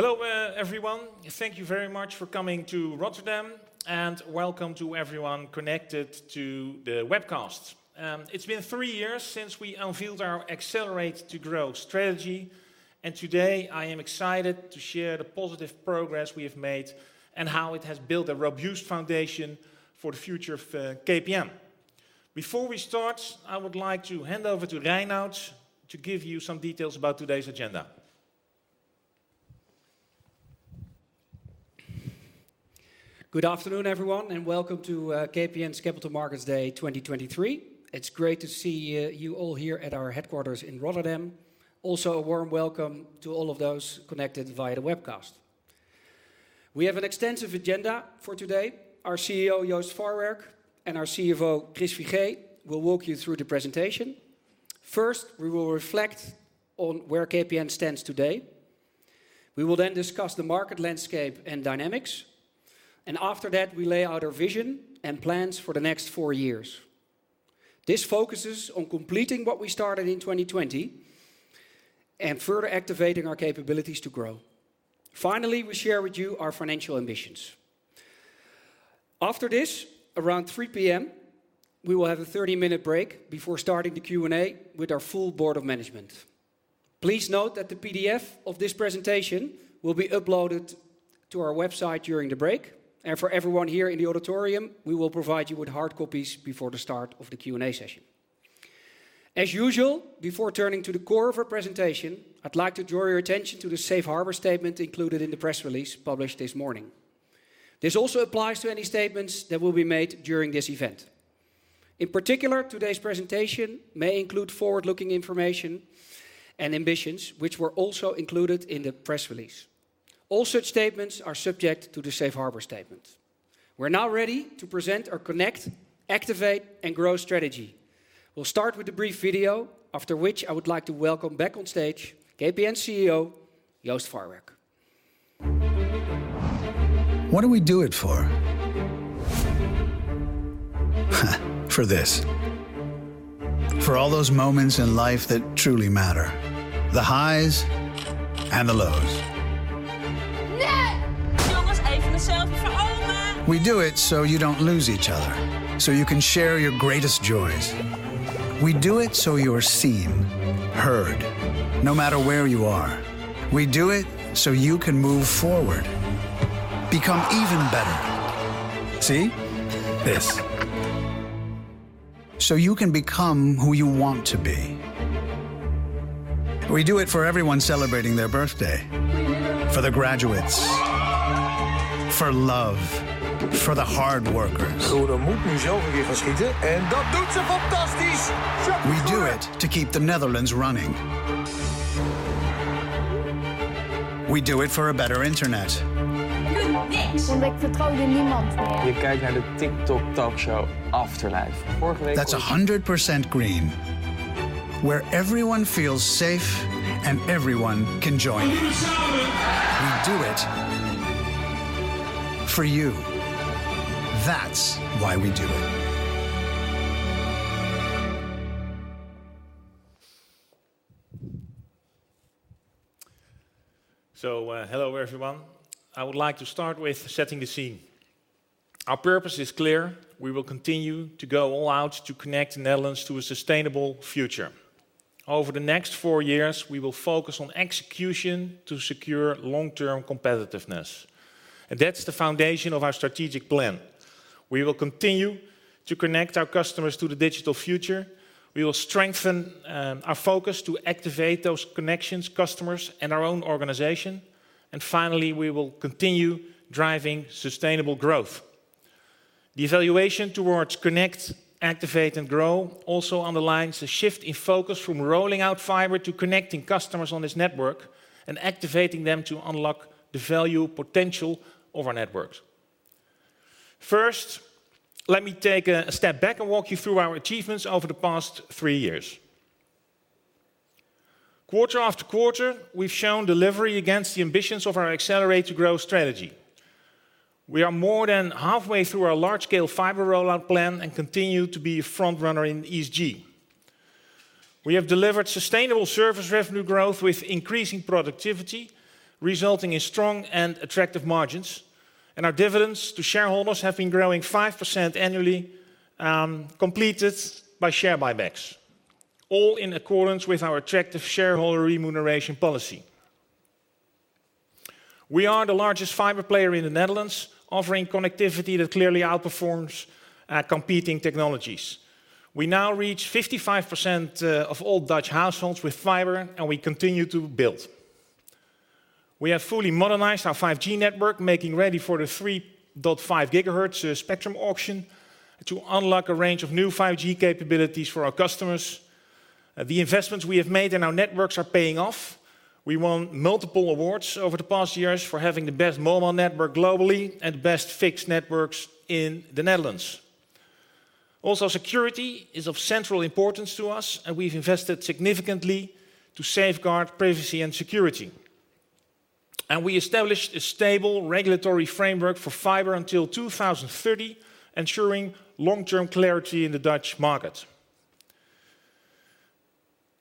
Hello, everyone. Thank you very much for coming to Rotterdam, and welcome to everyone connected to the webcast. It's been three years since we unveiled our Accelerate to Grow strategy, and today I am excited to share the positive progress we have made, and how it has built a robust foundation for the future of, KPN. Before we start, I would like to hand over to Reinout to give you some details about today's agenda. Good afternoon, everyone, and welcome to KPN's Capital Markets Day 2023. It's great to see you all here at our headquarters in Rotterdam. Also, a warm welcome to all of those connected via the webcast. We have an extensive agenda for today. Our CEO, Joost Farwerck, and our CFO, Chris Figee, will walk you through the presentation. First, we will reflect on where KPN stands today. We will then discuss the market landscape and dynamics, and after that, we lay out our vision and plans for the next four years. This focuses on completing what we started in 2020, and further activating our capabilities to grow. Finally, we share with you our financial ambitions. After this, around 3 P.M., we will have a 30-minute break before starting the Q&A with our full board of management. Please note that the PDF of this presentation will be uploaded to our website during the break, and for everyone here in the auditorium, we will provide you with hard copies before the start of the Q&A session. As usual, before turning to the core of our presentation, I'd like to draw your attention to the safe harbor statement include d in the press release published this morning. This also applies to any statements that will be made during this event. In particular, today's presentation may include forward-looking information and ambitions, which were also included in the press release. All such statements are subject to the safe harbor statement. We're now ready to present our Connect, Activate, and Grow strategy. We'll start with a brief video, after which I would like to welcome back on stage KPN CEO, Joost Farwerck. What do we do it for? For this. For all those moments in life that truly matter, the highs and the lows. We do it so you don't lose each other, so you can share your greatest joys. We do it so you're seen, heard, no matter where you are. We do it so you can move forward, become even better. See? This. So you can become who you want to be. We do it for everyone celebrating their birthday, for the graduates, for love, for the hard workers. We do it to keep the Netherlands running. We do it for a better internet. That's 100% green, where everyone feels safe and everyone can join. We do it for you. That's why we do it. So, hello, everyone. I would like to start with setting the scene. Our purpose is clear. We will continue to go all out to connect the Netherlands to a sustainable future. Over the next four years, we will focus on execution to secure long-term competitiveness, and that's the foundation of our strategic plan. We will continue to connect our customers to the digital future. We will strengthen our focus to activate those connections, customers, and our own organization, and finally, we will continue driving sustainable growth. The evaluation towards connect, activate, and grow also underlines the shift in focus from rolling out fiber to connecting customers on this network, and activating them to unlock the value potential of our networks. First, let me take a step back and walk you through our achievements over the past three years. Quarter after quarter, we've shown delivery against the ambitions of our Accelerate to Grow strategy. We are more than halfway through our large-scale fiber rollout plan and continue to be a front runner in ESG. We have delivered sustainable service revenue growth with increasing productivity, resulting in strong and attractive margins, and our dividends to shareholders have been growing 5% annually, completed by share buybacks, all in accordance with our attractive shareholder remuneration policy. We are the largest fiber player in the Netherlands, offering connectivity that clearly outperforms competing technologies. We now reach 55% of all Dutch households with fiber, and we continue to build. We have fully modernized our 5G network, making ready for the 3.5 gigahertz spectrum auction to unlock a range of new 5G capabilities for our customers. The investments we have made in our networks are paying off. We won multiple awards over the past years for having the best mobile network globally and best fixed networks in the Netherlands. Also, security is of central importance to us, and we've invested significantly to safeguard privacy and security. We established a stable regulatory framework for fiber until 2030, ensuring long-term clarity in the Dutch market.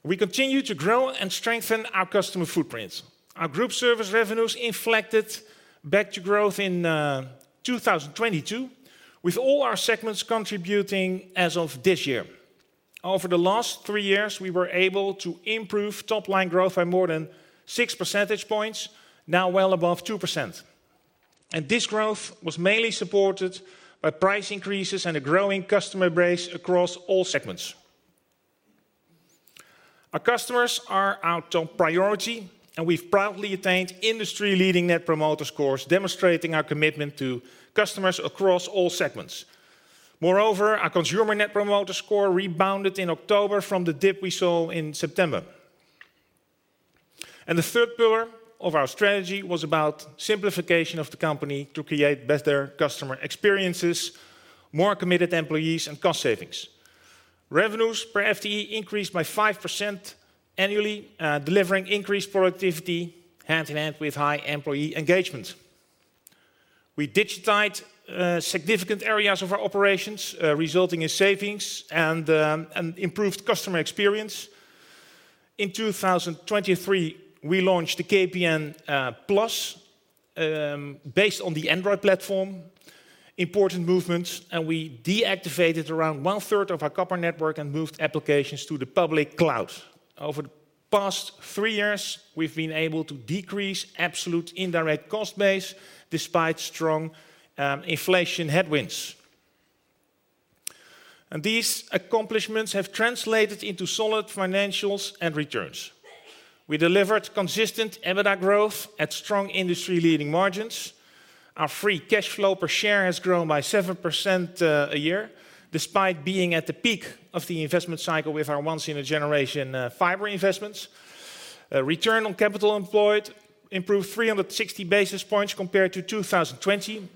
We continue to grow and strengthen our customer footprint. Our group service revenues inflected back to growth in 2022, with all our segments contributing as of this year. Over the last three years, we were able to improve top line growth by more than six percentage points, now well above 2%. This growth was mainly supported by price increases and a growing customer base across all segments. Our customers are our top priority, and we've proudly attained industry-leading Net Promoter Scores, demonstrating our commitment to customers across all segments. Moreover, our Consumer Net Promoter Score rebounded in October from the dip we saw in September. The third pillar of our strategy was about simplification of the company to create better customer experiences, more committed employees, and cost savings. Revenues per FTE increased by 5% annually, delivering increased productivity hand-in-hand with high employee engagement. We digitized significant areas of our operations, resulting in savings and improved customer experience. In 2023, we launched the KPN TV+ based on the Android platform, important movement, and we deactivated around one third of our copper network and moved applications to the public cloud. Over the past three years, we've been able to decrease absolute indirect cost base despite strong inflation headwinds. These accomplishments have translated into solid financials and returns. We delivered consistent EBITDA growth at strong industry-leading margins. Our free cash flow per share has grown by 7% a year, despite being at the peak of the investment cycle with our once-in-a-generation fiber investments. Return on capital employed improved 360 basis points compared to 2020.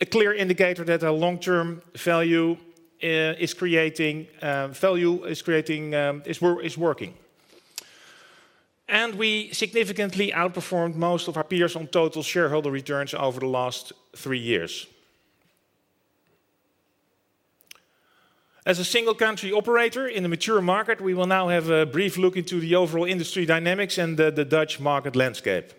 A clear indicator that our long-term value creation is working. We significantly outperformed most of our peers on total shareholder returns over the last three years. As a single country operator in a mature market, we will now have a brief look into the overall industry dynamics and the Dutch market landscape.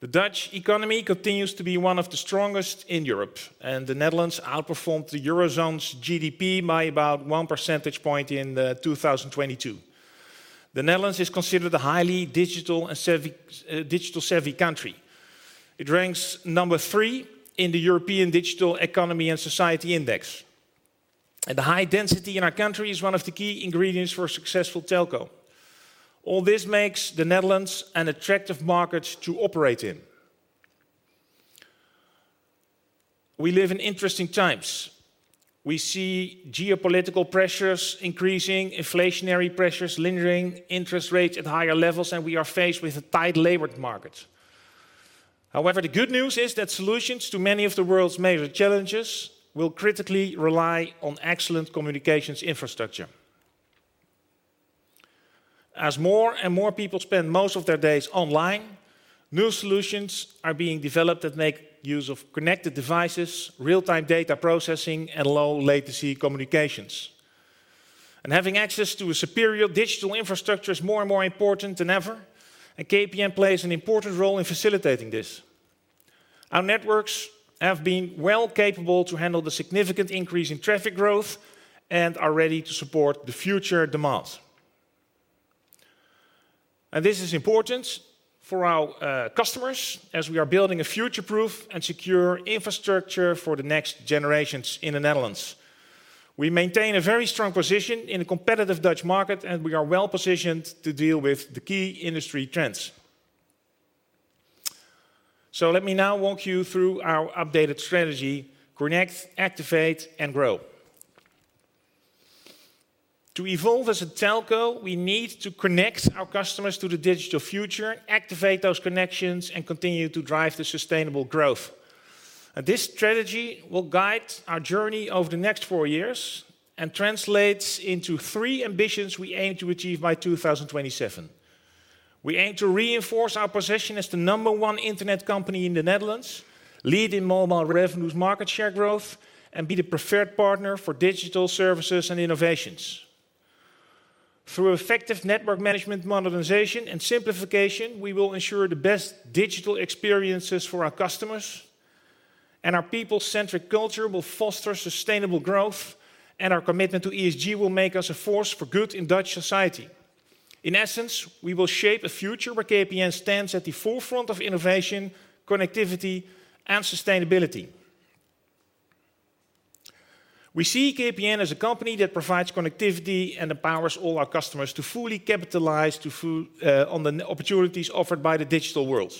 The Dutch economy continues to be one of the strongest in Europe, and the Netherlands outperformed the Eurozone's GDP by about one percentage point in 2022. The Netherlands is considered a highly digital and savvy, digital-savvy country. It ranks number 3 in the European Digital Economy and Society Index. The high density in our country is one of the key ingredients for a successful telco. All this makes the Netherlands an attractive market to operate in. We live in interesting times. We see geopolitical pressures increasing, inflationary pressures lingering, interest rates at higher levels, and we are faced with a tight labor market. However, the good news is that solutions to many of the world's major challenges will critically rely on excellent communications infrastructure. As more and more people spend most of their days online, new solutions are being developed that make use of connected devices, real-time data processing, and low latency communications. Having access to a superior digital infrastructure is more and more important than ever, and KPN plays an important role in facilitating this. Our networks have been well capable to handle the significant increase in traffic growth and are ready to support the future demands. This is important for our customers as we are building a future-proof and secure infrastructure for the next generations in the Netherlands. We maintain a very strong position in a competitive Dutch market, and we are well positioned to deal with the key industry trends. Let me now walk you through our updated strategy: connect, activate, and grow. To evolve as a telco, we need to connect our customers to the digital future, activate those connections, and continue to drive the sustainable growth. This strategy will guide our journey over the next four years and translates into three ambitions we aim to achieve by 2027. We aim to reinforce our position as the number one internet company in the Netherlands, lead in mobile revenues market share growth, and be the preferred partner for digital services and innovations. Through effective network management, modernization, and simplification, we will ensure the best digital experiences for our customers, and our people-centric culture will foster sustainable growth, and our commitment to ESG will make us a force for good in Dutch society. In essence, we will shape a future where KPN stands at the forefront of innovation, connectivity, and sustainability. We see KPN as a company that provides connectivity and empowers all our customers to fully capitalize on the opportunities offered by the digital world.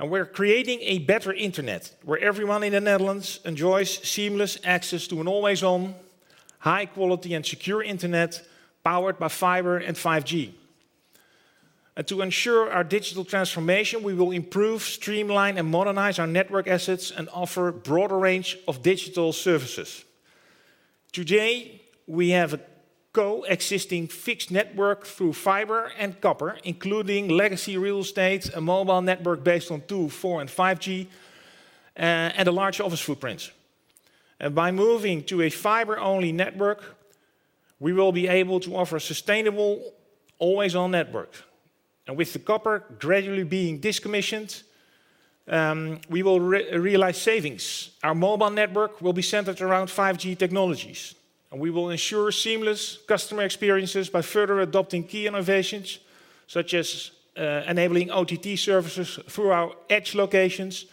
We're creating a better internet, where everyone in the Netherlands enjoys seamless access to an always-on, high-quality, and secure internet, powered by fiber and 5G. To ensure our digital transformation, we will improve, streamline, and modernize our network assets and offer a broader range of digital services. Today, we have a coexisting fixed network through fiber and copper, including legacy real estate, a mobile network based on 2G, 4G, and 5G, and a large office footprint. By moving to a fiber-only network, we will be able to offer a sustainable, always-on network. With the copper gradually being decommissioned, we will realize savings. Our mobile network will be centered around 5G technologies, and we will ensure seamless customer experiences by further adopting key innovations, such as enabling OTT services through our edge locations,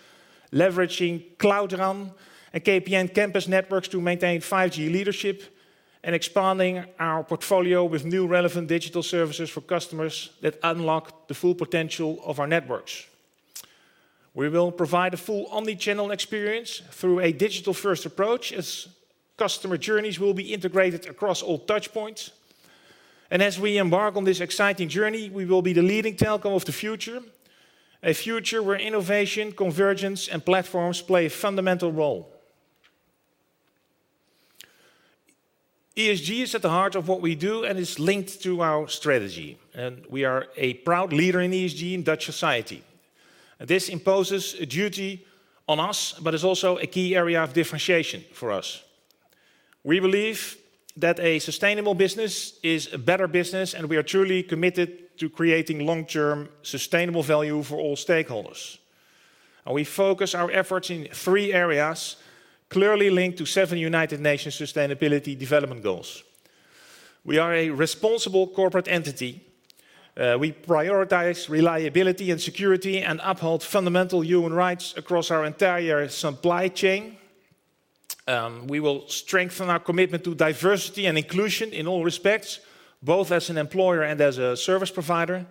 leveraging Cloud RAN, and KPN campus networks to maintain 5G leadership, and expanding our portfolio with new relevant digital services for customers that unlock the full potential of our networks. We will provide a full omni-channel experience through a digital-first approach, as customer journeys will be integrated across all touchpoints. As we embark on this exciting journey, we will be the leading telco of the future, a future where innovation, convergence, and platforms play a fundamental role. ESG is at the heart of what we do, and it's linked to our strategy, and we are a proud leader in ESG in Dutch society. This imposes a duty on us, but it's also a key area of differentiation for us. We believe that a sustainable business is a better business, and we are truly committed to creating long-term, sustainable value for all stakeholders. We focus our efforts in three areas, clearly linked to seven United Nations Sustainable Development Goals. We are a responsible corporate entity. We prioritize reliability and security, and uphold fundamental human rights across our entire supply chain. We will strengthen our commitment to diversity and inclusion in all respects, both as an employer and as a service provider,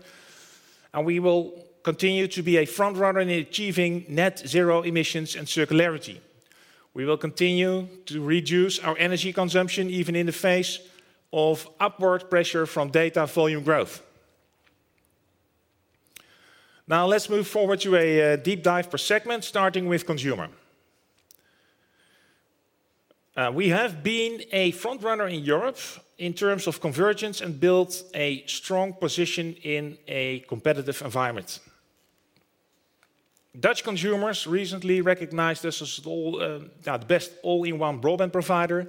and we will continue to be a front runner in achieving net zero emissions and circularity. We will continue to reduce our energy consumption, even in the face of upward pressure from data volume growth. Now, let's move forward to a deep dive per segment, starting with consumer. We have been a front runner in Europe in terms of convergence and built a strong position in a competitive environment. Dutch consumers recently recognized us as the best all-in-one broadband provider,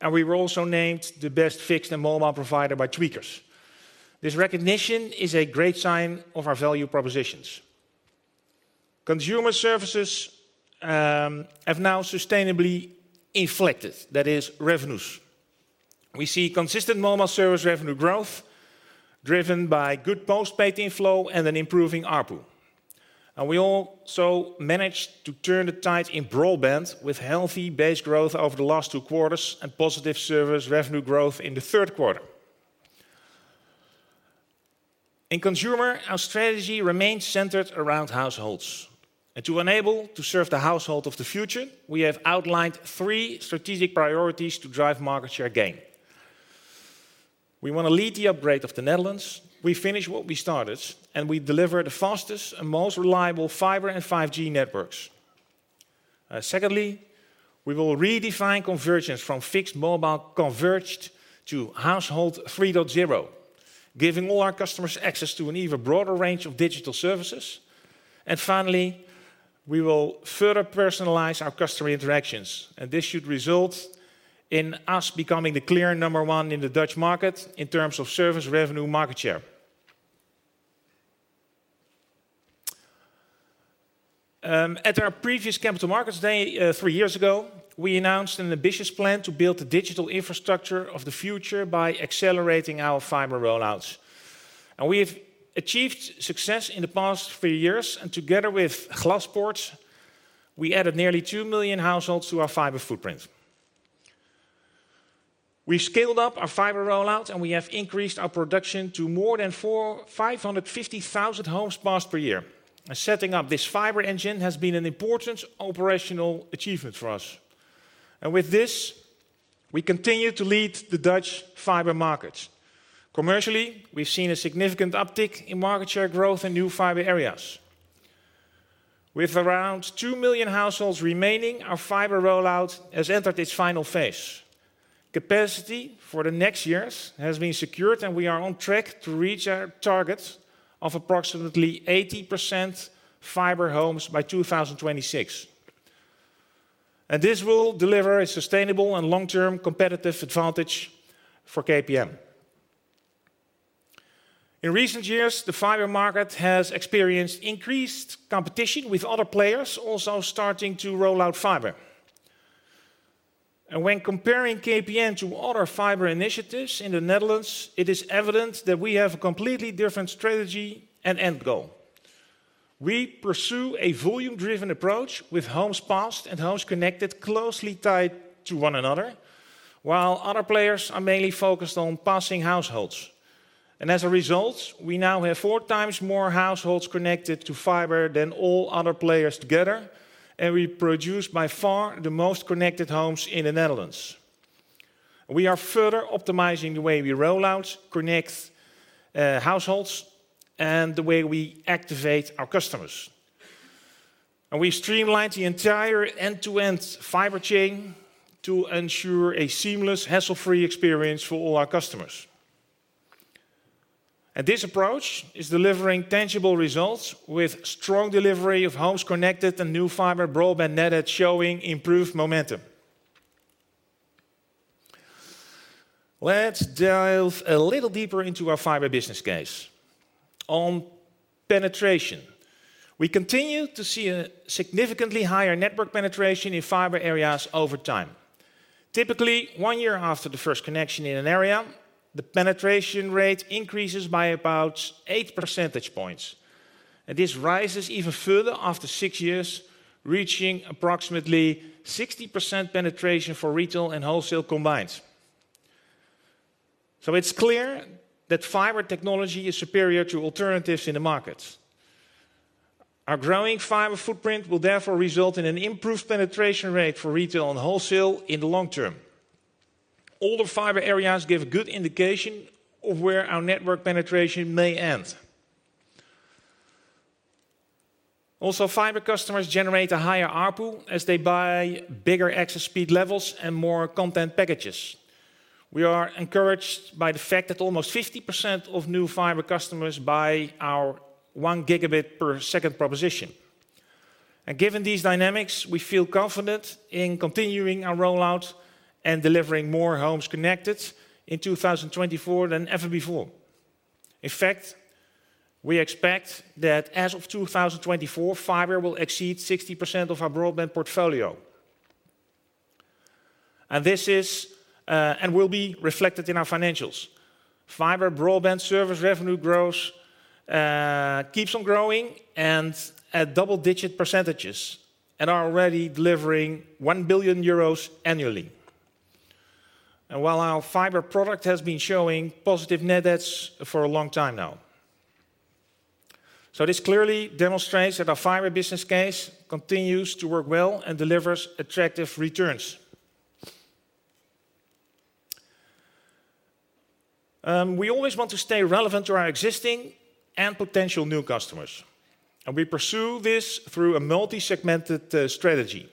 and we were also named the best fixed and mobile provider by Tweakers. This recognition is a great sign of our value propositions. Consumer services have now sustainably inflected, that is, revenues. We see consistent mobile service revenue growth, driven by good postpaid inflow and an improving ARPU. And we also managed to turn the tide in broadband, with healthy base growth over the last two quarters and positive service revenue growth in the third quarter. In consumer, our strategy remains centered around households. And to enable to serve the household of the future, we have outlined three strategic priorities to drive market share gain. We wanna lead the upgrade of the Netherlands. We finish what we started, and we deliver the fastest and most reliable fiber and 5G networks. Secondly, we will redefine convergence from fixed-mobile converged to Household 3.0, giving all our customers access to an even broader range of digital services. And finally, we will further personalize our customer interactions, and this should result in us becoming the clear number one in the Dutch market in terms of service revenue market share. At our previous Capital Markets Day, three years ago, we announced an ambitious plan to build the digital infrastructure of the future by accelerating our fiber roll-outs. And we have achieved success in the past three years, and together with Glaspoort, we added nearly 2 million households to our fiber footprint. We scaled up our fiber roll-out, and we have increased our production to more than 550,000 homes passed per year. Setting up this fiber engine has been an important operational achievement for us. With this, we continue to lead the Dutch fiber market. Commercially, we've seen a significant uptick in market share growth in new fiber areas. With around 2 million households remaining, our fiber roll-out has entered its final phase. Capacity for the next years has been secured, and we are on track to reach our target of approximately 80% fiber homes by 2026. This will deliver a sustainable and long-term competitive advantage for KPN. In recent years, the fiber market has experienced increased competition, with other players also starting to roll out fiber. When comparing KPN to other fiber initiatives in the Netherlands, it is evident that we have a completely different strategy and end goal. We pursue a volume-driven approach, with homes passed and Homes Connected, closely tied to one another, while other players are mainly focused on passing households. And as a result, we now have four times more households connected to fiber than all other players together, and we produce by far the most connected homes in the Netherlands. We are further optimizing the way we roll out, connect, households, and the way we activate our customers. And we streamlined the entire end-to-end fiber chain to ensure a seamless, hassle-free experience for all our customers.... And this approach is delivering tangible results with strong delivery of Homes Connected and new fiber broadband net adds showing improved momentum. Let's dive a little deeper into our fiber business case. On penetration, we continue to see a significantly higher network penetration in fiber areas over time. Typically, 1 year after the first connection in an area, the penetration rate increases by about 8 percentage points, and this rises even further after 6 years, reaching approximately 60% penetration for retail and wholesale combined. It's clear that fiber technology is superior to alternatives in the market. Our growing fiber footprint will therefore result in an improved penetration rate for retail and wholesale in the long term. Older fiber areas give good indication of where our network penetration may end. Also, fiber customers generate a higher ARPU as they buy bigger access speed levels and more content packages. We are encouraged by the fact that almost 50% of new fiber customers buy our 1 Gbps proposition. Given these dynamics, we feel confident in continuing our rollout and delivering more Homes Connected in 2024 than ever before. In fact, we expect that as of 2024, fiber will exceed 60% of our broadband portfolio. And this is, and will be reflected in our financials. Fiber broadband service revenue growth keeps on growing and at double-digit percentages, and are already delivering 1 billion euros annually. And while our fiber product has been showing positive net adds for a long time now. So this clearly demonstrates that our fiber business case continues to work well and delivers attractive returns. We always want to stay relevant to our existing and potential new customers, and we pursue this through a multi-segmented strategy,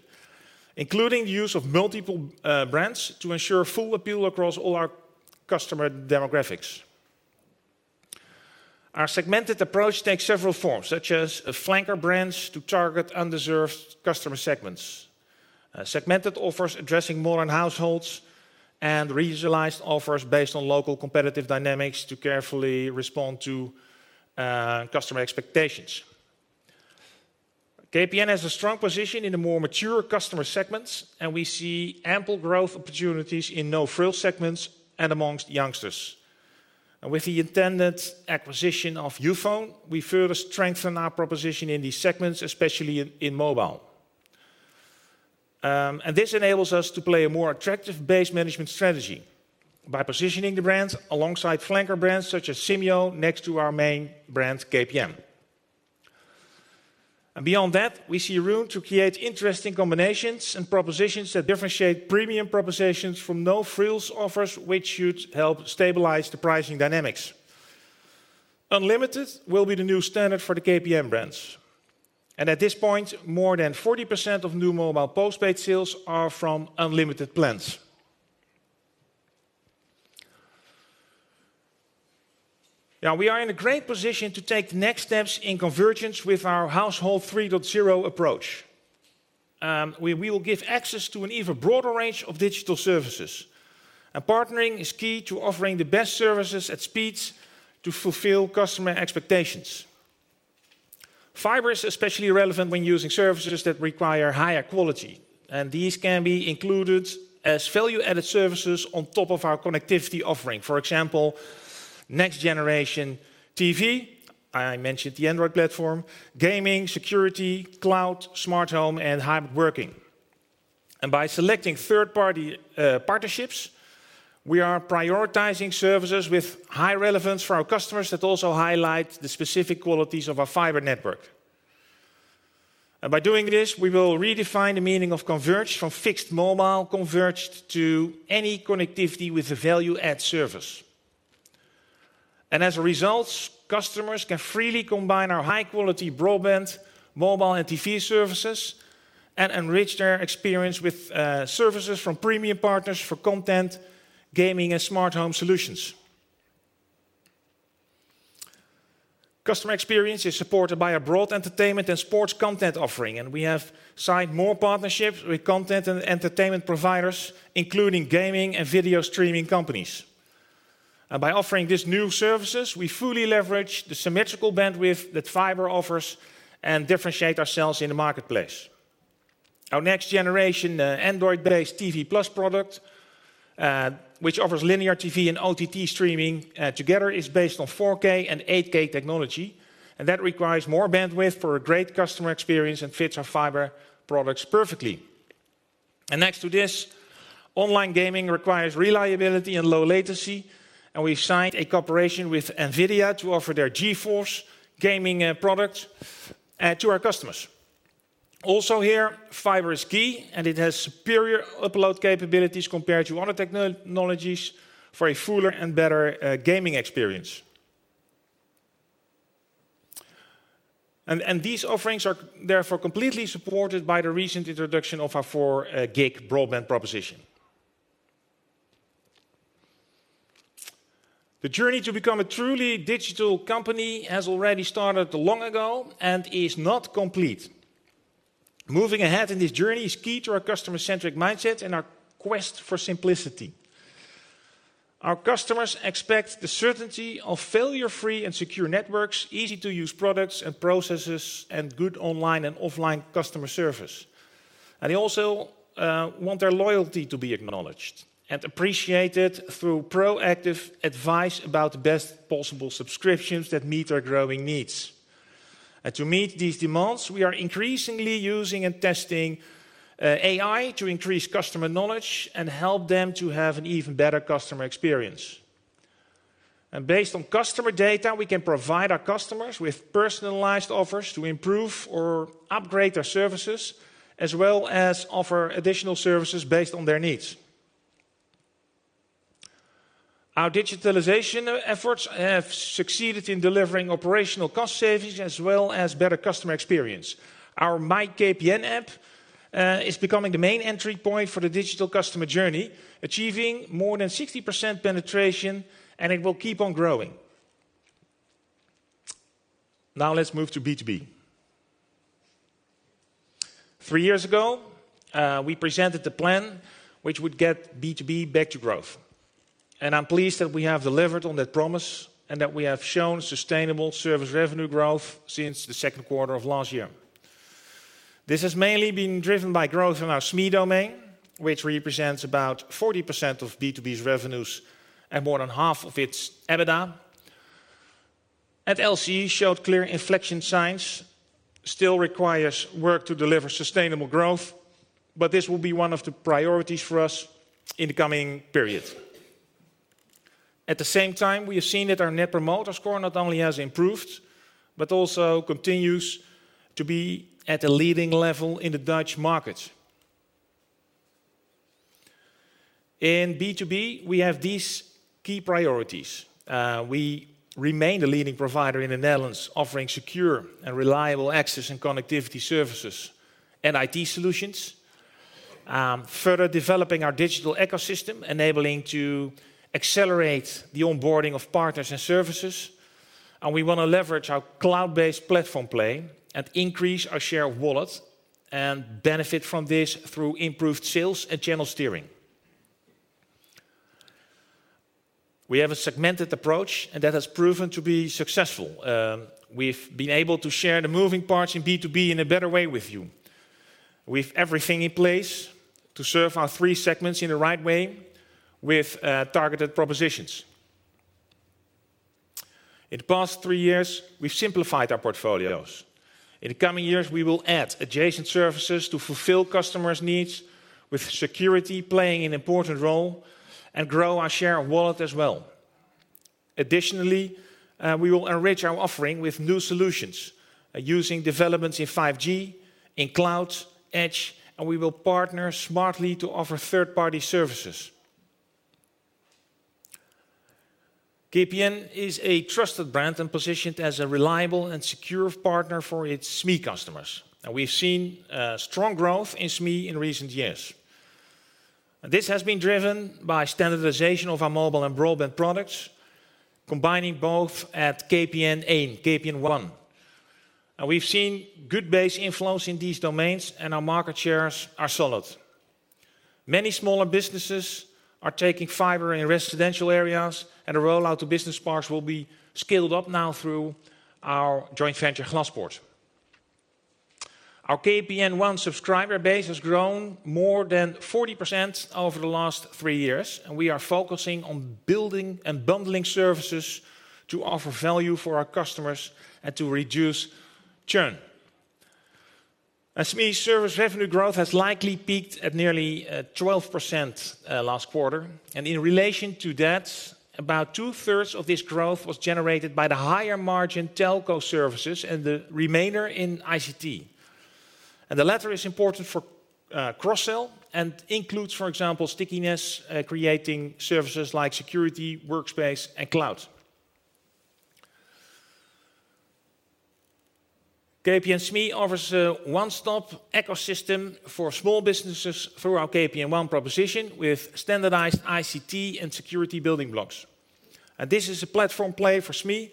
including the use of multiple brands to ensure full appeal across all our customer demographics. Our segmented approach takes several forms, such as flanker brands to target undeserved customer segments, segmented offers addressing modern households, and regionalized offers based on local competitive dynamics to carefully respond to customer expectations. KPN has a strong position in the more mature customer segments, and we see ample growth opportunities in no-frills segments and among youngsters. With the intended acquisition of Youfone, we further strengthen our proposition in these segments, especially in mobile. This enables us to play a more attractive base management strategy by positioning the brands alongside flanker brands such as Simyo, next to our main brand, KPN. Beyond that, we see room to create interesting combinations and propositions that differentiate premium propositions from no-frills offers, which should help stabilize the pricing dynamics. Unlimited will be the new standard for the KPN brands, and at this point, more than 40% of new mobile postpaid sales are from unlimited plans. Now, we are in a great position to take the next steps in convergence with our Household 3.0 approach. We will give access to an even broader range of digital services, and partnering is key to offering the best services at speeds to fulfill customer expectations. Fiber is especially relevant when using services that require higher quality, and these can be included as value-added services on top of our connectivity offering. For example, next-generation TV, I mentioned the Android platform, gaming, security, cloud, smart home, and hybrid working. By selecting third-party partnerships, we are prioritizing services with high relevance for our customers that also highlight the specific qualities of our fiber network. By doing this, we will redefine the meaning of converged from fixed-mobile converged to any connectivity with a value-add service. As a result, customers can freely combine our high-quality broadband, mobile, and TV services and enrich their experience with services from premium partners for content, gaming, and smart home solutions. Customer experience is supported by a broad entertainment and sports content offering, and we have signed more partnerships with content and entertainment providers, including gaming and video streaming companies. By offering these new services, we fully leverage the symmetrical bandwidth that fiber offers and differentiate ourselves in the marketplace. Our next-generation Android-based TV+ product, which offers linear TV and OTT streaming together, is based on 4K and 8K technology, and that requires more bandwidth for a great customer experience and fits our fiber products perfectly. And next to this, online gaming requires reliability and low latency, and we've signed a cooperation with NVIDIA to offer their GeForce gaming product to our customers. Also here, fiber is key, and it has superior upload capabilities compared to other technologies for a fuller and better gaming experience. And these offerings are therefore completely supported by the recent introduction of our 4 gig broadband proposition. The journey to become a truly digital company has already started long ago, and is not complete. Moving ahead in this journey is key to our customer-centric mindset and our quest for simplicity. Our customers expect the certainty of failure-free and secure networks, easy-to-use products and processes, and good online and offline customer service. And they also want their loyalty to be acknowledged and appreciated through proactive advice about the best possible subscriptions that meet their growing needs. To meet these demands, we are increasingly using and testing AI to increase customer knowledge and help them to have an even better customer experience. And based on customer data, we can provide our customers with personalized offers to improve or upgrade their services, as well as offer additional services based on their needs. Our digitalization efforts have succeeded in delivering operational cost savings, as well as better customer experience. Our MyKPN app is becoming the main entry point for the digital customer journey, achieving more than 60% penetration, and it will keep on growing. Now, let's move to B2B. Three years ago, we presented a plan which would get B2B back to growth, and I'm pleased that we have delivered on that promise, and that we have shown sustainable service revenue growth since the second quarter of last year. This has mainly been driven by growth in our SME domain, which represents about 40% of B2B's revenues and more than half of its EBITDA. LCE showed clear inflection signs, still requires work to deliver sustainable growth, but this will be one of the priorities for us in the coming period. At the same time, we have seen that our net promoter score not only has improved, but also continues to be at a leading level in the Dutch market. In B2B, we have these key priorities. We remain the leading provider in the Netherlands, offering secure and reliable access and connectivity services and IT solutions. Further developing our digital ecosystem, enabling to accelerate the onboarding of partners and services, and we want to leverage our cloud-based platform play and increase our share of wallet, and benefit from this through improved sales and channel steering. We have a segmented approach, and that has proven to be successful. We've been able to share the moving parts in B2B in a better way with you. We've everything in place to serve our three segments in the right way with targeted propositions. In the past three years, we've simplified our portfolios. In the coming years, we will add adjacent services to fulfill customers' needs, with security playing an important role, and grow our share of wallet as well. Additionally, we will enrich our offering with new solutions, using developments in 5G, in cloud, Edge, and we will partner smartly to offer third-party services. KPN is a trusted brand and positioned as a reliable and secure partner for its SME customers, and we've seen strong growth in SME in recent years. This has been driven by standardization of our mobile and broadband products, combining both at KPN EEN, KPN One. We've seen good base inflows in these domains, and our market shares are solid. Many smaller businesses are taking fiber in residential areas, and the rollout to business parks will be scaled up now through our joint venture, Glaspoort. Our KPN One subscriber base has grown more than 40% over the last three years, and we are focusing on building and bundling services to offer value for our customers and to reduce churn. SME service revenue growth has likely peaked at nearly 12% last quarter, and in relation to that, about two-thirds of this growth was generated by the higher margin telco services and the remainder in ICT. And the latter is important for, cross-sell, and includes, for example, stickiness, creating services like security, workspace, and cloud. KPN SME offers a one-stop ecosystem for small businesses through our KPN One proposition, with standardized ICT and security building blocks. And this is a platform play for SME,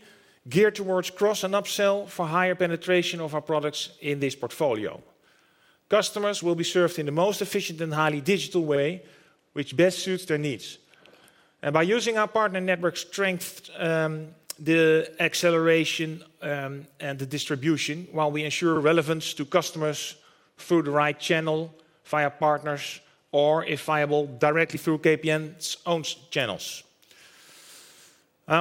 geared towards cross- and up-sell for higher penetration of our products in this portfolio. Customers will be served in the most efficient and highly digital way which best suits their needs. And by using our partner network strength, the acceleration, and the distribution, while we ensure relevance to customers through the right channel, via partners, or, if viable, directly through KPN's own channels.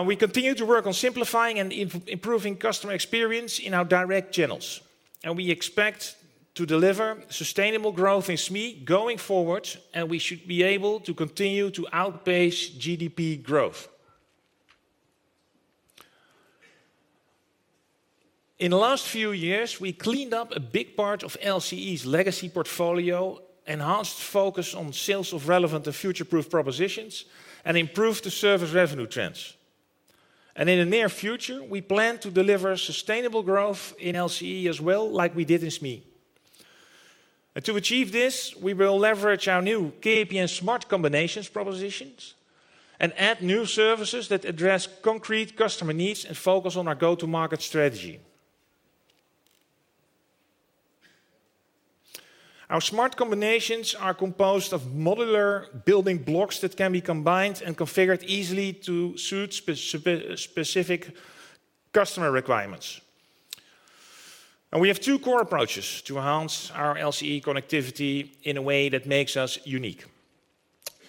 We continue to work on simplifying and improving customer experience in our direct channels, and we expect to deliver sustainable growth in SME going forward, and we should be able to continue to outpace GDP growth. In the last few years, we cleaned up a big part of LCE's legacy portfolio, enhanced focus on sales of relevant and future-proof propositions, and improved the service revenue trends. In the near future, we plan to deliver sustainable growth in LCE as well, like we did in SME. To achieve this, we will leverage our new KPN Smart Combinations propositions and add new services that address concrete customer needs and focus on our go-to-market strategy. Our smart combinations are composed of modular building blocks that can be combined and configured easily to suit specific customer requirements. We have two core approaches to enhance our LCE connectivity in a way that makes us unique.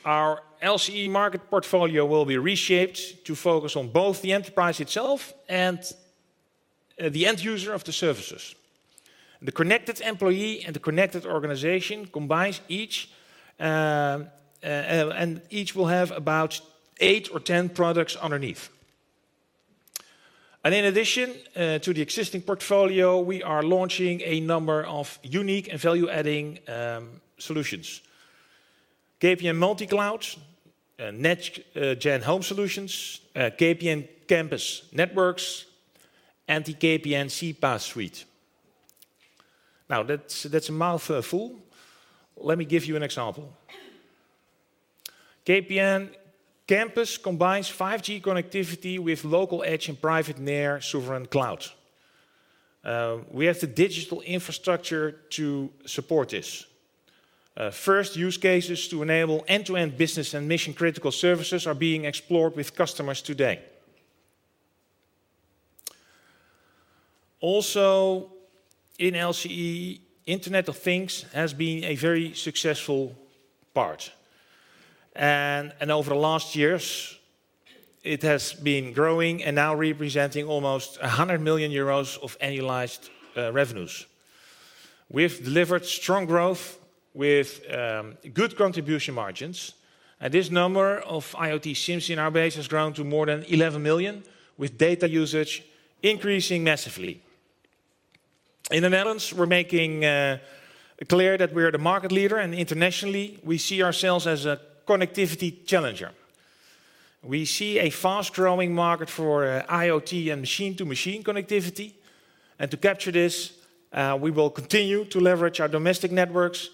Our LCE market portfolio will be reshaped to focus on both the enterprise itself and the end user of the services. The connected employee and the connected organization combines each, and each will have about eight or 10 products underneath. In addition to the existing portfolio, we are launching a number of unique and value-adding solutions: KPN Multi Cloud, Next Gen Home Solutions, KPN Campus Networks, and the KPN CPaaS Suite. Now, that's, that's a mouthful. Let me give you an example. KPN Campus combines 5G connectivity with local edge and private near sovereign cloud. We have the digital infrastructure to support this. First use cases to enable end-to-end business and mission-critical services are being explored with customers today. Also, in LCE, Internet of Things has been a very successful part, and over the last years, it has been growing and now representing almost 100 million euros of annualized revenues. We've delivered strong growth with good contribution margins, and this number of IoT SIMs in our base has grown to more than 11 million, with data usage increasing massively. In the Netherlands, we're making it clear that we are the market leader, and internationally, we see ourselves as a connectivity challenger. We see a fast-growing market for IoT and machine-to-machine connectivity, and to capture this, we will continue to leverage our domestic networks,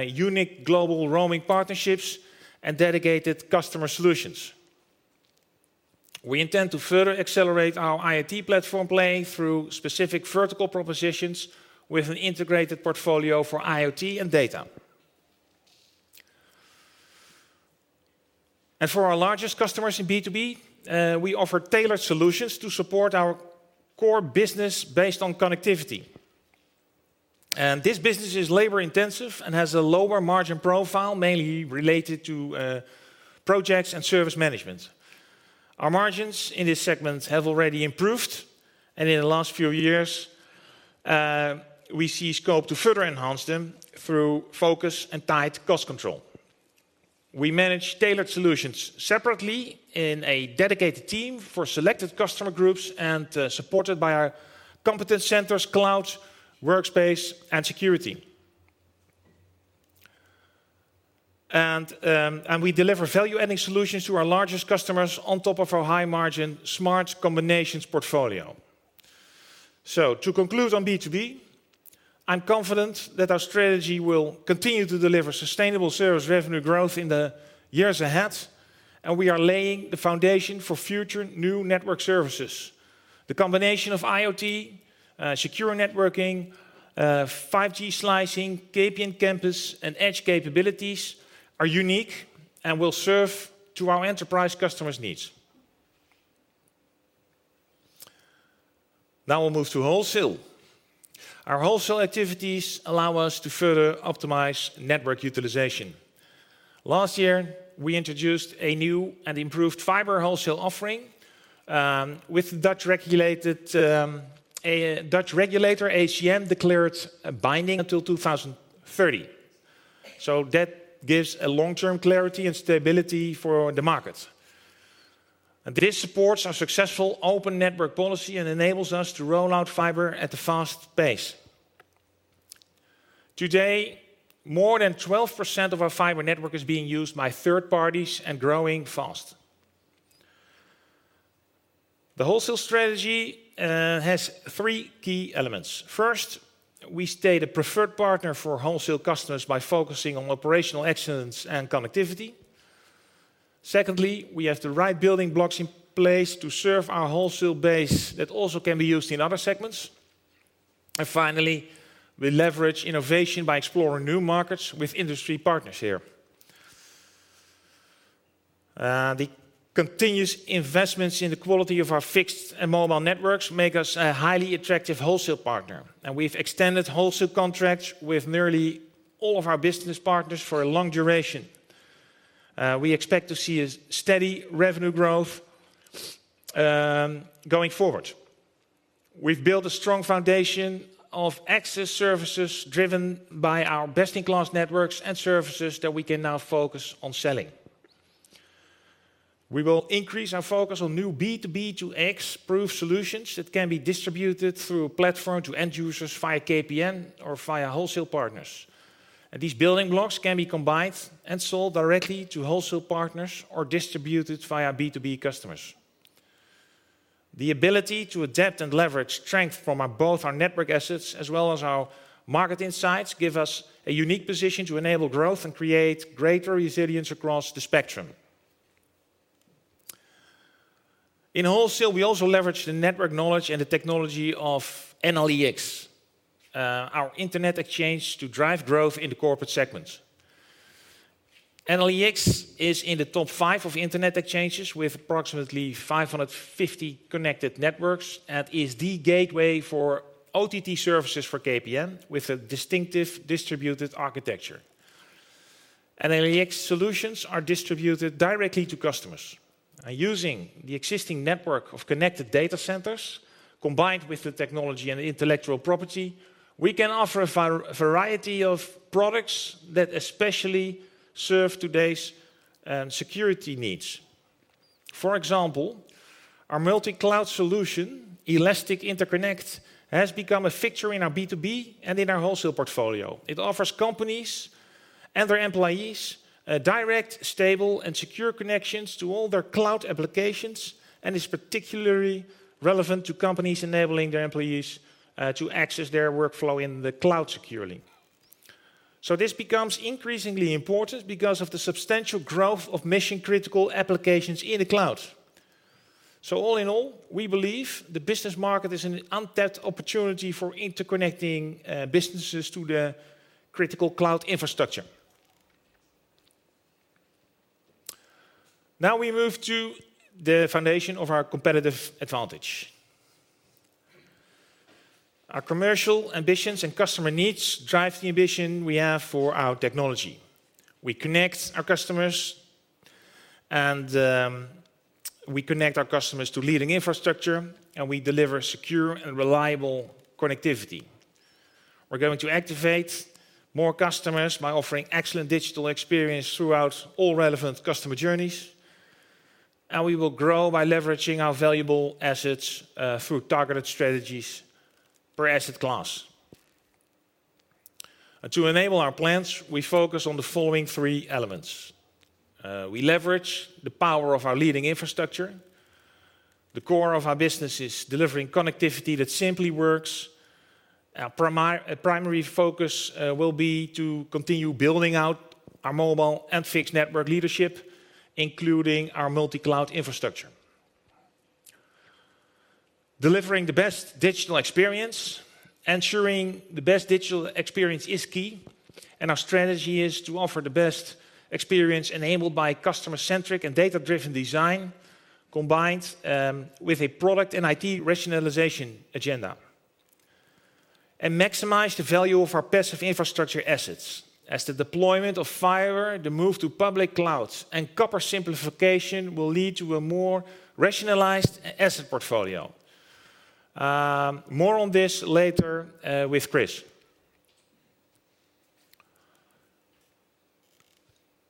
unique global roaming partnerships, and dedicated customer solutions. We intend to further accelerate our IoT platform play through specific vertical propositions with an integrated portfolio for IoT and data. For our largest customers in B2B, we offer tailored solutions to support our core business based on connectivity. This business is labor-intensive and has a lower margin profile, mainly related to, projects and service management. Our margins in this segment have already improved, and in the last few years, we see scope to further enhance them through focus and tight cost control. We manage tailored solutions separately in a dedicated team for selected customer groups and, supported by our competence centers, cloud, workspace, and security. We deliver value-adding solutions to our largest customers on top of our high-margin smart combinations portfolio. So to conclude on B2B, I'm confident that our strategy will continue to deliver sustainable service revenue growth in the years ahead, and we are laying the foundation for future new network services. The combination of IoT, secure networking, 5G slicing, KPN Campus, and Edge capabilities are unique and will serve to our enterprise customers' needs. Now we'll move to wholesale. Our wholesale activities allow us to further optimize network utilization. Last year, we introduced a new and improved fiber wholesale offering, with Dutch regulated, Dutch regulator, ACM, declared binding until 2030. So that gives a long-term clarity and stability for the market. This supports our successful open network policy and enables us to roll out fiber at a fast pace. Today, more than 12% of our fiber network is being used by third parties and growing fast. The wholesale strategy has three key elements. First, we stay the preferred partner for wholesale customers by focusing on operational excellence and connectivity. Secondly, we have the right building blocks in place to serve our wholesale base that also can be used in other segments. And finally, we leverage innovation by exploring new markets with industry partners here. The continuous investments in the quality of our fixed and mobile networks make us a highly attractive wholesale partner, and we've extended wholesale contracts with nearly all of our business partners for a long duration. We expect to see a steady revenue growth going forward. We've built a strong foundation of access services driven by our best-in-class networks and services that we can now focus on selling. We will increase our focus on new B2B2X proof solutions that can be distributed through a platform to end users via KPN or via wholesale partners. These building blocks can be combined and sold directly to wholesale partners or distributed via B2B customers. The ability to adapt and leverage strength from our, both our network assets as well as our market insights, give us a unique position to enable growth and create greater resilience across the spectrum. In wholesale, we also leverage the network knowledge and the technology of NL-ix, our internet exchange, to drive growth in the corporate segments. NL-ix is in the top five of internet exchanges, with approximately 550 connected networks, and is the gateway for OTT services for KPN, with a distinctive distributed architecture. NL-ix solutions are distributed directly to customers. Using the existing network of connected data centers, combined with the technology and intellectual property, we can offer a variety of products that especially serve today's security needs. For example, our multi-cloud solution, Elastic Interconnect, has become a fixture in our B2B and in our wholesale portfolio. It offers companies and their employees, a direct, stable, and secure connections to all their cloud applications, and is particularly relevant to companies enabling their employees, to access their workflow in the cloud securely. So this becomes increasingly important because of the substantial growth of mission-critical applications in the cloud. So all in all, we believe the business market is an untapped opportunity for interconnecting, businesses to the critical cloud infrastructure. Now we move to the foundation of our competitive advantage. Our commercial ambitions and customer needs drive the ambition we have for our technology. We connect our customers, and, we connect our customers to leading infrastructure, and we deliver secure and reliable connectivity. We're going to activate more customers by offering excellent digital experience throughout all relevant customer journeys, and we will grow by leveraging our valuable assets through targeted strategies per asset class. To enable our plans, we focus on the following three elements. We leverage the power of our leading infrastructure. The core of our business is delivering connectivity that simply works. Our primary focus will be to continue building out our mobile and fixed network leadership, including our multi-cloud infrastructure. Delivering the best digital experience. Ensuring the best digital experience is key, and our strategy is to offer the best experience enabled by customer-centric and data-driven design, combined with a product and IT rationalization agenda. Maximize the value of our passive infrastructure assets, as the deployment of fiber, the move to public clouds, and copper simplification will lead to a more rationalized asset portfolio. More on this later, with Chris.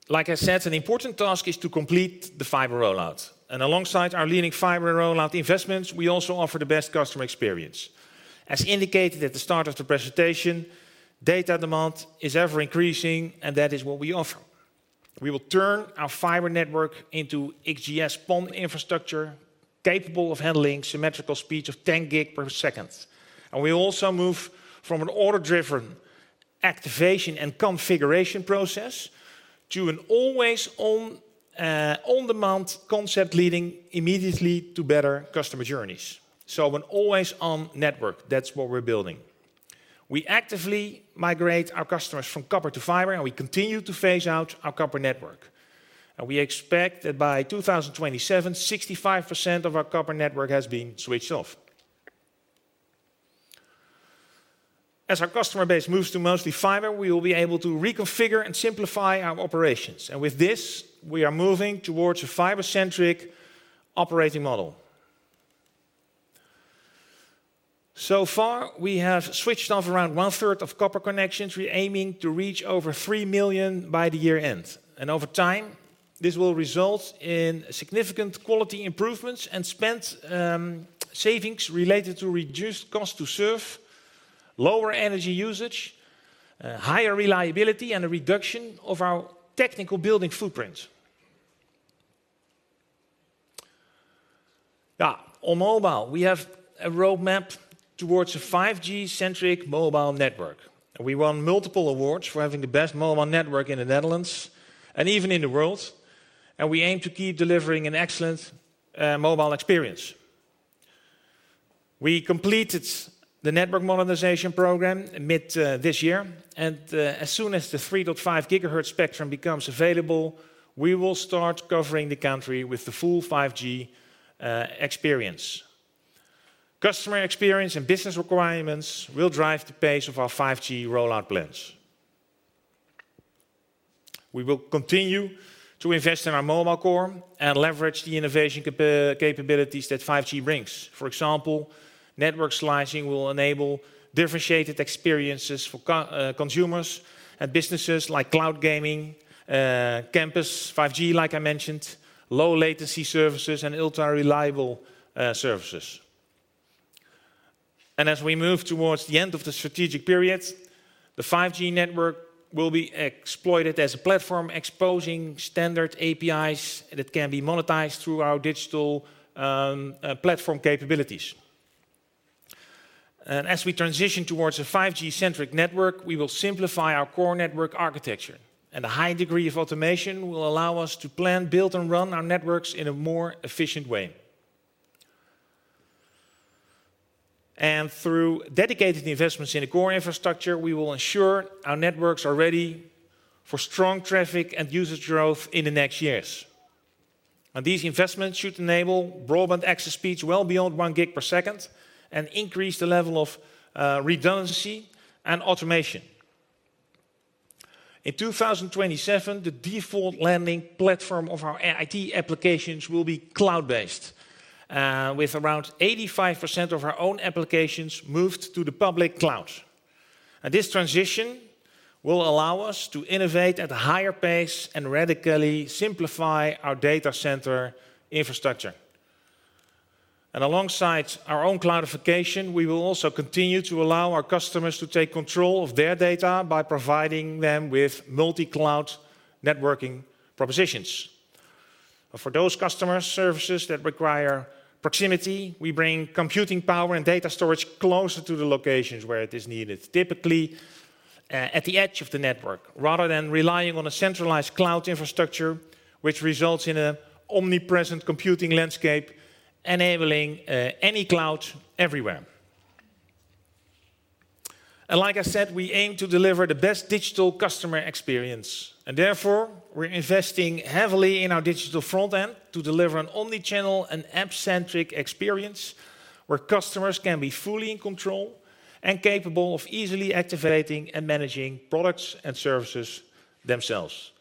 Like I said, an important task is to complete the fiber rollout, and alongside our leading fiber rollout investments, we also offer the best customer experience. As indicated at the start of the presentation, data demand is ever increasing, and that is what we offer. We will turn our fiber network into XGS-PONinfrastructure, capable of handling symmetrical speeds of 10 gig per second. We also move from an order-driven activation and configuration process to an always on, on-demand concept, leading immediately to better customer journeys. An always on network, that's what we're building. We actively migrate our customers from copper to fiber, and we continue to phase out our copper network. We expect that by 2027, 65% of our copper network has been switched off. As our customer base moves to mostly fiber, we will be able to reconfigure and simplify our operations, and with this, we are moving towards a fiber-centric operating model. So far, we have switched off around one third of copper connections. We're aiming to reach over 3 million by the year-end, and over time, this will result in significant quality improvements and spend savings related to reduced cost to serve, lower energy usage, higher reliability, and a reduction of our technical building footprint. On mobile, we have a roadmap towards a 5G-centric mobile network. We won multiple awards for having the best mobile network in the Netherlands and even in the world, and we aim to keep delivering an excellent mobile experience. We completed the network modernization program mid this year, and as soon as the 3.5 gigahertz spectrum becomes available, we will start covering the country with the full 5G experience. Customer experience and business requirements will drive the pace of our 5G rollout plans. We will continue to invest in our mobile core and leverage the innovation capabilities that 5G brings. For example, network slicing will enable differentiated experiences for consumers and businesses like cloud gaming, campus 5G, like I mentioned, low latency services, and ultra-reliable services. As we move towards the end of the strategic period, the 5G network will be exploited as a platform, exposing standard APIs that can be monetized through our digital platform capabilities. As we transition towards a 5G-centric network, we will simplify our core network architecture, and a high degree of automation will allow us to plan, build, and run our networks in a more efficient way. Through dedicated investments in the core infrastructure, we will ensure our networks are ready for strong traffic and usage growth in the next years. These investments should enable broadband access speeds well beyond 1 gig per second and increase the level of redundancy and automation. In 2027, the default landing platform of our IT applications will be cloud-based, with around 85% of our own applications moved to the public cloud. This transition will allow us to innovate at a higher pace and radically simplify our data center infrastructure. Alongside our own cloudification, we will also continue to allow our customers to take control of their data by providing them with multi-cloud networking propositions. For those customer services that require proximity, we bring computing power and data storage closer to the locations where it is needed, typically, at the edge of the network, rather than relying on a centralized cloud infrastructure, which results in an omnipresent computing landscape, enabling any cloud everywhere. And like I said, we aim to deliver the best digital customer experience, and therefore, we're investing heavily in our digital front end to deliver an omni-channel and app-centric experience, where customers can be fully in control and capable of easily activating and managing products and services themselves.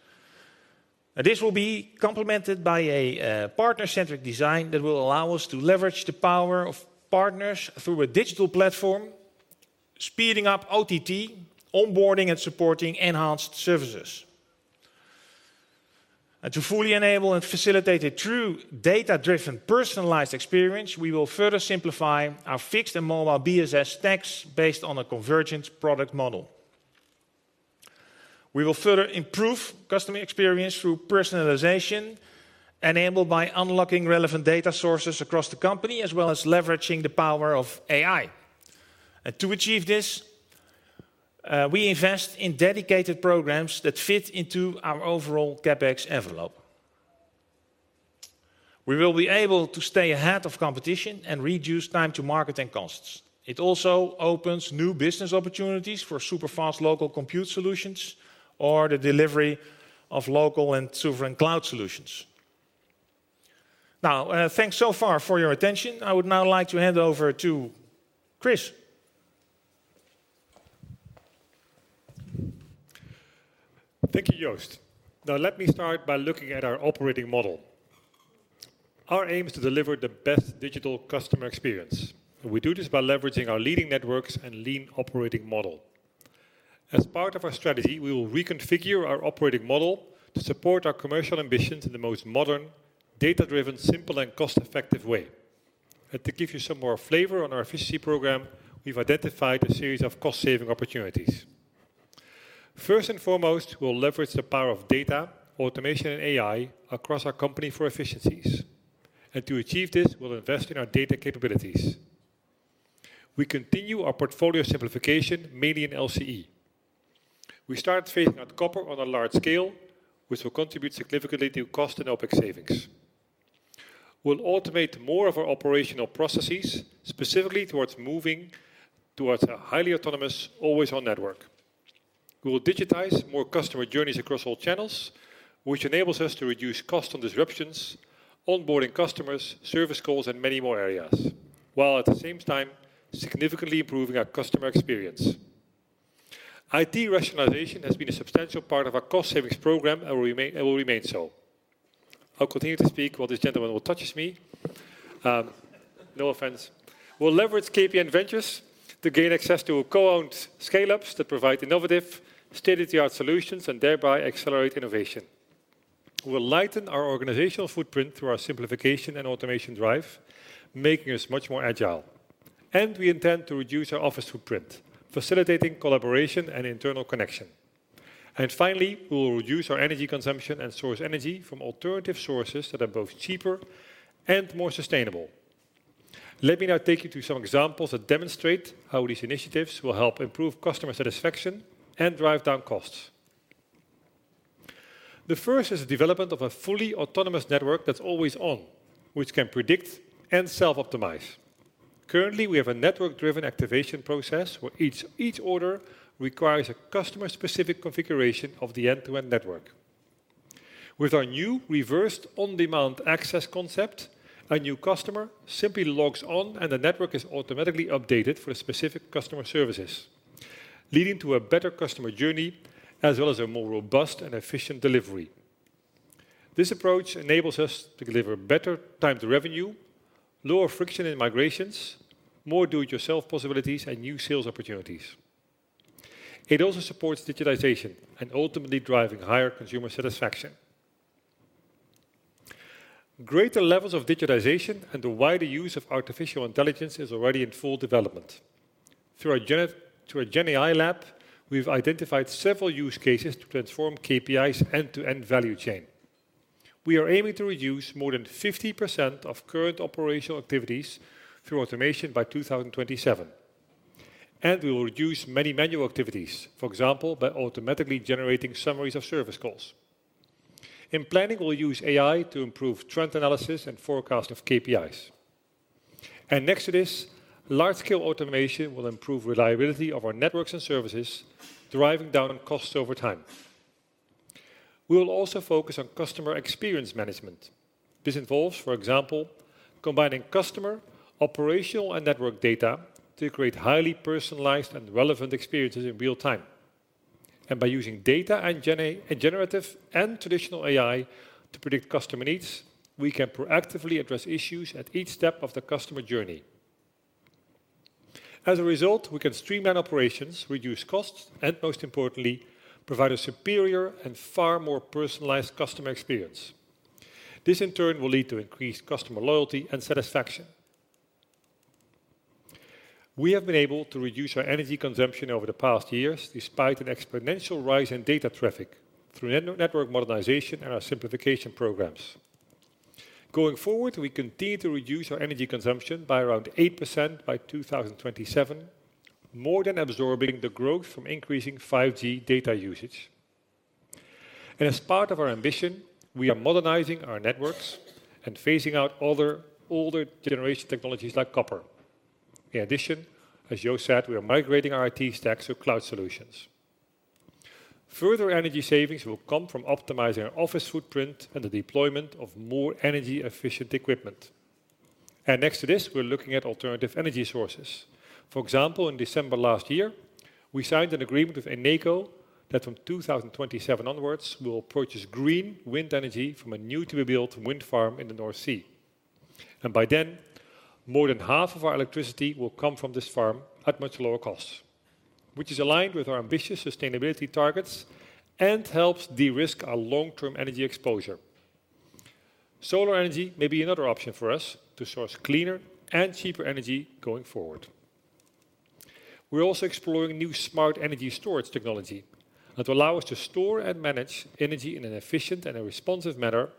And this will be complemented by a partner-centric design that will allow us to leverage the power of partners through a digital platform, speeding up OTT, onboarding, and supporting enhanced services. And to fully enable and facilitate a true data-driven, personalized experience, we will further simplify our fixed and mobile BSS stacks based on a convergent product model. We will further improve customer experience through personalization, enabled by unlocking relevant data sources across the company, as well as leveraging the power of AI. And to achieve this, we invest in dedicated programs that fit into our overall CapEx envelope. We will be able to stay ahead of competition and reduce time to market and costs. It also opens new business opportunities for super fast local compute solutions or the delivery of local and sovereign cloud solutions. Now, thanks so far for your attention. I would now like to hand over to Chris. Thank you, Joost. Now, let me start by looking at our operating model. Our aim is to deliver the best digital customer experience. We do this by leveraging our leading networks and lean operating model. As part of our strategy, we will reconfigure our operating model to support our commercial ambitions in the most modern, data-driven, simple, and cost-effective way. To give you some more flavor on our efficiency program, we've identified a series of cost-saving opportunities. First and foremost, we'll leverage the power of data, automation, and AI across our company for efficiencies, and to achieve this, we'll invest in our data capabilities. We continue our portfolio simplification, mainly in LCE. We start phasing out copper on a large scale, which will contribute significantly to cost and OpEx savings. We'll automate more of our operational processes, specifically toward moving toward a highly autonomous, always-on network. We will digitize more customer journeys across all channels, which enables us to reduce cost on disruptions, onboarding customers, service calls, and many more areas, while at the same time, significantly improving our customer experience. IT rationalization has been a substantial part of our cost savings program and will remain, and will remain so. I'll continue to speak while this gentleman all touches me. No offense. We'll leverage KPN Ventures to gain access to co-owned scale-ups that provide innovative, state-of-the-art solutions, and thereby accelerate innovation. We'll lighten our organizational footprint through our simplification and automation drive, making us much more agile. And we intend to reduce our office footprint, facilitating collaboration and internal connection. And finally, we will reduce our energy consumption and source energy from alternative sources that are both cheaper and more sustainable. Let me now take you through some examples that demonstrate how these initiatives will help improve customer satisfaction and drive down costs. The first is the development of a fully autonomous network that's always on, which can predict and self-optimize. Currently, we have a network-driven activation process, where each order requires a customer-specific configuration of the end-to-end network. With our new reversed on-demand access concept, a new customer simply logs on, and the network is automatically updated for specific customer services, leading to a better customer journey, as well as a more robust and efficient delivery. This approach enables us to deliver better time to revenue, lower friction in migrations, more do-it-yourself possibilities, and new sales opportunities. It also supports digitization and ultimately driving higher consumer satisfaction.... Greater levels of digitalization and the wider use of artificial intelligence is already in full development. Through our GenAI lab, we've identified several use cases to transform KPN's end-to-end value chain. We are aiming to reduce more than 50% of current operational activities through automation by 2027, and we will reduce many manual activities, for example, by automatically generating summaries of service calls. In planning, we'll use AI to improve trend analysis and forecast of KPIs. Next to this, large-scale automation will improve reliability of our networks and services, driving down costs over time. We will also focus on customer experience management. This involves, for example, combining customer, operational, and network data to create highly personalized and relevant experiences in real time. By using data and generative and traditional AI to predict customer needs, we can proactively address issues at each step of the customer journey. As a result, we can streamline operations, reduce costs, and most importantly, provide a superior and far more personalized customer experience. This, in turn, will lead to increased customer loyalty and satisfaction. We have been able to reduce our energy consumption over the past years, despite an exponential rise in data traffic, through network modernization and our simplification programs. Going forward, we continue to reduce our energy consumption by around 8% by 2027, more than absorbing the growth from increasing 5G data usage. As part of our ambition, we are modernizing our networks and phasing out other older generation technologies like copper. In addition, as Jo said, we are migrating our IT stacks to cloud solutions. Further energy savings will come from optimizing our office footprint and the deployment of more energy-efficient equipment. Next to this, we're looking at alternative energy sources. For example, in December last year, we signed an agreement with Eneco that from 2027 onwards, we will purchase green wind energy from a new-to-be-built wind farm in the North Sea. By then, more than half of our electricity will come from this farm at much lower costs, which is aligned with our ambitious sustainability targets and helps de-risk our long-term energy exposure. Solar energy may be another option for us to source cleaner and cheaper energy going forward. We're also exploring new smart energy storage technology that will allow us to store and manage energy in an efficient and a responsive manner,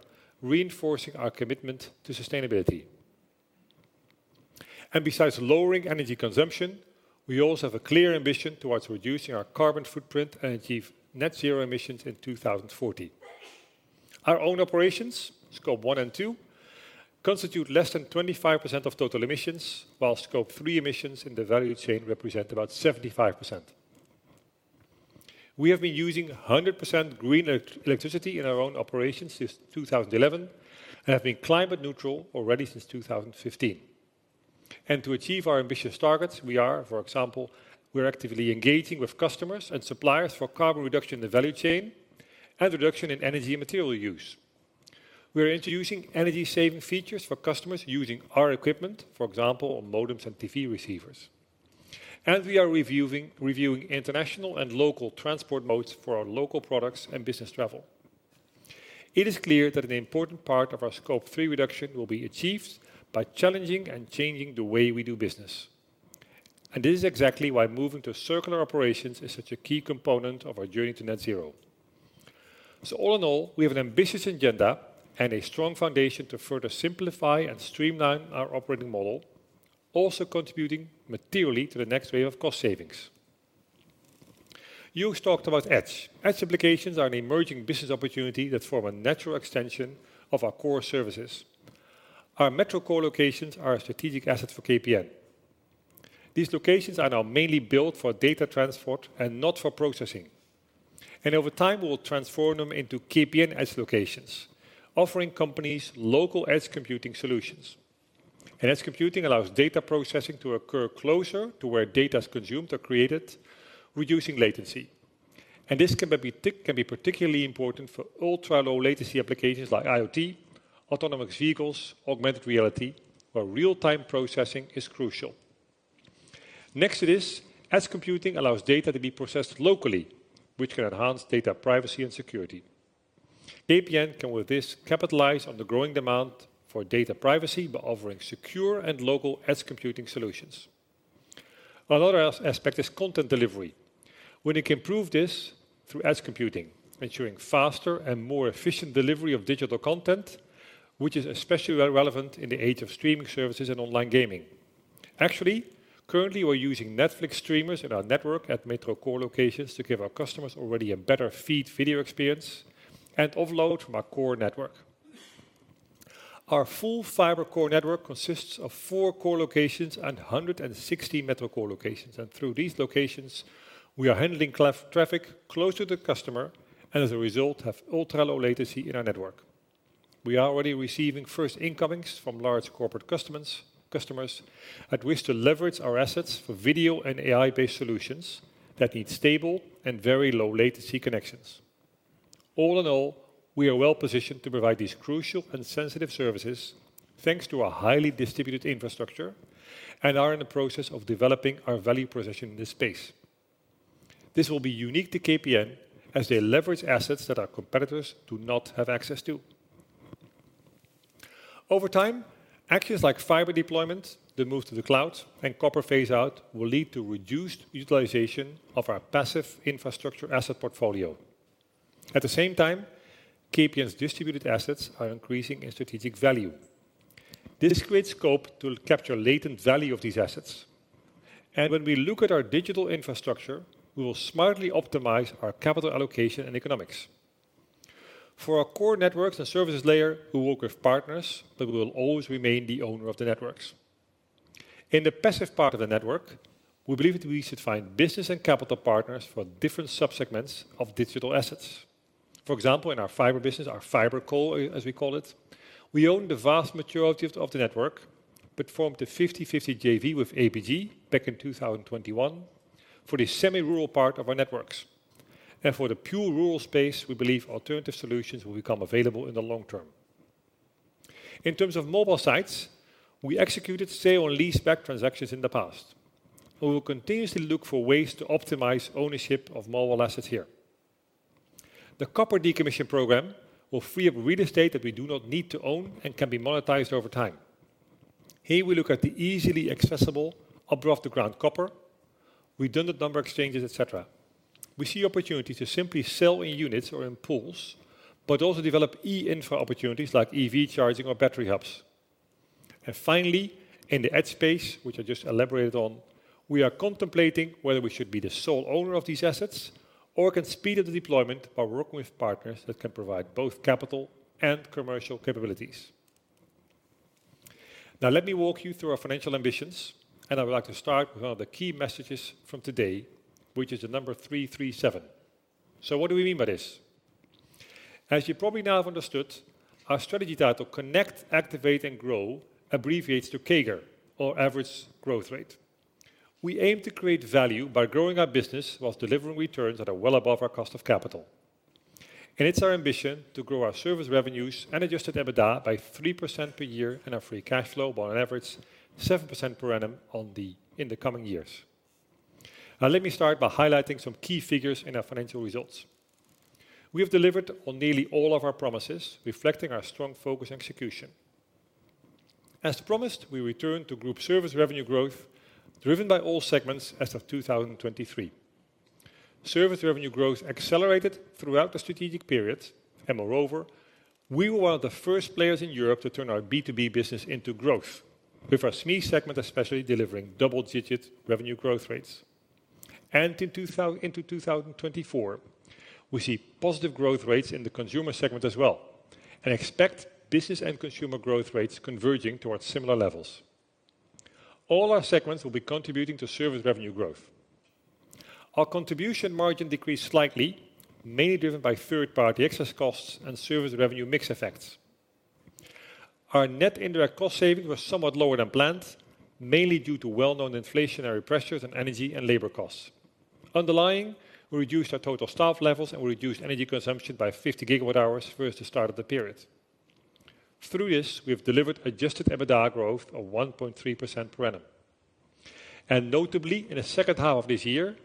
reinforcing our commitment to sustainability. Besides lowering energy consumption, we also have a clear ambition towards reducing our carbon footprint and achieve net zero emissions in 2040. Our own operations, Scope 1 and 2, constitute less than 25% of total emissions, while Scope 3 emissions in the value chain represent about 75%. We have been using 100% green electricity in our own operations since 2011, and have been climate neutral already since 2015. To achieve our ambitious targets, we are, for example, we're actively engaging with customers and suppliers for carbon reduction in the value chain and reduction in energy and material use. We are introducing energy-saving features for customers using our equipment, for example, on modems and TV receivers. We are reviewing international and local transport modes for our local products and business travel. It is clear that an important part of our Scope 3 reduction will be achieved by challenging and changing the way we do business. This is exactly why moving to circular operations is such a key component of our journey to net zero. All in all, we have an ambitious agenda and a strong foundation to further simplify and streamline our operating model, also contributing materially to the next wave of cost savings. Joost talked about Edge. Edge applications are an emerging business opportunity that form a natural extension of our core services. Our metro core locations are a strategic asset for KPN. These locations are now mainly built for data transport and not for processing, and over time, we will transform them into KPN Edge locations, offering companies local edge computing solutions. Edge computing allows data processing to occur closer to where data is consumed or created, reducing latency. This can be particularly important for ultra-low latency applications like IoT, autonomous vehicles, augmented reality, where real-time processing is crucial. Next to this, edge computing allows data to be processed locally, which can enhance data privacy and security. KPN can, with this, capitalize on the growing demand for data privacy by offering secure and local edge computing solutions. Another aspect is content delivery. We can improve this through edge computing, ensuring faster and more efficient delivery of digital content, which is especially relevant in the age of streaming services and online gaming. Actually, currently, we're using Netflix streamers in our network at metro core locations to give our customers already a better feed video experience and offload from our core network. Our full fiber core network consists of 4 core locations and 160 metro core locations, and through these locations, we are handling cloud traffic closer to the customer, and as a result, have ultra-low latency in our network. We are already receiving first incomings from large corporate customers, customers that wish to leverage our assets for video and AI-based solutions that need stable and very low latency connections. All in all, we are well positioned to provide these crucial and sensitive services, thanks to our highly distributed infrastructure, and are in the process of developing our value proposition in this space. This will be unique to KPN as they leverage assets that our competitors do not have access to. Over time, actions like fiber deployment, the move to the cloud, and copper phase out will lead to reduced utilization of our passive infrastructure asset portfolio. At the same time, KPN's distributed assets are increasing in strategic value. This creates scope to capture latent value of these assets, and when we look at our digital infrastructure, we will smartly optimize our capital allocation and economics. For our core networks and services layer, we work with partners, but we will always remain the owner of the networks. In the passive part of the network, we believe that we should find business and capital partners for different subsegments of digital assets. For example, in our fiber business, our fiber core, as we call it, we own the vast majority of the network, but formed a 50/50 JV with APG back in 2021 for the semi-rural part of our networks. And for the pure rural space, we believe alternative solutions will become available in the long term. In terms of mobile sites, we executed sale and leaseback transactions in the past. We will continuously look for ways to optimize ownership of mobile assets here. The copper decommission program will free up real estate that we do not need to own and can be monetized over time. Here we look at the easily accessible above the ground copper, redundant number exchanges, et cetera. We see opportunity to simply sell in units or in pools, but also develop eInfra opportunities like EV charging or battery hubs. And finally, in the edge space, which I just elaborated on, we are contemplating whether we should be the sole owner of these assets or can speed up the deployment by working with partners that can provide both capital and commercial capabilities. Now, let me walk you through our financial ambitions, and I would like to start with one of the key messages from today, which is the number 337. So what do we mean by this? As you probably now have understood, our strategy title, Connect, Activate and Grow, abbreviates to CAGR or average growth rate. We aim to create value by growing our business while delivering returns that are well above our cost of capital. It's our ambition to grow our service revenues and adjusted EBITDA by 3% per year and our free cash flow by an average 7% per annum in the coming years. Now, let me start by highlighting some key figures in our financial results. We have delivered on nearly all of our promises, reflecting our strong focus and execution. As promised, we returned to group service revenue growth, driven by all segments as of 2023. Service revenue growth accelerated throughout the strategic period, and moreover, we were one of the first players in Europe to turn our B2B business into growth, with our SME segment especially delivering double-digit revenue growth rates. In 2024, we see positive growth rates in the consumer segment as well and expect business and consumer growth rates converging towards similar levels. All our segments will be contributing to service revenue growth. Our contribution margin decreased slightly, mainly driven by third-party excess costs and service revenue mix effects. Our net indirect cost saving was somewhat lower than planned, mainly due to well-known inflationary pressures on energy and labor costs. Underlying, we reduced our total staff levels and we reduced energy consumption by 50 GWh versus the start of the period. Through this, we have delivered adjusted EBITDA growth of 1.3% per annum. Notably, in the second half of this year,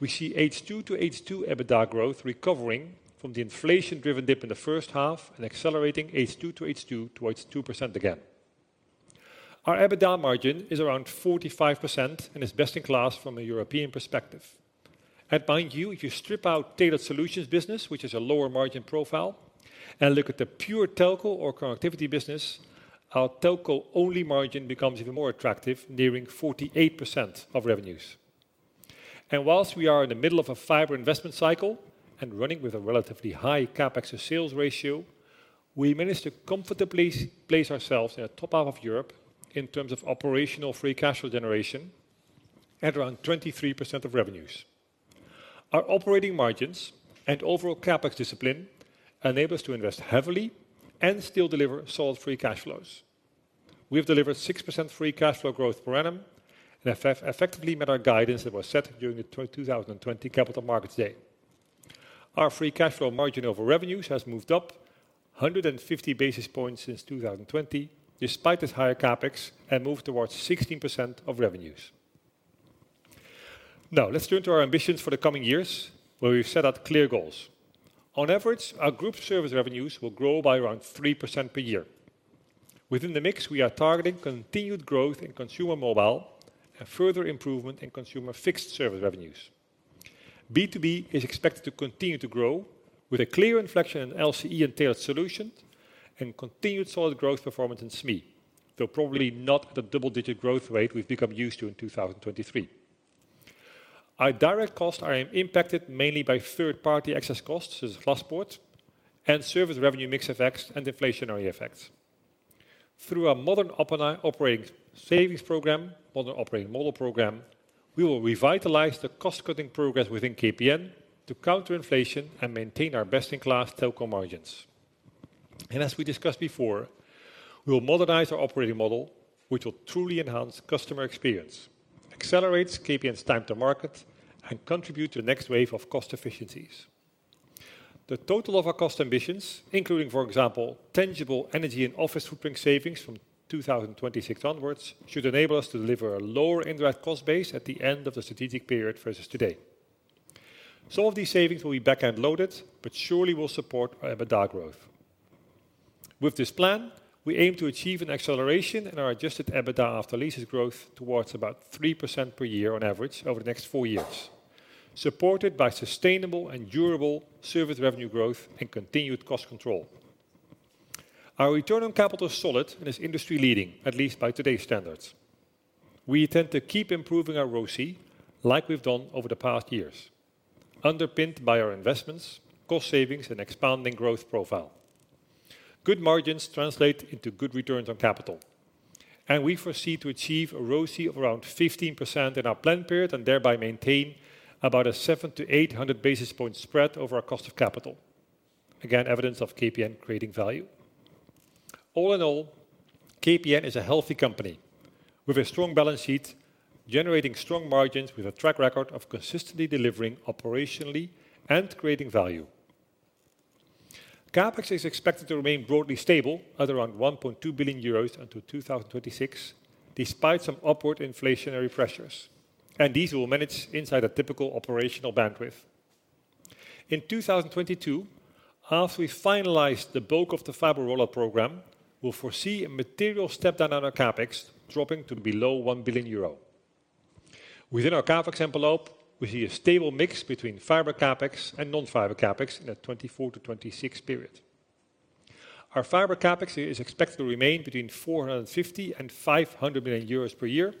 we see H2 to H2 EBITDA growth recovering from the inflation-driven dip in the first half and accelerating H2 to H2 towards 2% again. Our EBITDA margin is around 45% and is best in class from a European perspective. Mind you, if you strip out tailored solutions business, which is a lower margin profile, and look at the pure telco or connectivity business, our telco-only margin becomes even more attractive, nearing 48% of revenues. While we are in the middle of a fiber investment cycle and running with a relatively high CapEx to sales ratio, we managed to comfortably place ourselves in the top half of Europe in terms of operational free cash flow generation at around 23% of revenues. Our operating margins and overall CapEx discipline enable us to invest heavily and still deliver solid free cash flows. We have delivered 6% free cash flow growth per annum and effectively met our guidance that was set during the 2020 capital markets day. Our free cash flow margin over revenues has moved up 150 basis points since 2020, despite this higher CapEx, and moved towards 16% of revenues. Now, let's turn to our ambitions for the coming years, where we've set out clear goals. On average, our group service revenues will grow by around 3% per year. Within the mix, we are targeting continued growth in consumer mobile and further improvement in consumer fixed service revenues. B2B is expected to continue to grow with a clear inflection in LCE and tailored solutions and continued solid growth performance in SME, though probably not the double-digit growth rate we've become used to in 2023. Our direct costs are impacted mainly by third-party excess costs, such as Glaspoort, and service revenue mix effects and inflationary effects. Through our modern operating savings program, modern operating model program, we will revitalize the cost-cutting progress within KPN to counter inflation and maintain our best-in-class telco margins. As we discussed before, we will modernize our operating model, which will truly enhance customer experience, accelerates KPN's time to market, and contribute to the next wave of cost efficiencies. The total of our cost ambitions, including, for example, tangible energy and office footprint savings from 2026 onwards, should enable us to deliver a lower indirect cost base at the end of the strategic period versus today. Some of these savings will be back-end loaded, but surely will support our EBITDA growth. With this plan, we aim to achieve an acceleration in our adjusted EBITDA after leases growth towards about 3% per year on average over the next four years, supported by sustainable and durable service revenue growth and continued cost control. Our return on capital is solid and is industry-leading, at least by today's standards. We intend to keep improving our ROCE like we've done over the past years, underpinned by our investments, cost savings, and expanding growth profile. Good margins translate into good returns on capital, and we foresee to achieve a ROCE of around 15% in our plan period and thereby maintain about a 700-800 basis point spread over our cost of capital. Again, evidence of KPN creating value. All in all, KPN is a healthy company with a strong balance sheet, generating strong margins with a track record of consistently delivering operationally and creating value. CapEx is expected to remain broadly stable at around 1.2 billion euros until 2026, despite some upward inflationary pressures, and these we will manage inside a typical operational bandwidth. In 2022, as we finalize the bulk of the fiber rollout program, we'll foresee a material step down on our CapEx, dropping to below 1 billion euro. Within our CapEx envelope, we see a stable mix between fiber CapEx and non-fiber CapEx in the 2024-2026 period. Our fiber CapEx is expected to remain between 450 million and 500 million euros per year,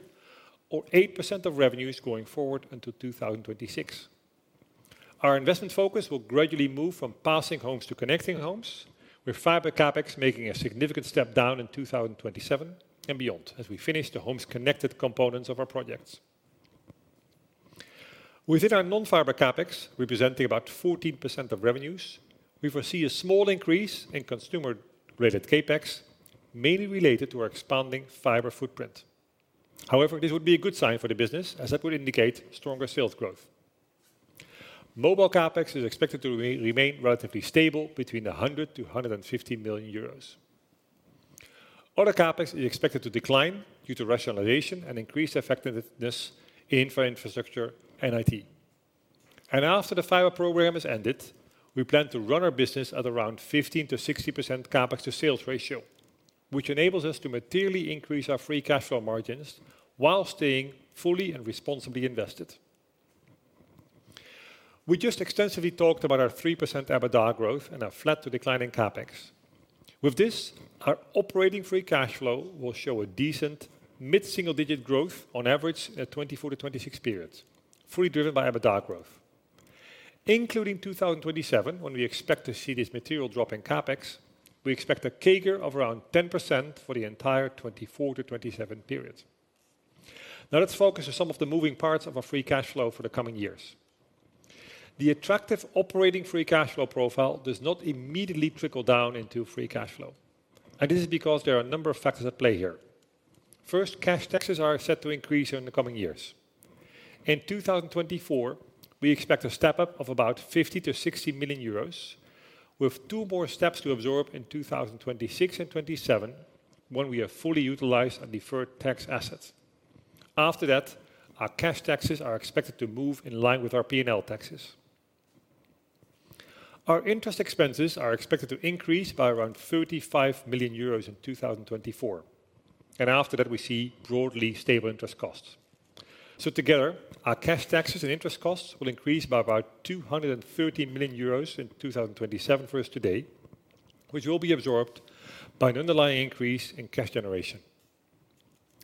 or 8% of revenues going forward until 2026. Our investment focus will gradually move from passing homes to connecting homes, with fiber CapEx making a significant step down in 2027 and beyond as we finish the Homes Connected components of our projects. Within our non-fiber CapEx, representing about 14% of revenues, we foresee a small increase in consumer-related CapEx, mainly related to our expanding fiber footprint. However, this would be a good sign for the business as that would indicate stronger sales growth. Mobile CapEx is expected to remain relatively stable between 100 million-150 million euros. Other CapEx is expected to decline due to rationalization and increased effectiveness in infrastructure and IT. After the fiber program is ended, we plan to run our business at around 15%-16% CapEx to sales ratio, which enables us to materially increase our free cash flow margins while staying fully and responsibly invested. We just extensively talked about our 3% EBITDA growth and our flat to declining CapEx. With this, our operating free cash flow will show a decent mid-single-digit growth on average at 2024-2026 periods, fully driven by EBITDA growth. Including 2027, when we expect to see this material drop in CapEx, we expect a CAGR of around 10% for the entire 2024-2027 periods. Now, let's focus on some of the moving parts of our free cash flow for the coming years. The attractive operating free cash flow profile does not immediately trickle down into free cash flow, and this is because there are a number of factors at play here. First, cash taxes are set to increase in the coming years. In 2024, we expect a step-up of about 50-60 million euros, with two more steps to absorb in 2026 and 2027, when we have fully utilized our deferred tax assets. After that, our cash taxes are expected to move in line with our P&L taxes. Our interest expenses are expected to increase by around 35 million euros in 2024, and after that, we see broadly stable interest costs. So together, our cash taxes and interest costs will increase by about 230 million euros in 2027 versus today, which will be absorbed by an underlying increase in cash generation.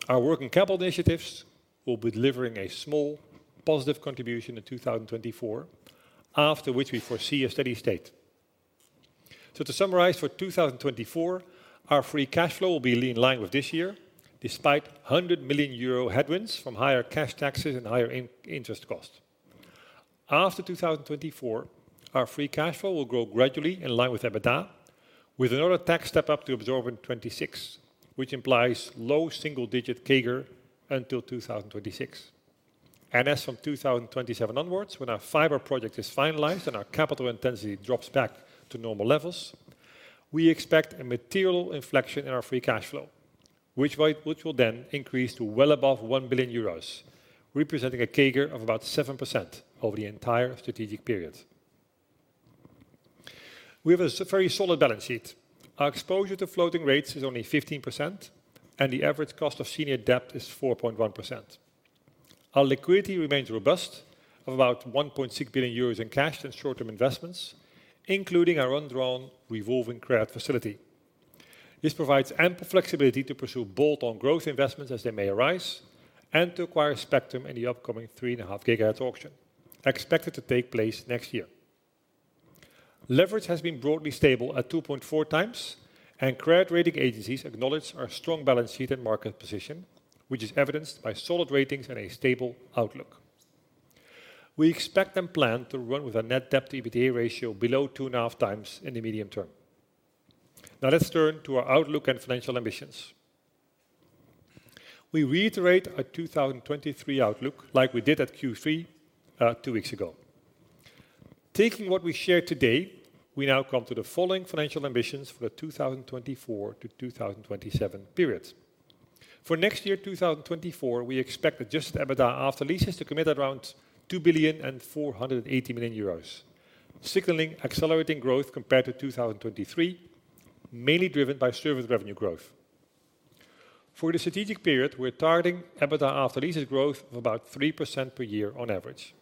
Our working capital initiatives will be delivering a small positive contribution in 2024, after which we foresee a steady state. So to summarize, for 2024, our free cash flow will be in line with this year, despite 100 million euro headwinds from higher cash taxes and higher interest costs. After 2024, our free cash flow will grow gradually in line with EBITDA, with another tax step-up to absorb in 2026, which implies low single-digit CAGR until 2026. And as from 2027 onwards, when our fiber project is finalized and our capital intensity drops back to normal levels, we expect a material inflection in our free cash flow, which will then increase to well above 1 billion euros, representing a CAGR of about 7% over the entire strategic period. We have a very solid balance sheet. Our exposure to floating rates is only 15%, and the average cost of senior debt is 4.1%. Our liquidity remains robust of about 1.6 billion euros in cash and short-term investments, including our undrawn revolving credit facility. This provides ample flexibility to pursue bolt-on growth investments as they may arise and to acquire spectrum in the upcoming 3.5 GHz auction, expected to take place next year. Leverage has been broadly stable at 2.4x, and credit rating agencies acknowledge our strong balance sheet and market position, which is evidenced by solid ratings and a stable outlook. We expect and plan to run with a net debt-to-EBITDA ratio below 2.5x in the medium term. Now, let's turn to our outlook and financial ambitions. We reiterate our 2023 outlook like we did at Q3, two weeks ago. Taking what we shared today, we now come to the following financial ambitions for the 2024-2027 period. For next year, 2024, we expect adjusted EBITDA after leases to come in at around 2.48 billion, signaling accelerating growth compared to 2023, mainly driven by service revenue growth. For the strategic period, we're targeting EBITDA after leases growth of about 3% per year on average.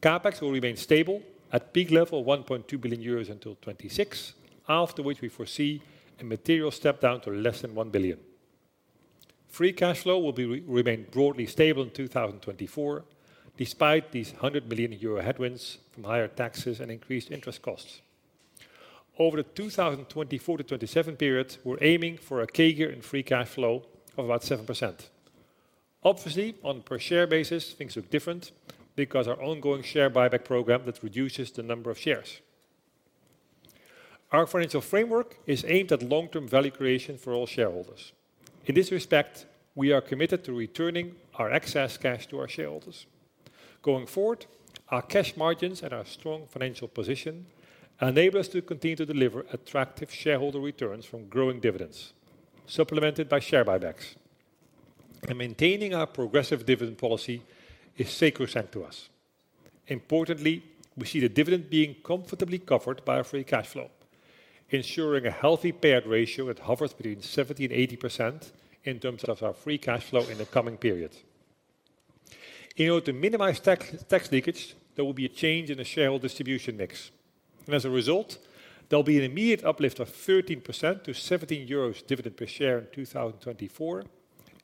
CapEx will remain stable at peak level of 1.2 billion euros until 2026, after which we foresee a material step down to less than 1 billion. Free cash flow will remain broadly stable in 2024, despite these 100 million euro headwinds from higher taxes and increased interest costs. Over the 2024-2027 period, we're aiming for a CAGR in free cash flow of about 7%. Obviously, on a per share basis, things look different because our ongoing share buyback program that reduces the number of shares. Our financial framework is aimed at long-term value creation for all shareholders. In this respect, we are committed to returning our excess cash to our shareholders. Going forward, our cash margins and our strong financial position enable us to continue to deliver attractive shareholder returns from growing dividends, supplemented by share buybacks. Maintaining our progressive dividend policy is sacrosanct to us. Importantly, we see the dividend being comfortably covered by our free cash flow, ensuring a healthy payout ratio that hovers between 70% and 80% in terms of our free cash flow in the coming period. In order to minimize tax, tax leakage, there will be a change in the shareholder distribution mix, and as a result, there'll be an immediate uplift of 13% to 0.17 euros dividend per share in 2024,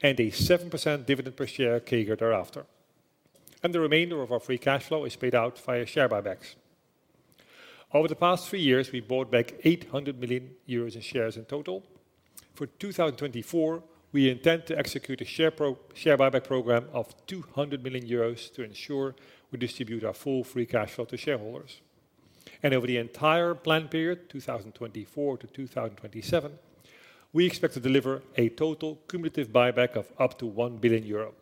and a 7% dividend per share CAGR thereafter. The remainder of our free cash flow is paid out via share buybacks. Over the past 3 years, we bought back 800 million euros in shares in total. For 2024, we intend to execute a share buyback program of 200 million euros to ensure we distribute our full free cash flow to shareholders. Over the entire plan period, 2024-2027, we expect to deliver a total cumulative buyback of up to 1 billion euro.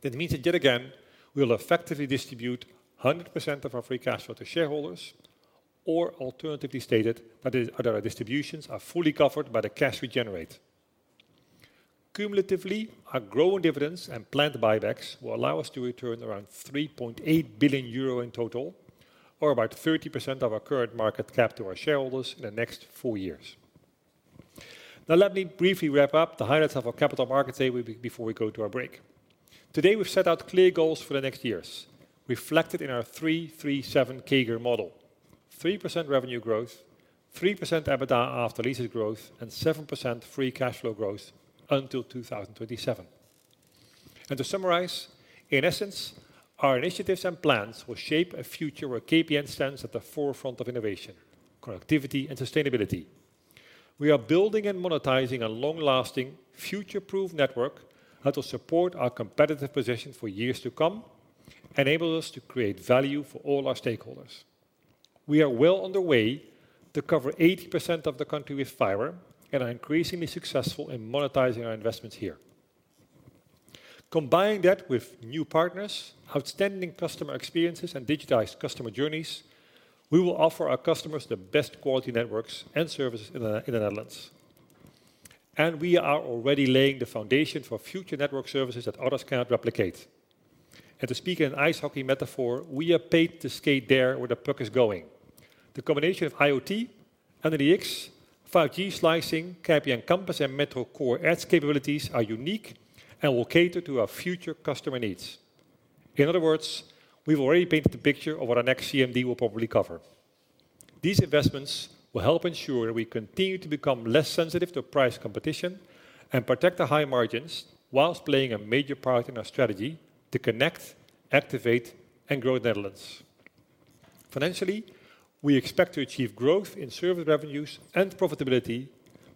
That means that, yet again, we will effectively distribute 100% of our free cash flow to shareholders, or alternatively stated, that the distributions are fully covered by the cash we generate. Cumulatively, our growing dividends and planned buybacks will allow us to return around 3.8 billion euro in total, or about 30% of our current market cap to our shareholders in the next four years. Now, let me briefly wrap up the highlights of our Capital Markets Day before we go to our break. Today, we've set out clear goals for the next years, reflected in our 3, 3, 7 CAGR model: 3% revenue growth, 3% EBITDA after leases growth, and 7% free cash flow growth until 2027. To summarize, in essence, our initiatives and plans will shape a future where KPN stands at the forefront of innovation, connectivity, and sustainability. We are building and monetizing a long-lasting, future-proof network that will support our competitive position for years to come, enabling us to create value for all our stakeholders. We are well on the way to cover 80% of the country with fiber and are increasingly successful in monetizing our investments here. Combining that with new partners, outstanding customer experiences, and digitized customer journeys, we will offer our customers the best quality networks and services in the, in the Netherlands. We are already laying the foundation for future network services that others cannot replicate. To speak in an ice hockey metaphor, we are paid to skate there where the puck is going. The combination of IoT, under the X, 5G slicing, KPN Campus, and Metro Core Edge capabilities are unique and will cater to our future customer needs. In other words, we've already painted the picture of what our next CMD will probably cover. These investments will help ensure that we continue to become less sensitive to price competition and protect the high margins whilst playing a major part in our strategy to connect, activate, and grow the Netherlands. Financially, we expect to achieve growth in service revenues and profitability,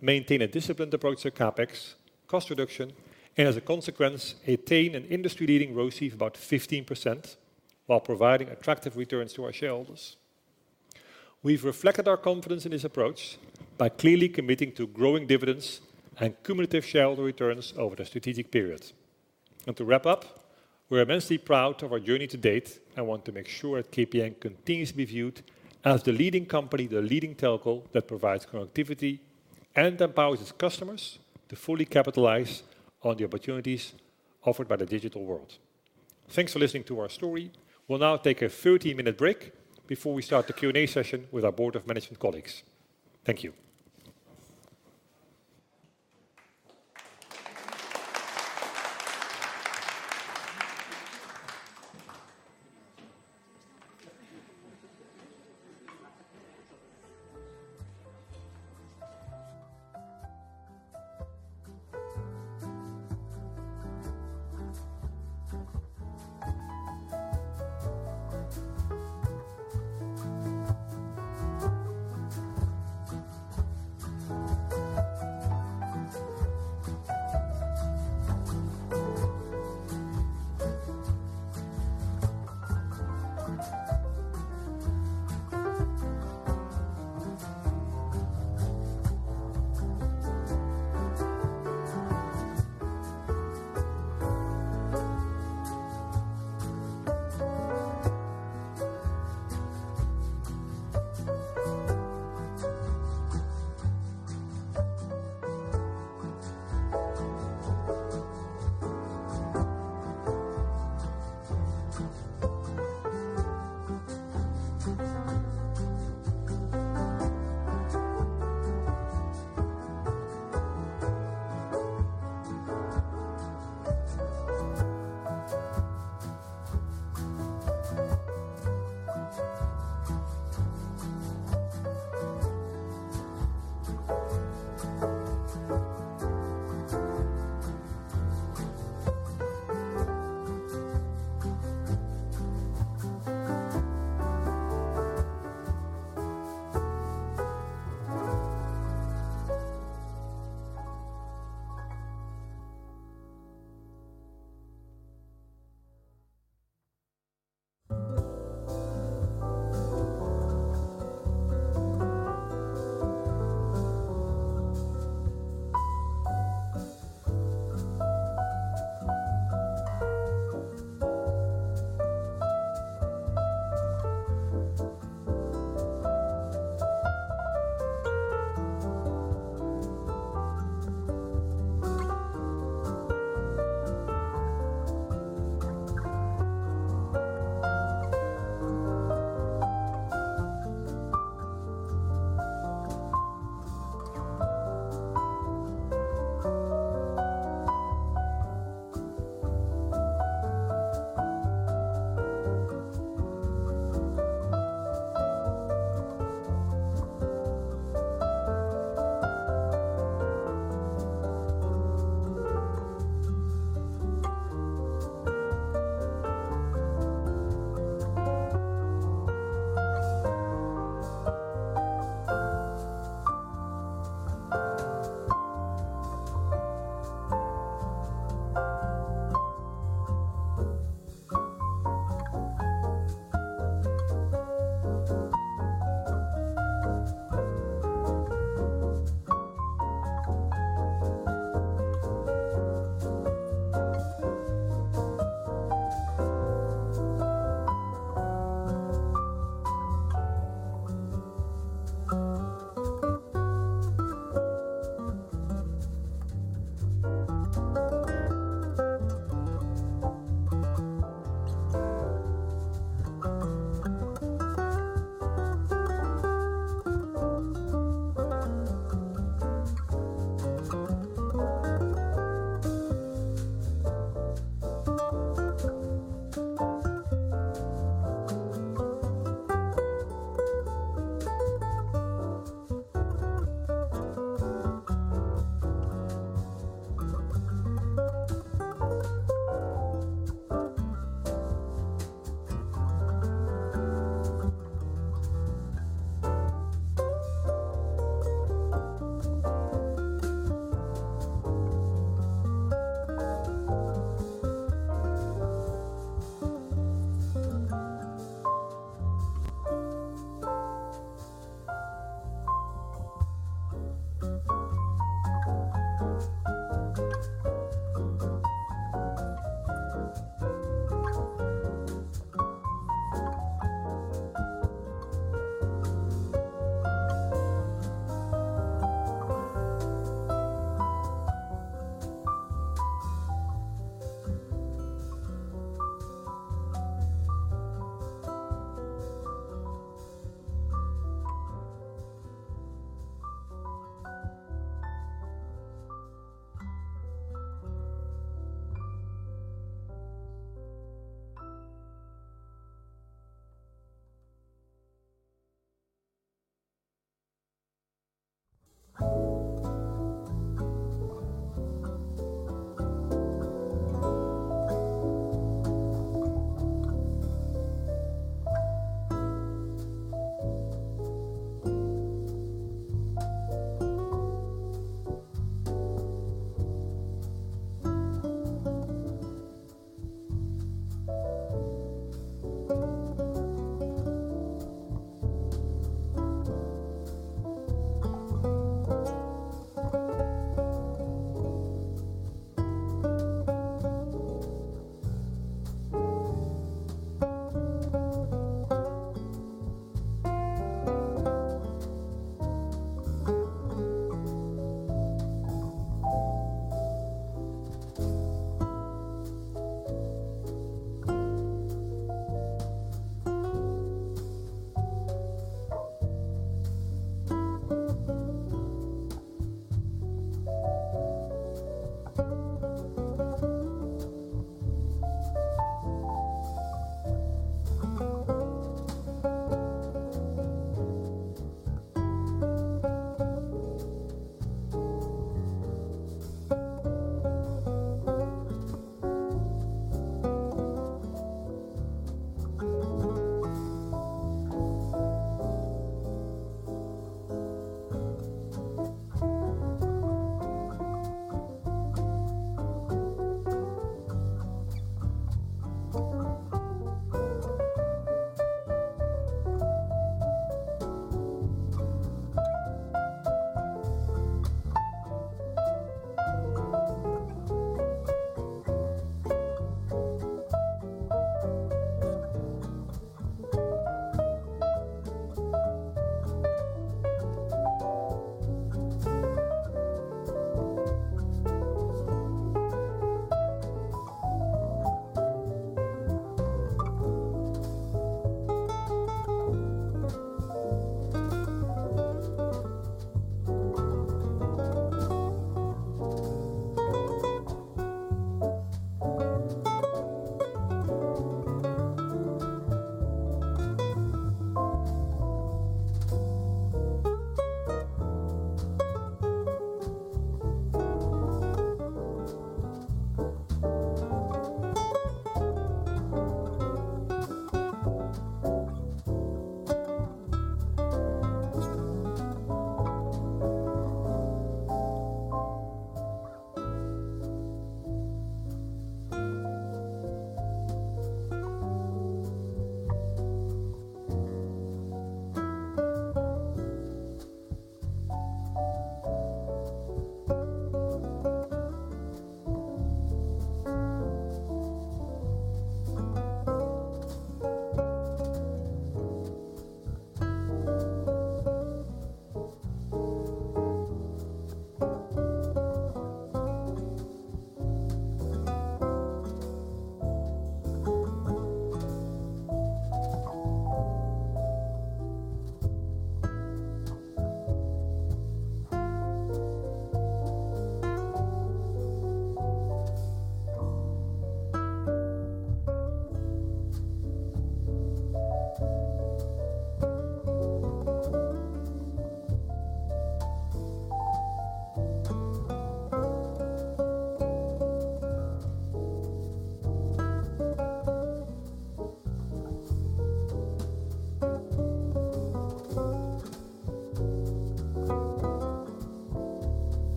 maintain a disciplined approach to CapEx, cost reduction, and as a consequence, attain an industry-leading ROCE of about 15% while providing attractive returns to our shareholders. We've reflected our confidence in this approach by clearly committing to growing dividends and cumulative shareholder returns over the strategic period. To wrap up, we're immensely proud of our journey to date and want to make sure that KPN continues to be viewed as the leading company, the leading telco, that provides connectivity and empowers its customers to fully capitalize on the opportunities offered by the digital world. Thanks for listening to our story. We'll now take a 30-minute break before we start the Q&A session with our board of management colleagues. Thank you. ...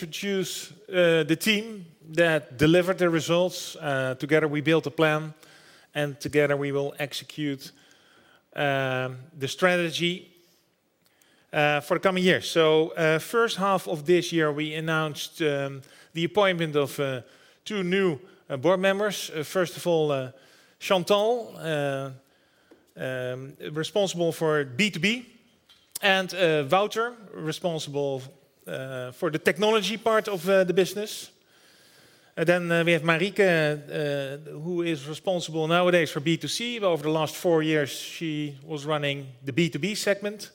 briefly introduce the team that delivered the results. Together we built a plan, and together we will execute the strategy for the coming years. So, first half of this year, we announced the appointment of two new board members. First of all, Chantal responsible for B2B, and Wouter responsible for the technology part of the business. And then we have Marieke who is responsible nowadays for B2C. Over the last four years, she was running the B2B segment.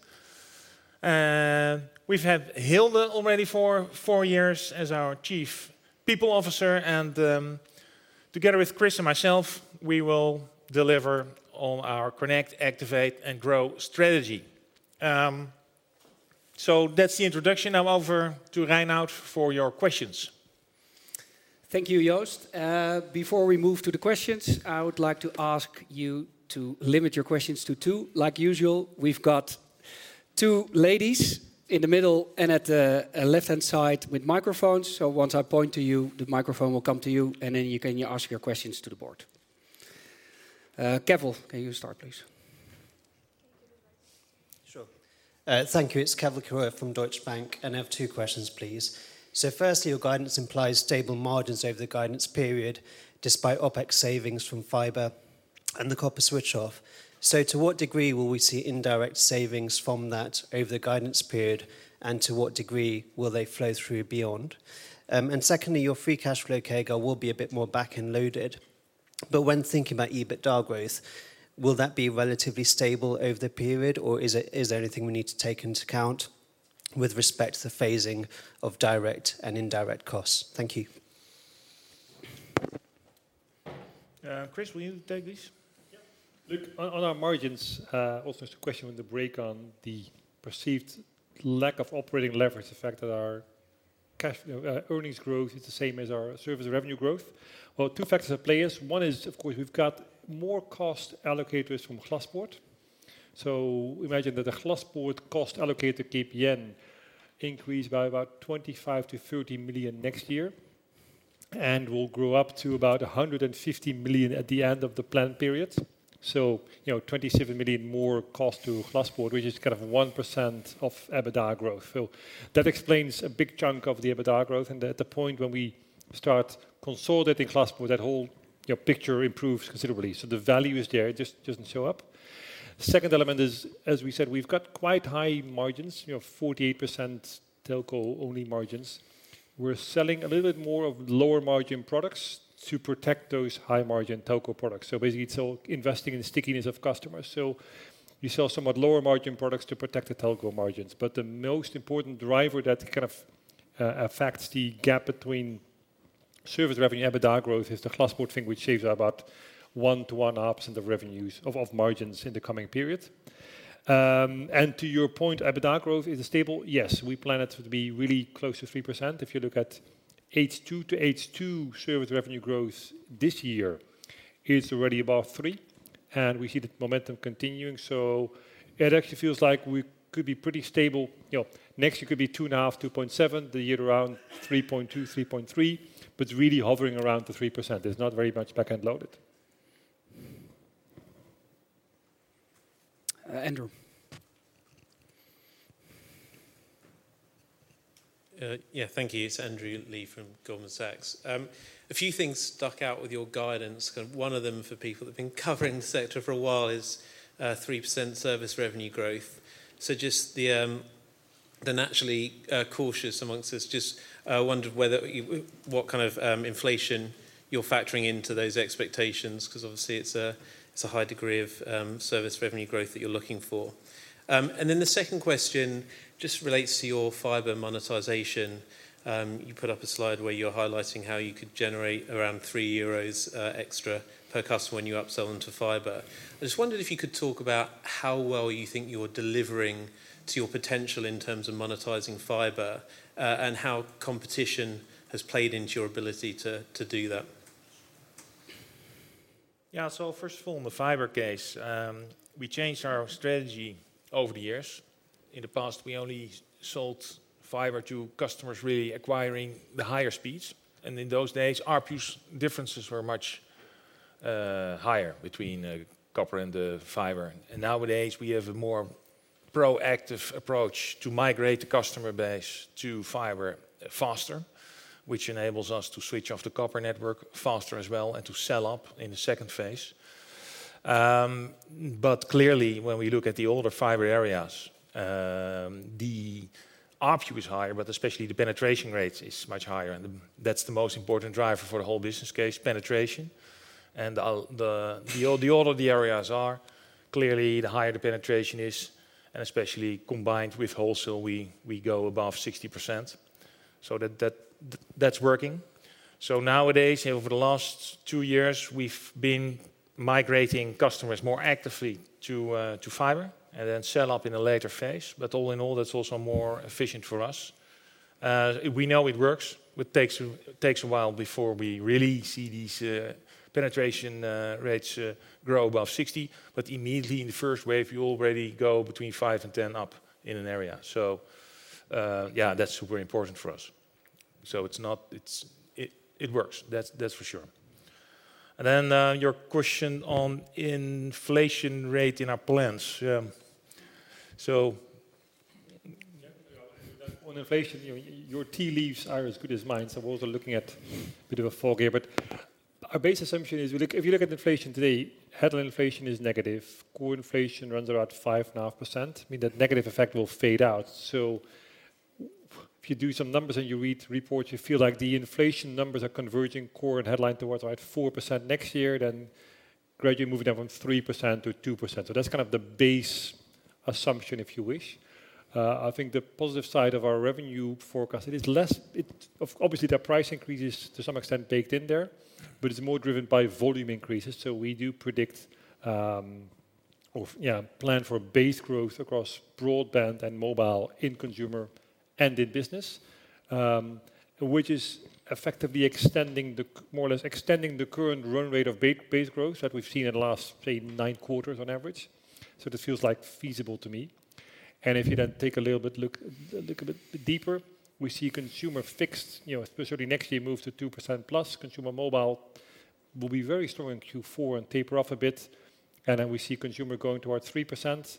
We've had Hilde already for four years as our Chief People Officer, and together with Chris and myself, we will deliver on our connect, activate, and grow strategy. So that's the introduction. Now over to Reinout for your questions. Thank you, Joost. Before we move to the questions, I would like to ask you to limit your questions to two. Like usual, we've got two ladies in the middle and at the left-hand side with microphones. So once I point to you, the microphone will come to you, and then you can ask your questions to the board. Keval, can you start, please? Sure. Thank you. It's Keval Khiroya from Deutsche Bank, and I have two questions, please. So firstly, your guidance implies stable margins over the guidance period, despite OpEx savings from fiber and the copper switch off. So to what degree will we see indirect savings from that over the guidance period, and to what degree will they flow through beyond? And secondly, your free cash flow guidance will be a bit more back-end loaded, but when thinking about EBITDA growth, will that be relatively stable over the period, or is there anything we need to take into account with respect to the phasing of direct and indirect costs? Thank you. Chris, will you take this? Yeah. Look, on our margins, also there's a question in the break on the perceived lack of operating leverage, the fact that our cash earnings growth is the same as our service revenue growth. Well, two factors at play is: one is, of course, we've got more cost allocators from Glaspoort. So imagine that the Glaspoort cost allocator KPN increased by about 25-30 million next year, and will grow up to about 150 million at the end of the plan period. So, you know, 27 million more cost to Glaspoort, which is kind of 1% of EBITDA growth. So that explains a big chunk of the EBITDA growth, and at the point when we start consolidating Glaspoort, that whole, you know, picture improves considerably. So the value is there, it just doesn't show up. Second element is, as we said, we've got quite high margins, you know, 48% telco-only margins. We're selling a little bit more of lower-margin products to protect those high-margin telco products. So basically, it's all investing in the stickiness of customers. So you sell somewhat lower-margin products to protect the telco margins. But the most important driver that kind of affects the gap between service revenue and EBITDA growth is the Glaspoort thing, which saves about 100 bps in the revenues of, of margins in the coming period. And to your point, EBITDA growth is stable? Yes, we plan it to be really close to 3%. If you look at H2 to H2 service revenue growth this year, it's already above 3, and we see the momentum continuing. So it actually feels like we could be pretty stable. You know, next year could be 2.5, 2.7, the year around, 3.2, 3.3, but really hovering around the 3%. It's not very much back-end loaded. Uh, Andrew. Yeah, thank you. It's Andrew Lee from Goldman Sachs. A few things stuck out with your guidance. One of them, for people that have been covering the sector for a while, is 3% service revenue growth. So just the naturally cautious among us wondered whether you what kind of inflation you're factoring into those expectations, because obviously it's a high degree of service revenue growth that you're looking for. And then the second question just relates to your fiber monetization. You put up a slide where you're highlighting how you could generate around 3 euros extra per customer when you upsell them to fiber. I just wondered if you could talk about how well you think you're delivering to your potential in terms of monetizing fiber, and how competition has played into your ability to do that. Yeah. So first of all, in the fiber case, we changed our strategy over the years. In the past, we only sold fiber to customers really acquiring the higher speeds, and in those days, ARPUs differences were much higher between copper and the fiber. And nowadays, we have a more proactive approach to migrate the customer base to fiber faster, which enables us to switch off the copper network faster as well and to sell up in the second phase. But clearly, when we look at the older fiber areas, the ARPU is higher, but especially the penetration rate is much higher, and that's the most important driver for the whole business case, penetration. And the older the areas are, clearly, the higher the penetration is, and especially combined with wholesale, we go above 60%. So that's working. So nowadays, over the last 2 years, we've been migrating customers more actively to fiber and then sell up in a later phase. But all in all, that's also more efficient for us. We know it works, but takes a while before we really see these penetration rates grow above 60. But immediately, in the first wave, you already go between 5 and 10 up in an area. So yeah, that's super important for us. So it's not, it works. That's for sure. And then, your question on inflation rate in our plans. So- On inflation, you know, your tea leaves are as good as mine, so we're also looking at a bit of a foggy. But our base assumption is if you look at inflation today, headline inflation is negative. Core inflation runs around 5.5%, meaning that negative effect will fade out. So if you do some numbers and you read reports, you feel like the inflation numbers are converging core and headline towards around 4% next year, then gradually moving down from 3% to 2%. So that's kind of the base assumption, if you wish. I think the positive side of our revenue forecast, it is less. It obviously, the price increase is to some extent baked in there, but it's more driven by volume increases. So we do predict or plan for base growth across broadband and mobile in consumer and in business, which is effectively extending the, more or less, extending the current run rate of base growth that we've seen in the last, say, 9 quarters on average. So this feels like feasible to me. And if you then take a little bit, look a bit deeper, we see consumer fixed, you know, especially next year, move to 2%+. Consumer mobile will be very strong in Q4 and taper off a bit, and then we see consumer going towards 3%.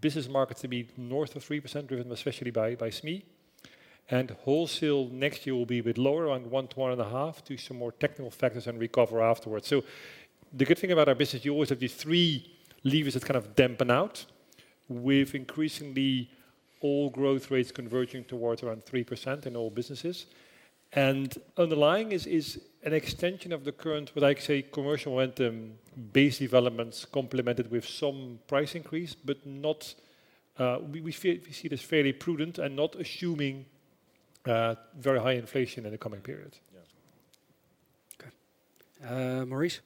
Business markets to be north of 3%, driven especially by SME. And wholesale next year will be a bit lower, around 1%-1.5%, due to some more technical factors and recover afterwards. So the good thing about our business, you always have these three levers that kind of dampen out, with increasingly all growth rates converging towards around 3% in all businesses. And underlying is an extension of the current, what I say, commercial momentum, base developments complemented with some price increase, but not... We see this fairly prudent and not assuming very high inflation in the coming period. Yeah. Okay, Maurice?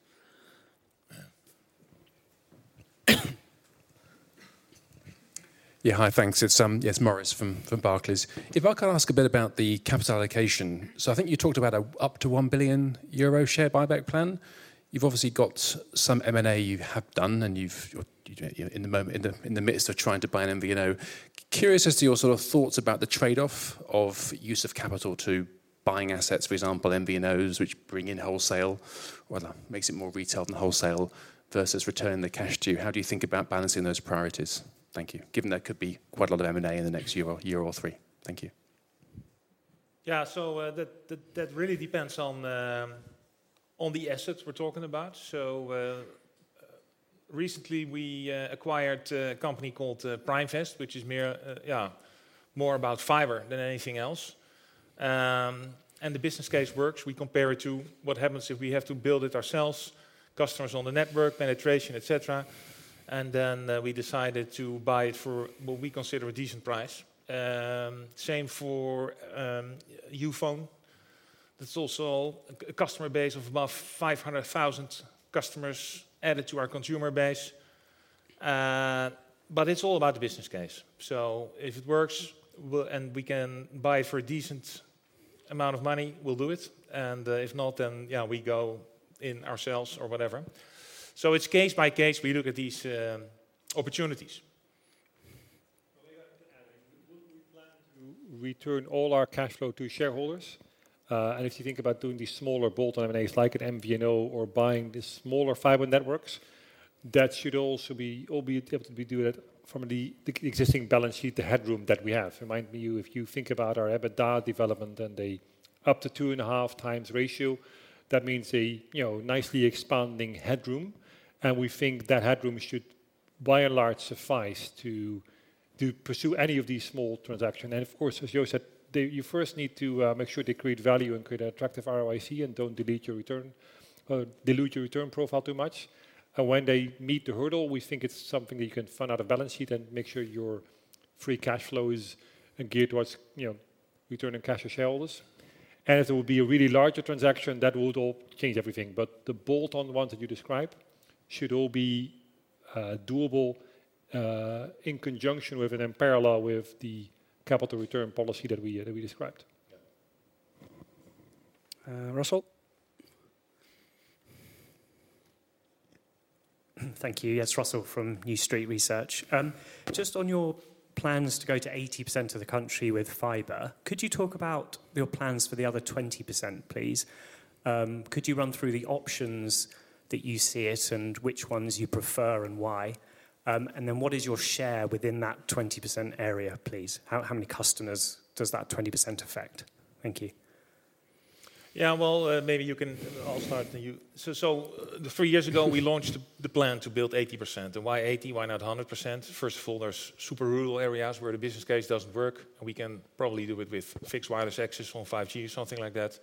Yeah, hi. Thanks. It's Maurice from Barclays. If I can ask a bit about the capital allocation. So I think you talked about up to 1 billion euro share buyback plan. You've obviously got some M&A you have done, and you're in the midst of trying to buy an MVNO. Curious as to your sort of thoughts about the trade-off of use of capital to buying assets, for example, MVNOs, which bring in wholesale, well, that makes it more retail than wholesale, versus returning the cash to. How do you think about balancing those priorities? Thank you. Given there could be quite a lot of M&A in the next year or three. Thank you. Yeah. So, that really depends on the assets we're talking about. So, recently, we acquired a company called Primevest, which is more, yeah, more about fiber than anything else. And the business case works. We compare it to what happens if we have to build it ourselves, customers on the network, penetration, et cetera. And then, we decided to buy it for what we consider a decent price. Same for Youfone. That's also a customer base of above 500,000 customers added to our consumer base. But it's all about the business case. So if it works, we'll and we can buy it for a decent amount of money, we'll do it, and if not, then, yeah, we go in ourselves or whatever. It's case by case, we look at these opportunities. May I have to add, we plan to return all our cash flow to shareholders. And if you think about doing these smaller bolt-on M&As, like an MVNO or buying the smaller fiber networks, that should also be, albeit able to be do that from the existing balance sheet, the headroom that we have. Remind me, if you think about our EBITDA development and the up to 2.5x ratio, that means a, you know, nicely expanding headroom, and we think that headroom should, by and large, suffice to pursue any of these small transaction. And of course, as Jo said, they, you first need to make sure they create value and create an attractive ROIC and don't delete your return or dilute your return profile too much. When they meet the hurdle, we think it's something that you can fund out of balance sheet and make sure your free cash flow is geared towards, you know, returning cash to shareholders. If it would be a really larger transaction, that would all change everything. The bolt-on ones that you described should all be doable in conjunction with and in parallel with the capital return policy that we described. Yeah. Russell? Thank you. Yes, Russell from New Street Research. Just on your plans to go to 80% of the country with fiber, could you talk about your plans for the other 20%, please? Could you run through the options that you see it and which ones you prefer and why? And then what is your share within that 20% area, please? How many customers does that 20% affect? Thank you. Yeah, well, maybe you can, I'll start, and you... So, so, three years ago, we launched the plan to build 80%. And why 80? Why not 100%? First of all, there's super rural areas where the business case doesn't work. We can probably do it with fixed wireless access on 5G, something like that.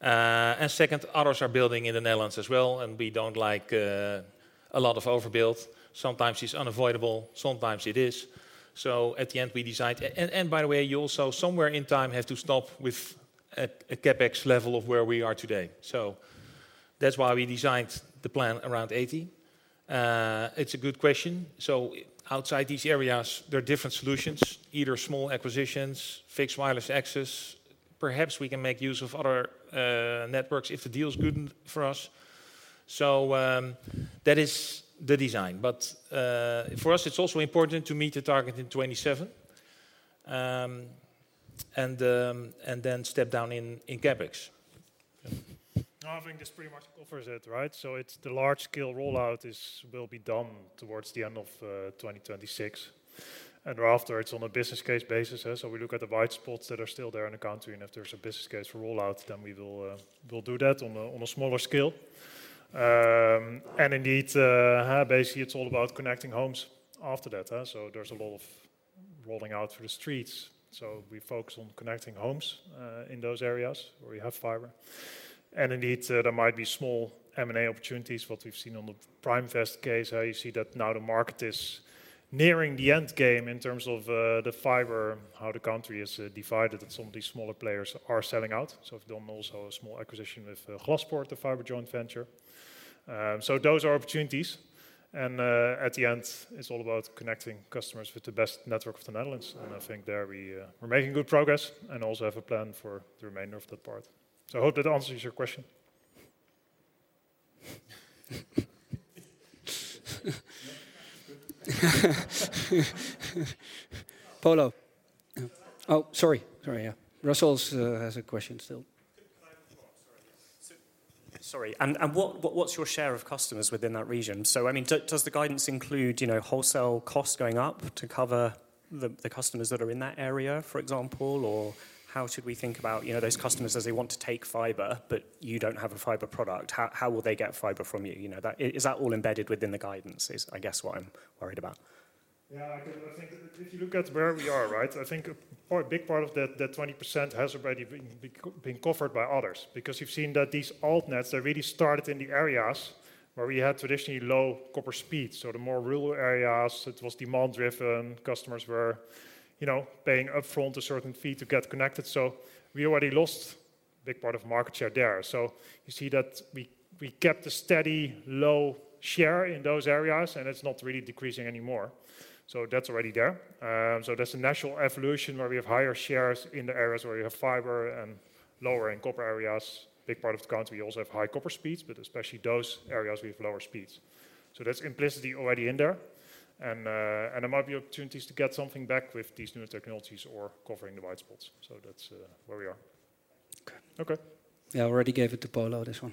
And second, others are building in the Netherlands as well, and we don't like, a lot of overbuild. Sometimes it's unavoidable, sometimes it is. So at the end, we decide... And, and by the way, you also somewhere in time have to stop with at a CapEx level of where we are today. So that's why we designed the plan around 80. It's a good question. So outside these areas, there are different solutions: either small acquisitions, fixed wireless access. Perhaps we can make use of other networks if the deal is good for us. So, that is the design. But, for us, it's also important to meet the target in 2027... and then step down in CapEx. Yeah. I think this pretty much covers it, right? So it's the large-scale rollout is, will be done towards the end of 2026. And thereafter, it's on a business case basis, yeah. So we look at the white spots that are still there in the country, and if there's a business case for rollout, then we will, we'll do that on a smaller scale. And indeed, basically, it's all about connecting homes after that, huh? So there's a lot of rolling out through the streets. So we focus on connecting homes, in those areas where we have fiber. And indeed, there might be small M&A opportunities, what we've seen on the Primevest case. You see that now the market is nearing the end game in terms of the fiber, how the country is divided, and some of these smaller players are selling out. So we've done also a small acquisition with Glaspoort, the fiber joint venture. So those are opportunities, and at the end, it's all about connecting customers with the best network of the Netherlands. And I think there we're making good progress and also have a plan for the remainder of that part. So I hope that answers your question. Polo. Oh, sorry. Sorry, yeah. Russell has a question still. Can I have the floor? Sorry. So, sorry. And, what’s your share of customers within that region? So I mean, does the guidance include, you know, wholesale costs going up to cover the customers that are in that area, for example? Or how should we think about, you know, those customers as they want to take fiber, but you don’t have a fiber product? How will they get fiber from you? You know, that... Is that all embedded within the guidance? I guess what I’m worried about? Yeah, I think if you look at where we are, right? I think a part, big part of that, that 20% has already been covered by others. Because you've seen that these alt nets, they really started in the areas where we had traditionally low copper speeds. So the more rural areas, it was demand-driven. Customers were, you know, paying upfront a certain fee to get connected. So we already lost a big part of market share there. So you see that we kept a steady, low share in those areas, and it's not really decreasing anymore. So that's already there. So that's a natural evolution where we have higher shares in the areas where we have fiber and lower in copper areas. Big part of the country, we also have high copper speeds, but especially those areas with lower speeds. So that's implicitly already in there. And there might be opportunities to get something back with these new technologies or covering the white spots. So that's where we are. Okay. Okay. Yeah, I already gave it to Polo, this one.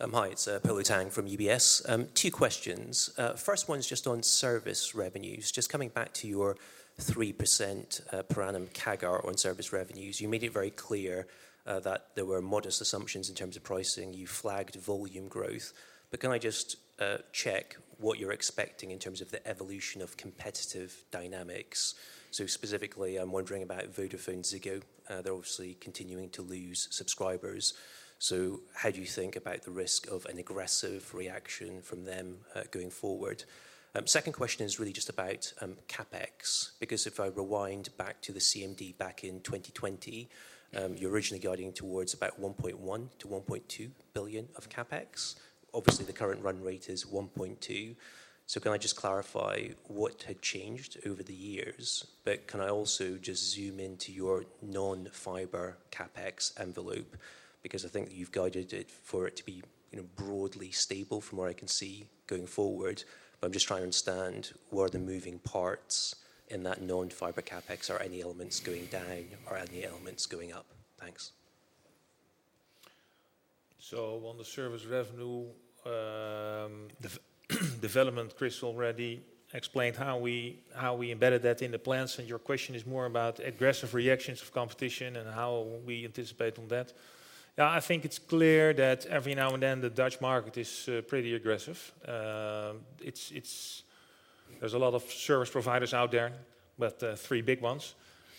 Hi, it's Polo Tang from UBS. Two questions. First one is just on service revenues. Just coming back to your 3% per annum CAGR on service revenues. You made it very clear that there were modest assumptions in terms of pricing. You flagged volume growth. But can I just check what you're expecting in terms of the evolution of competitive dynamics? So specifically, I'm wondering about VodafoneZiggo. They're obviously continuing to lose subscribers. So how do you think about the risk of an aggressive reaction from them going forward? Second question is really just about CapEx, because if I rewind back to the CMD back in 2020, you were originally guiding towards about 1.1 billion-1.2 billion of CapEx. Obviously, the current run rate is 1.2 billion. So can I just clarify what had changed over the years? But can I also just zoom into your non-fiber CapEx envelope? Because I think you've guided it for it to be, you know, broadly stable from what I can see going forward. But I'm just trying to understand, where are the moving parts in that non-fiber CapEx? Are any elements going down or are any elements going up? Thanks. So on the service revenue, development, Chris already explained how we embedded that in the plans, and your question is more about aggressive reactions of competition and how we anticipate on that. Yeah, I think it's clear that every now and then, the Dutch market is pretty aggressive. There's a lot of service providers out there, but three big ones.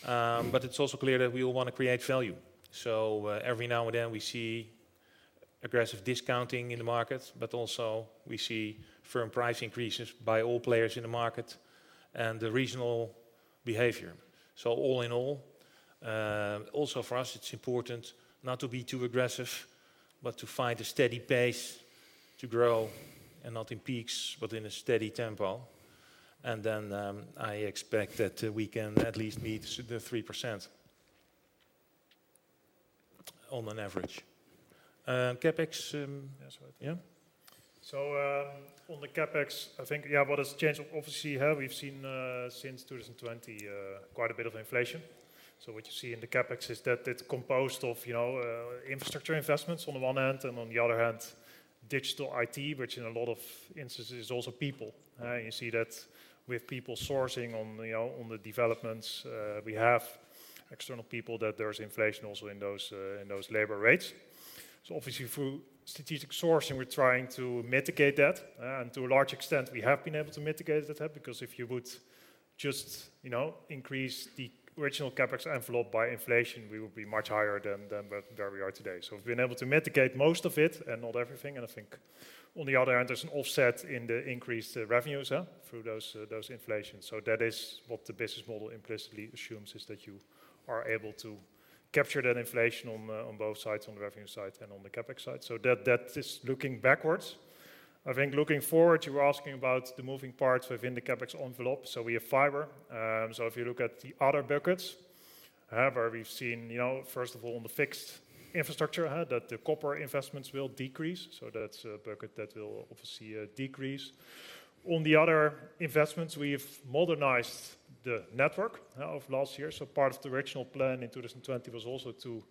But it's also clear that we all wanna create value. So every now and then, we see aggressive discounting in the market, but also we see firm price increases by all players in the market and the regional behavior. So all in all, also for us, it's important not to be too aggressive, but to find a steady pace to grow, and not in peaks, but in a steady tempo. I expect that we can at least meet the 3% on average. CapEx, yeah, so what? So, on the CapEx, I think, yeah, what has changed? Obviously, here we've seen since 2020, quite a bit of inflation. So what you see in the CapEx is that it's composed of, you know, infrastructure investments on the one hand, and on the other hand, digital IT, which in a lot of instances, is also people. You see that with people sourcing on, you know, on the developments, we have external people, that there's inflation also in those, in those labor rates. So obviously, through strategic sourcing, we're trying to mitigate that, and to a large extent, we have been able to mitigate that because if you would just, you know, increase the original CapEx envelope by inflation, we would be much higher than where we are today. So we've been able to mitigate most of it, and not everything, and I think on the other hand, there's an offset in the increased revenues through those those inflation. So that is what the business model implicitly assumes, is that you are able to capture that inflation on on both sides, on the revenue side and on the CapEx side. So that that is looking backwards. I think looking forward, you were asking about the moving parts within the CapEx envelope. So we have fiber. So if you look at the other buckets. However, we've seen, you know, first of all, on the fixed infrastructure, that the copper investments will decrease, so that's a bucket that will obviously decrease. On the other investments, we've modernized the network of last year. So part of the original plan in 2020 was also to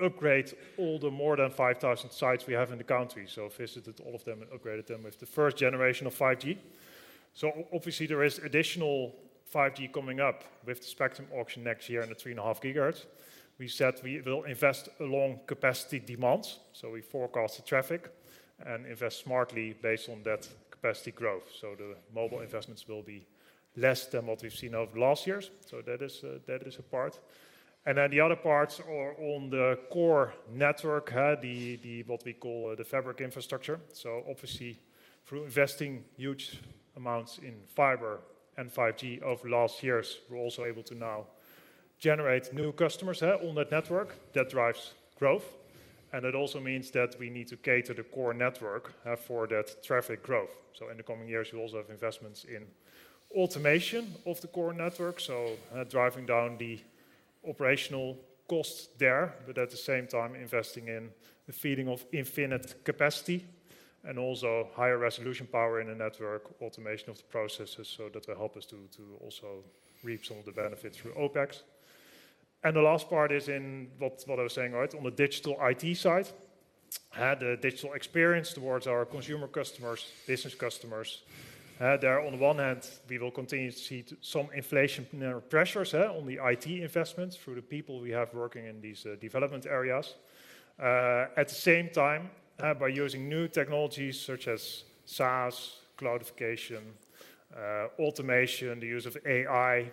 upgrade all the more than 5,000 sites we have in the country. So visited all of them and upgraded them with the first generation of 5G. So obviously, there is additional 5G coming up with the spectrum auction next year and the 3.5 GHz. We said we will invest along capacity demands, so we forecast the traffic and invest smartly based on that capacity growth. So the mobile investments will be less than what we've seen over the last years. So that is, that is a part. And then the other parts are on the core network, the what we call the fabric infrastructure. So obviously, through investing huge amounts in fiber and 5G over the last years, we're also able to now generate new customers on that network. That drives growth, and it also means that we need to cater the core network for that traffic growth. So in the coming years, we'll also have investments in automation of the core network, so driving down the operational costs there, but at the same time, investing in the feeling of infinite capacity and also higher resolution power in the network, automation of the processes, so that will help us to also reap some of the benefits through OpEx. And the last part is in what I was saying, right? On the digital IT side, the digital experience towards our consumer customers, business customers. There on the one hand, we will continue to see some inflation pressures on the IT investments through the people we have working in these development areas. At the same time, by using new technologies such as SaaS, cloudification, automation, the use of AI,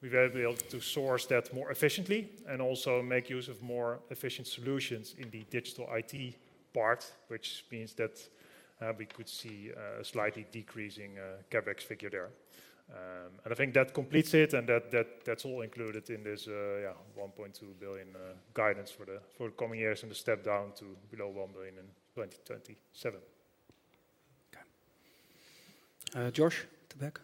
we will be able to source that more efficiently and also make use of more efficient solutions in the digital IT part, which means that we could see a slightly decreasing CapEx figure there. I think that completes it, and that that's all included in this, yeah, 1.2 billion guidance for the coming years and a step down to below 1 billion in 2027. Okay. Josh, the back.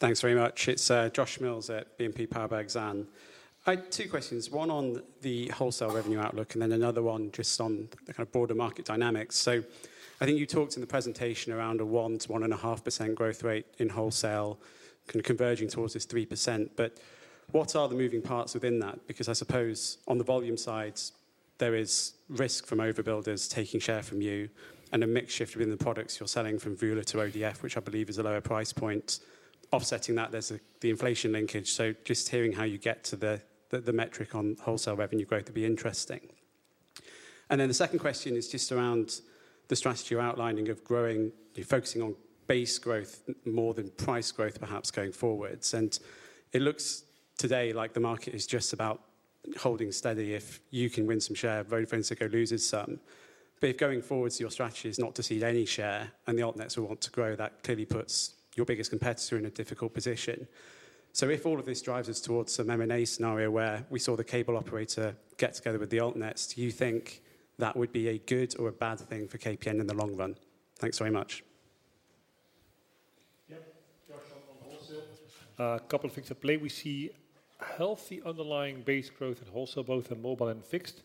Thanks very much. It's Josh Mills at BNP Paribas Exane. I had two questions, one on the wholesale revenue outlook, and then another one just on the kind of broader market dynamics. So I think you talked in the presentation around a 1%-1.5% growth rate in wholesale, kind of converging towards this 3%. But what are the moving parts within that? Because I suppose on the volume side, there is risk from overbuilders taking share from you and a mix shift between the products you're selling from VULA to ODF, which I believe is a lower price point. Offsetting that, there's the inflation linkage. So just hearing how you get to the, the, the metric on wholesale revenue growth would be interesting. And then the second question is just around the strategy you're outlining of growing... You're focusing on base growth more than price growth, perhaps going forward. It looks today like the market is just about holding steady. If you can win some share, VodafoneZiggo loses some. If going forward, your strategy is not to cede any share, and the alt nets will want to grow, that clearly puts your biggest competitor in a difficult position. If all of this drives us towards some M&A scenario where we saw the cable operator get together with the alt nets, do you think that would be a good or a bad thing for KPN in the long run? Thanks very much. Yep. Josh, on wholesale, a couple of things at play. We see healthy underlying base growth in wholesale, both in mobile and fixed.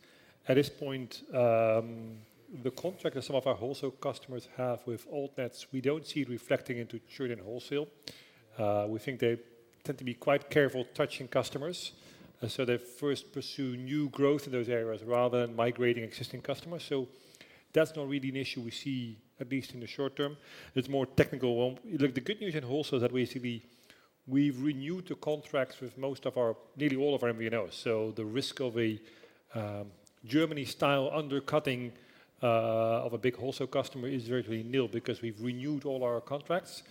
At this point, the contract that some of our wholesale customers have with alt nets, we don't see it reflecting into churn in wholesale. We think they tend to be quite careful touching customers, so they first pursue new growth in those areas rather than migrating existing customers. So that's not really an issue we see, at least in the short term. It's more technical. Well, look, the good news in wholesale is that we've renewed the contracts with most of our, nearly all of our MVNOs. So the risk of a Germany-style undercutting of a big wholesale customer is virtually nil because we've renewed all our contracts.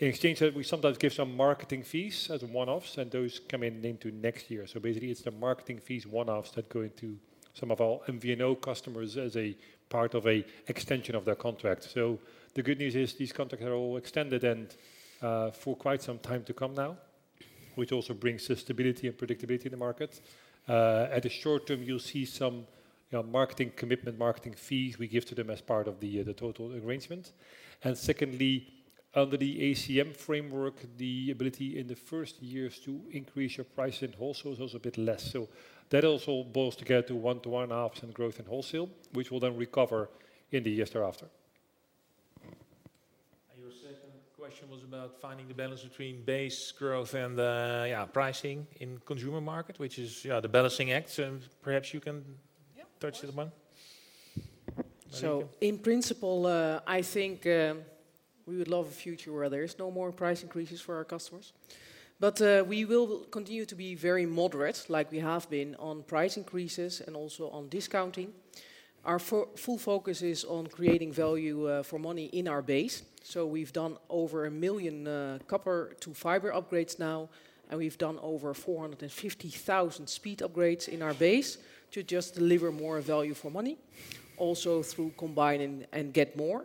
In exchange for that, we sometimes give some marketing fees as one-offs, and those come in into next year. So basically, it's the marketing fees one-offs that go into some of our MVNO customers as a part of a extension of their contract. So the good news is, these contracts are all extended and, for quite some time to come now, which also brings stability and predictability in the market. At the short term, you'll see some marketing commitment, marketing fees we give to them as part of the total arrangement. And secondly, under the ACM framework, the ability in the first years to increase your price in wholesale is also a bit less. So that also boils together to 1%-1.5% growth in wholesale, which will then recover in the years thereafter. Your second question was about finding the balance between base growth and yeah, pricing in consumer market, which is yeah, the balancing act. So perhaps you can- Yeah, of course.... touch on that one. Thank you. So in principle, I think, we would love a future where there is no more price increases for our customers. But, we will continue to be very moderate, like we have been on price increases and also on discounting. Our full focus is on creating value, for money in our base. So we've done over 1 million, copper-to-fiber upgrades now, and we've done over 450,000 speed upgrades in our base to just deliver more value for money. Also, through combine and get more,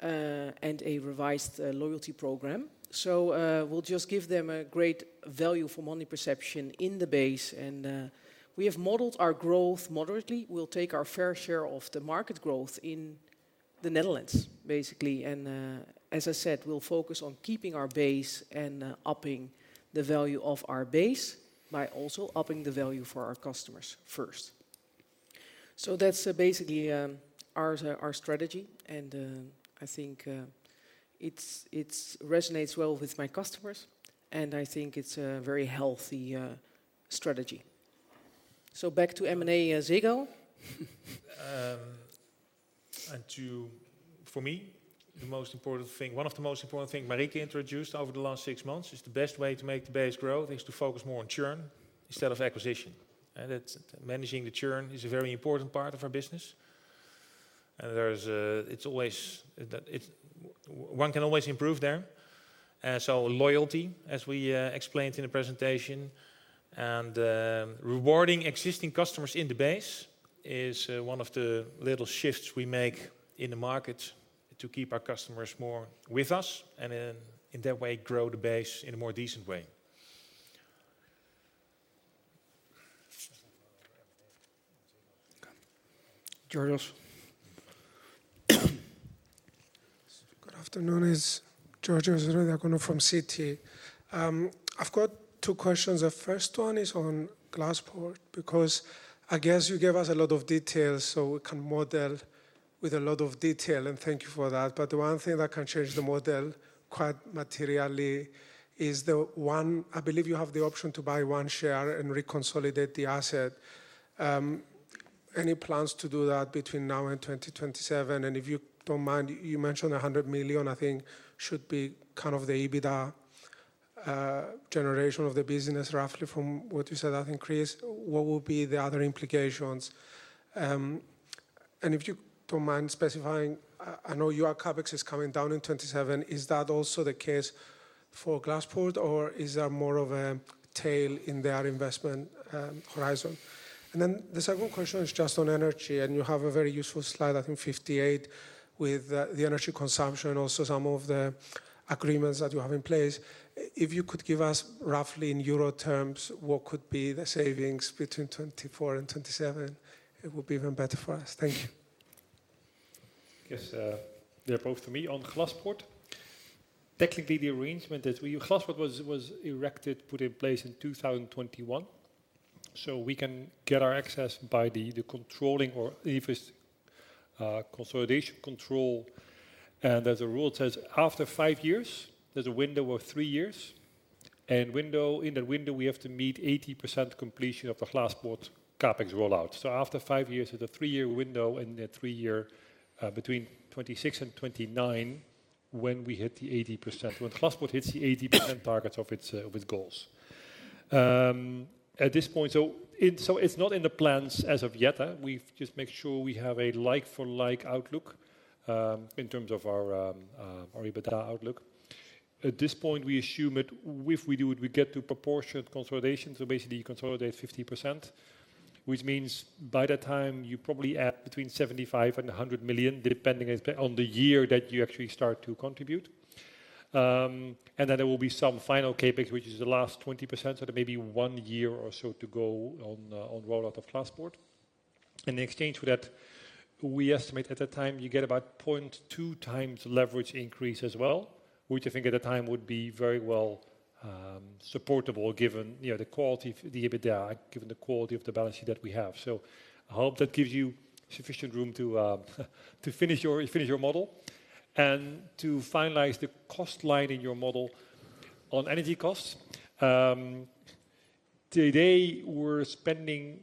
and a revised, loyalty program. So, we'll just give them a great value for money perception in the base, and, we have modeled our growth moderately. We'll take our fair share of the market growth in-... the Netherlands, basically. As I said, we'll focus on keeping our base and upping the value of our base by also upping the value for our customers first. That's basically our strategy, and I think it resonates well with my customers, and I think it's a very healthy strategy. So back to M&A, Ziggo. And, for me, the most important thing, one of the most important thing Marieke introduced over the last six months, is the best way to make the base grow is to focus more on churn instead of acquisition. And it's managing the churn is a very important part of our business. And there's a, it's always, that it's, one can always improve there. So loyalty, as we explained in the presentation, and, rewarding existing customers in the base is, one of the little shifts we make in the market to keep our customers more with us, and then in that way, grow the base in a more decent way. Georgios. Good afternoon. It's Georgios Ierodiaconou from Citi. I've got two questions. The first one is on Glaspoort, because I guess you gave us a lot of details, so we can model with a lot of detail, and thank you for that. But the one thing that can change the model quite materially is the one... I believe you have the option to buy one share and reconsolidate the asset. Any plans to do that between now and 2027? And if you don't mind, you mentioned 100 million, I think, should be kind of the EBITDA generation of the business, roughly from what you said, I think, Chris. What will be the other implications? And if you don't mind specifying, I know your CapEx is coming down in 2027. Is that also the case for Glaspoort, or is there more of a tail in their investment horizon? And then the second question is just on energy, and you have a very useful slide, I think 58, with the energy consumption, also some of the agreements that you have in place. If you could give us roughly in euro terms, what could be the savings between 2024 and 2027, it would be even better for us. Thank you. Yes, they're both to me. On Glaspoort, technically, the arrangement is, Glaspoort was erected, put in place in 2021, so we can get our access by the controlling or if it's consolidation control. And as the rule says, after five years, there's a window of three years, in the window, we have to meet 80% completion of the Glaspoort CapEx rollout. So after five years, there's a three-year window between 2026 and 2029, when we hit the 80%. When Glaspoort hits the 80% targets of its goals. At this point, so it's not in the plans as of yet, we've just make sure we have a like for like outlook in terms of our EBITDA outlook. At this point, we assume it, if we do it, we get to proportionate consolidation, so basically, you consolidate 50%, which means by that time, you probably add between 75-100 million, depending on the year that you actually start to contribute. And then there will be some final CapEx, which is the last 20%, so there may be one year or so to go on the rollout of Glaspoort. In exchange for that, we estimate at that time, you get about 0.2x leverage increase as well, which I think at the time would be very well supportable, given, you know, the quality of the EBITDA, given the quality of the balance sheet that we have. So I hope that gives you sufficient room to finish your model. To finalize the cost line in your model on energy costs, today, we're spending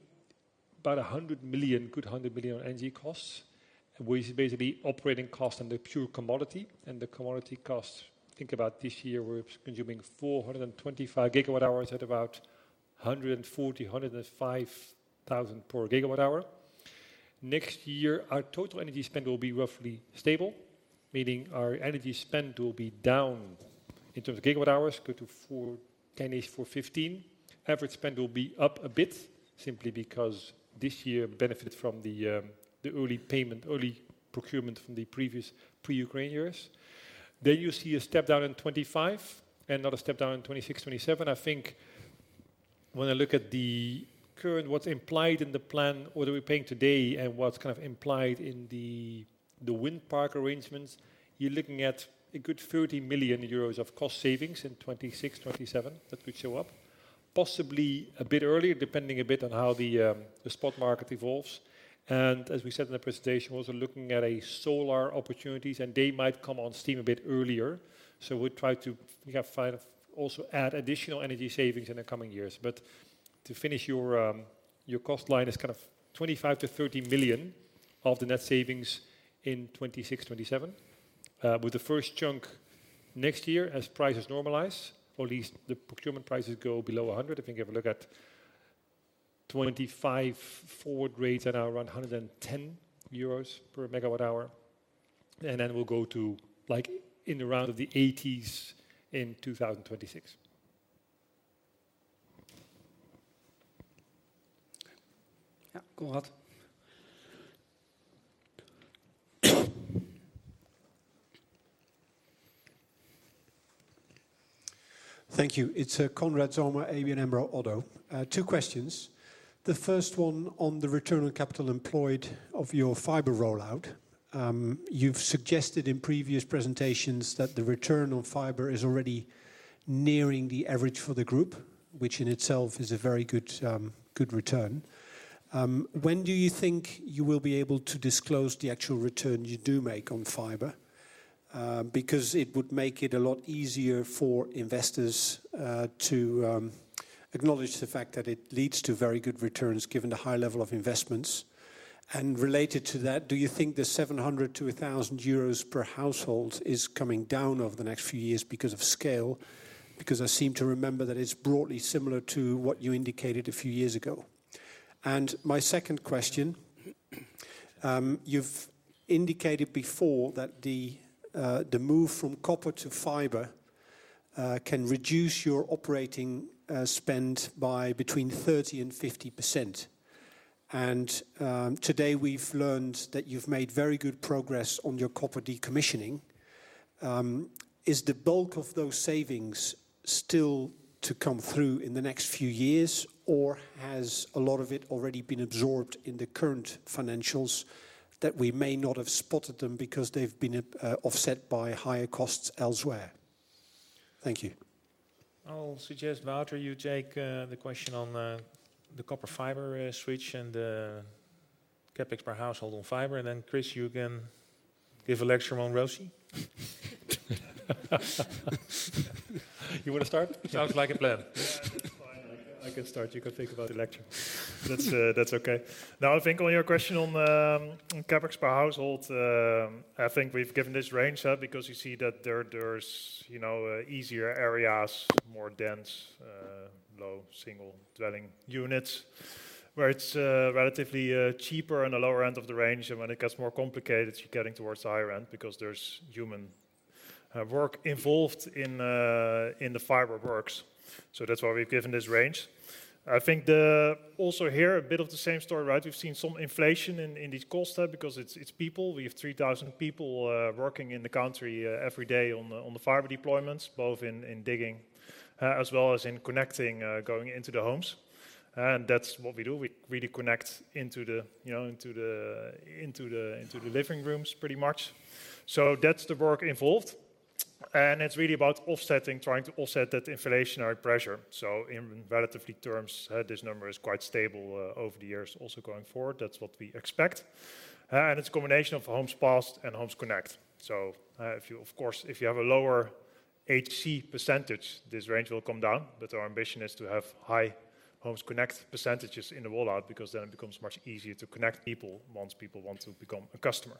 about 100 million, a good 100 million on energy costs, which is basically operating costs on the pure commodity, and the commodity costs, think about this year, we're consuming 425 GWh at about 140, 105 thousand per GWh. Next year, our total energy spend will be roughly stable, meaning our energy spend will be down in terms of gigawatt hours, go to 410, 415. Average spend will be up a bit, simply because this year benefited from the early payment, early procurement from the previous pre-Ukraine years. Then you see a step down in 2025, and another step down in 2026, 2027. I think when I look at the current, what's implied in the plan, what are we paying today and what's kind of implied in the wind park arrangements, you're looking at a good 30 million euros of cost savings in 2026, 2027 that would show up. Possibly a bit earlier, depending a bit on how the spot market evolves. And as we said in the presentation, we're also looking at solar opportunities, and they might come on stream a bit earlier. So we'll try to also add additional energy savings in the coming years. But to finish your cost line is kind of 25 million-30 million of the net savings in 2026, 2027, with the first chunk next year, as prices normalize, or at least the procurement prices go below 100. If you take a look at 2025 forward rates are now around 110 euros per MWh, and then we'll go to, like, in the round of the 80s in 2026. Yeah, Konrad.... Thank you. It's Konrad Zomer, ABN AMRO - ODDO BHF. Two questions. The first one on the return on capital employed of your fiber rollout. You've suggested in previous presentations that the return on fiber is already nearing the average for the group, which in itself is a very good, good return. When do you think you will be able to disclose the actual return you do make on fiber? Because it would make it a lot easier for investors to acknowledge the fact that it leads to very good returns, given the high level of investments. And related to that, do you think the 700-1,000 euros per household is coming down over the next few years because of scale? Because I seem to remember that it's broadly similar to what you indicated a few years ago. And my second question, you've indicated before that the move from copper to fiber can reduce your operating spend by between 30% and 50%. And today, we've learned that you've made very good progress on your copper decommissioning. Is the bulk of those savings still to come through in the next few years, or has a lot of it already been absorbed in the current financials, that we may not have spotted them because they've been offset by higher costs elsewhere? Thank you. I'll suggest, Wouter, you take the question on the copper-fiber switch and the CapEx per household on fiber. And then, Chris, you can give a lecture on ROCE. You want to start? Sounds like a plan. Yeah, it's fine. I can, I can start. You can think about the lecture. That's, that's okay. Now, I think on your question on, on CapEx per household, I think we've given this range, because you see that there, there's, you know, easier areas, more dense, low single dwelling units, where it's, relatively, cheaper on the lower end of the range. And when it gets more complicated, you're getting towards the higher end because there's human, work involved in, in the fiber works. So that's why we've given this range. I think the... Also here, a bit of the same story, right? We've seen some inflation in, in these costs there because it's, it's people. We have 3,000 people working in the country every day on the fiber deployments, both in digging as well as in connecting going into the homes. And that's what we do. We really connect into the, you know, into the living rooms, pretty much. So that's the work involved, and it's really about offsetting, trying to offset that inflationary pressure. So in relative terms, this number is quite stable over the years. Also going forward, that's what we expect. And it's a combination of homes passed and Homes Connect. So, if you, of course, if you have a lower HC percentage, this range will come down. But our ambition is to have high Homes Connect percentages in the rollout, because then it becomes much easier to connect people once people want to become a customer.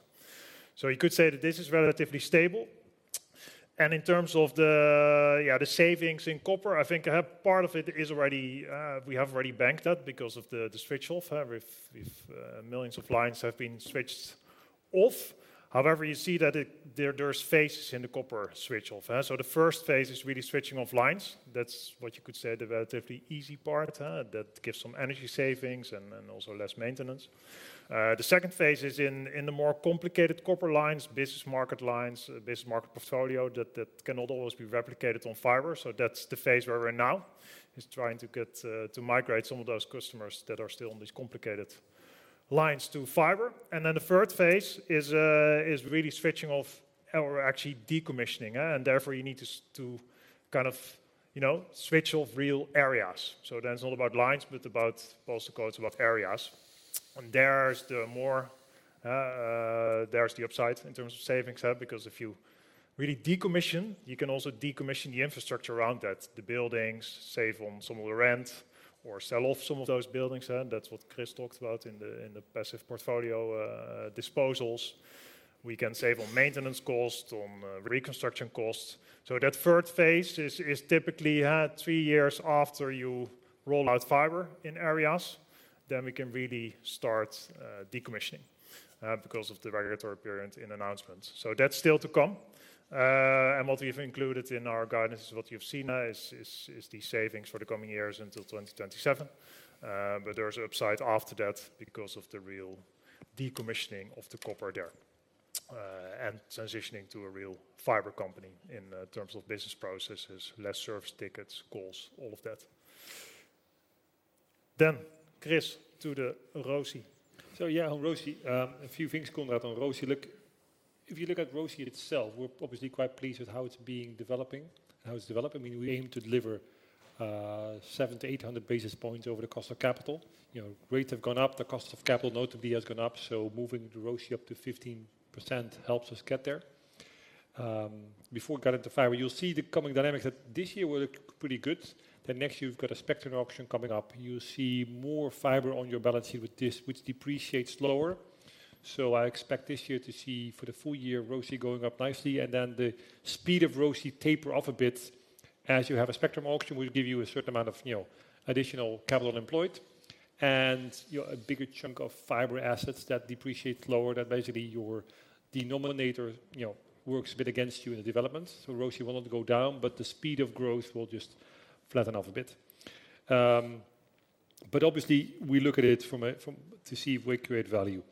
So you could say that this is relatively stable. And in terms of the savings in copper, I think part of it is already, we have already banked that because of the switch off, with millions of lines have been switched off. However, you see that there's phases in the copper switch off. So the first phase is really switching off lines. That's what you could say, the relatively easy part, that gives some energy savings and then also less maintenance. The second phase is in the more complicated copper lines, business market lines, business market portfolio, that cannot always be replicated on fiber. So that's the phase where we're in now, is trying to get to migrate some of those customers that are still on these complicated lines to fiber. And then the third phase is, is really switching off or actually decommissioning. And therefore, you need to to kind of, you know, switch off real areas. So then it's not about lines, but about also, it's about areas. And there's the more, there's the upside in terms of savings, because if you really decommission, you can also decommission the infrastructure around that. The buildings, save on some of the rent, or sell off some of those buildings, and that's what Chris talked about in the, in the passive portfolio, disposals. We can save on maintenance costs, on, reconstruction costs. So that third phase is typically three years after you roll out fiber in areas, then we can really start decommissioning because of the regulatory period in announcements. So that's still to come. And what we've included in our guidance is what you've seen, is the savings for the coming years until 2027. But there's upside after that because of the real decommissioning of the copper there, and transitioning to a real fiber company in terms of business processes, less service tickets, calls, all of that. Then, Chris, to the ROCE. So yeah, on ROCE, a few things, Konrad, on ROCE. Look, if you look at ROCE itself, we're obviously quite pleased with how it's being developing, and how it's developing. We aim to deliver 700-800 basis points over the cost of capital. You know, rates have gone up, the cost of capital notably has gone up, so moving the ROCE up to 15% helps us get there. Before we get into fiber, you'll see the coming dynamics that this year were pretty good. Then next year, we've got a spectrum auction coming up. You'll see more fiber on your balance sheet with this, which depreciates lower. So I expect this year to see, for the full year, ROCE going up nicely, and then the speed of ROCE taper off a bit, as you have a spectrum auction will give you a certain amount of, you know, additional capital employed and, you know, a bigger chunk of fiber assets that depreciate lower, that basically your denominator, you know, works a bit against you in the development. So ROCE will not go down, but the speed of growth will just flatten off a bit. But obviously, we look at it from a to see if we create value.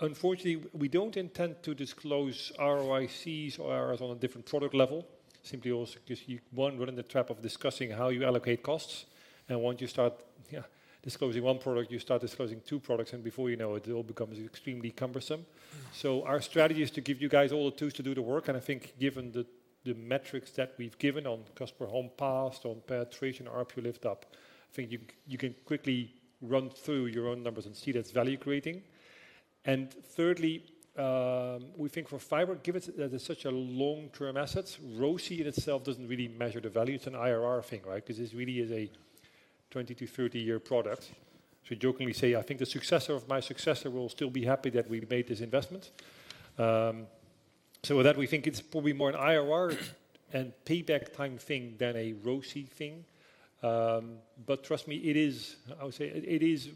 Unfortunately, we don't intend to disclose ROICs or Rs on a different product level, simply also because you, one, run in the trap of discussing how you allocate costs, and once you start, yeah, disclosing one product, you start disclosing two products, and before you know it, it all becomes extremely cumbersome. So our strategy is to give you guys all the tools to do the work, and I think given the metrics that we've given on customer homes passed, on penetration, ARPU lift up, I think you, you can quickly run through your own numbers and see that's value-creating. And thirdly, we think for fiber, given that it's such a long-term asset, ROCE in itself doesn't really measure the value. It's an IRR thing, right? Because this really is a 20-year-30-year product. So we jokingly say, I think the successor of my successor will still be happy that we've made this investment. So with that, we think it's probably more an IRR and payback time thing than a ROCE thing. But trust me, it is... I would say it, it is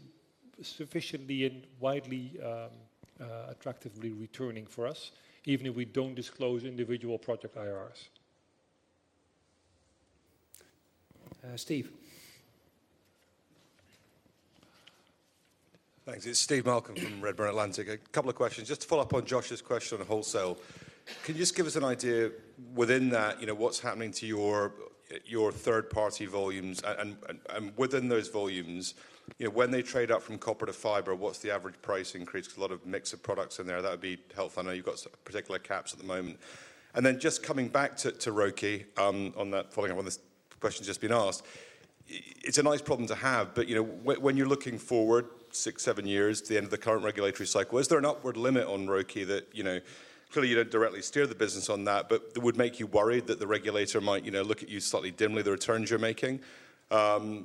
sufficiently and widely, attractively returning for us, even if we don't disclose individual project IRRs. Uh, Steve? Thanks. It's Steve Malcolm from Redburn Atlantic. A couple of questions. Just to follow up on Josh's question on wholesale, can you just give us an idea within that, you know, what's happening to your, your third-party volumes? And within those volumes, you know, when they trade up from copper to fiber, what's the average price increase? There's a lot of mix of products in there. That would be helpful. I know you've got specific caps at the moment. Then just coming back to ROCE, following up on the question just been asked, it's a nice problem to have, but, you know, when you're looking forward six, seven years to the end of the current regulatory cycle, is there an upward limit on ROCE that, you know, clearly, you don't directly steer the business on that, but that would make you worried that the regulator might, you know, look at you slightly dimly, the returns you're making?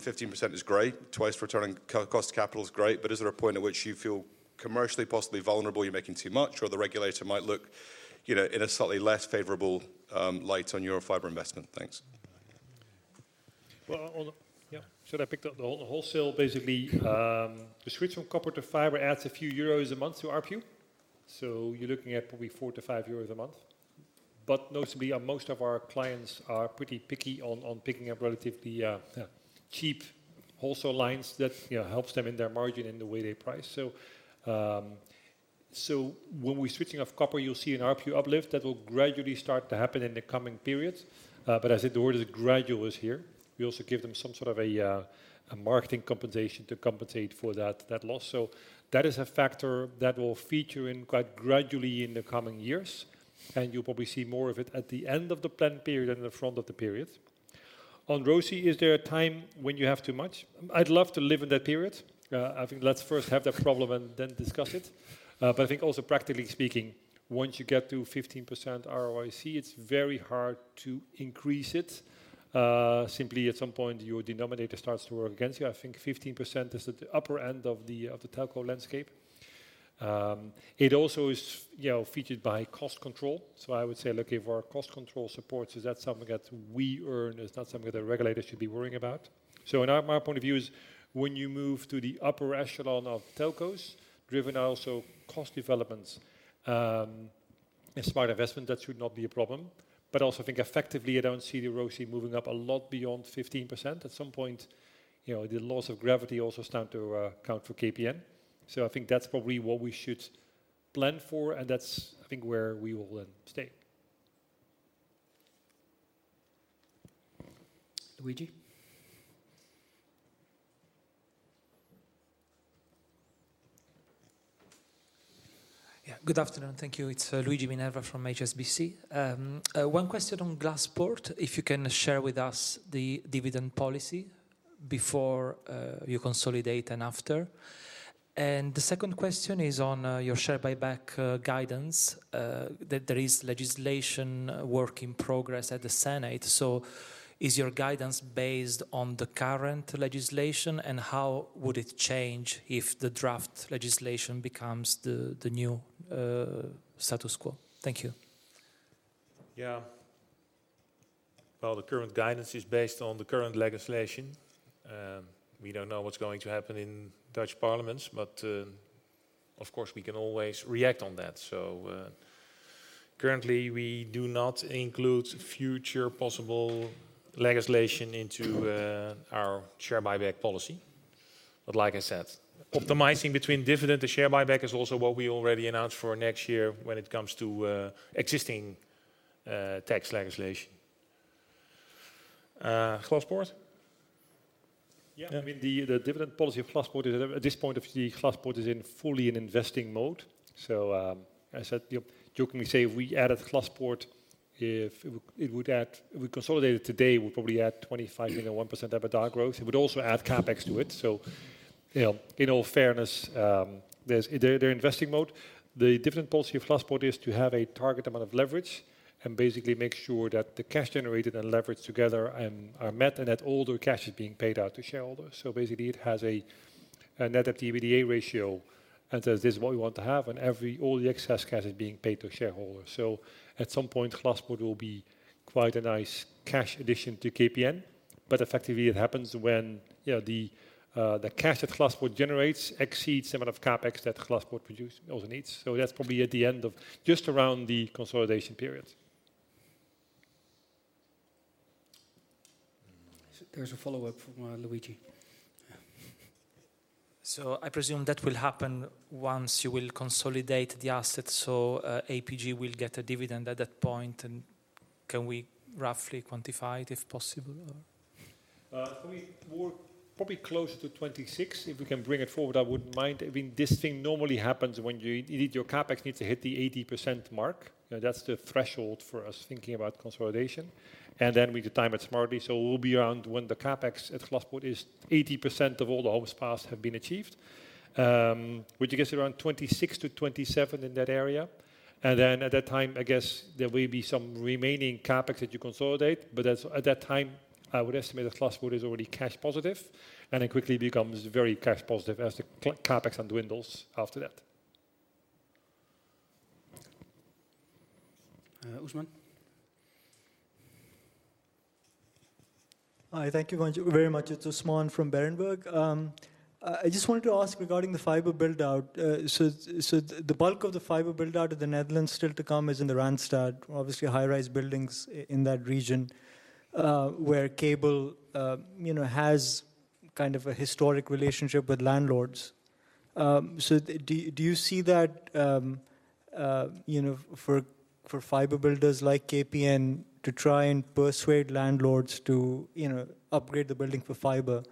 Fifteen percent is great. Twice returning cost capital is great, but is there a point at which you feel commercially, possibly vulnerable, you're making too much, or the regulator might look, you know, in a slightly less favorable light on your fiber investment? Thanks. Well, yeah. Should I pick up the whole, the wholesale, basically, the switch from copper to fiber adds a few euros a month to ARPU, so you're looking at probably 4-5 euros a month. But notably, most of our clients are pretty picky on picking up relatively cheap wholesale lines that, you know, helps them in their margin in the way they price. So, so when we're switching off copper, you'll see an ARPU uplift that will gradually start to happen in the coming periods. But as the word is gradual here, we also give them some sort of a, a marketing compensation to compensate for that loss. So that is a factor that will feature in quite gradually in the coming years, and you'll probably see more of it at the end of the plan period than the front of the period. On ROCE, is there a time when you have too much? I'd love to live in that period. I think let's first have that problem and then discuss it. But I think also, practically speaking, once you get to 15% ROIC, it's very hard to increase it. Simply, at some point, your denominator starts to work against you. I think 15% is at the upper end of the, of the telco landscape. It also is, you know, featured by cost control. So I would say, looking for our cost control supports, is that something that we earn? It's not something that the regulator should be worrying about. So my point of view is, when you move to the upper echelon of telcos, driven also cost developments, and smart investment, that should not be a problem. But also, I think effectively, I don't see the ROCE moving up a lot beyond 15%. At some point, you know, the laws of gravity also start to count for KPN. So I think that's probably what we should plan for, and that's, I think, where we will then stay. Luigi? Yeah. Good afternoon. Thank you. It's Luigi Minerva from HSBC. One question on Glaspoort, if you can share with us the dividend policy before you consolidate and after. And the second question is on your share buyback guidance that there is legislation work in progress at the Senate. So is your guidance based on the current legislation, and how would it change if the draft legislation becomes the new status quo? Thank you. Yeah. Well, the current guidance is based on the current legislation. We don't know what's going to happen in Dutch parliaments, but, of course, we can always react on that. So, currently, we do not include future possible legislation into, our share buyback policy. But like I said, optimizing between dividend to share buyback is also what we already announced for next year when it comes to, existing, tax legislation. Glaspoort? Yeah, I mean, the, the dividend policy of Glaspoort is at, at this point, of the Glaspoort is in fully in investing mode. So, I said, you know, jokingly say, if we added Glaspoort, if it would, it would add... If we consolidated today, we'd probably add 25 million 1% EBITDA growth. It would also add CapEx to it. So, you know, in all fairness, there's, they're investing mode. The different policy of Glaspoort is to have a target amount of leverage and basically make sure that the cash generated and leverage together are met, and that all the cash is being paid out to shareholders. So basically, it has a Net Debt / EBITDA ratio, and says, "This is what we want to have," and all the excess cash is being paid to shareholders. So at some point, Glaspoort will be quite a nice cash addition to KPN, but effectively it happens when, you know, the cash that Glaspoort generates exceeds the amount of CapEx that Glaspoort produce, also needs. So that's probably at the end of just around the consolidation period.... There's a follow-up from Luigi. So I presume that will happen once you will consolidate the assets, so APG will get a dividend at that point, and can we roughly quantify it, if possible, or? We're probably closer to 2026. If we can bring it forward, I wouldn't mind. I mean, this thing normally happens when you need your CapEx needs to hit the 80% mark. That's the threshold for us thinking about consolidation, and then we time it smartly. So we'll be around when the CapEx at Glaspoort is 80% of all the homes passed have been achieved, which I guess is around 2026-2027, in that area. And then at that time, I guess there will be some remaining CapEx that you consolidate, but that's at that time, I would estimate that Glaspoort is already cash positive, and it quickly becomes very cash positive as the CapEx dwindles after that. Uh, Usman? Hi, thank you very much. It's Usman from Berenberg. I just wanted to ask regarding the fiber build-out. So, the bulk of the fiber build-out of the Netherlands still to come is in the Randstad. Obviously, high-rise buildings in that region, where cable, you know, has kind of a historic relationship with landlords. So do you see that, you know, for fiber builders like KPN to try and persuade landlords to, you know, upgrade the building for fiber,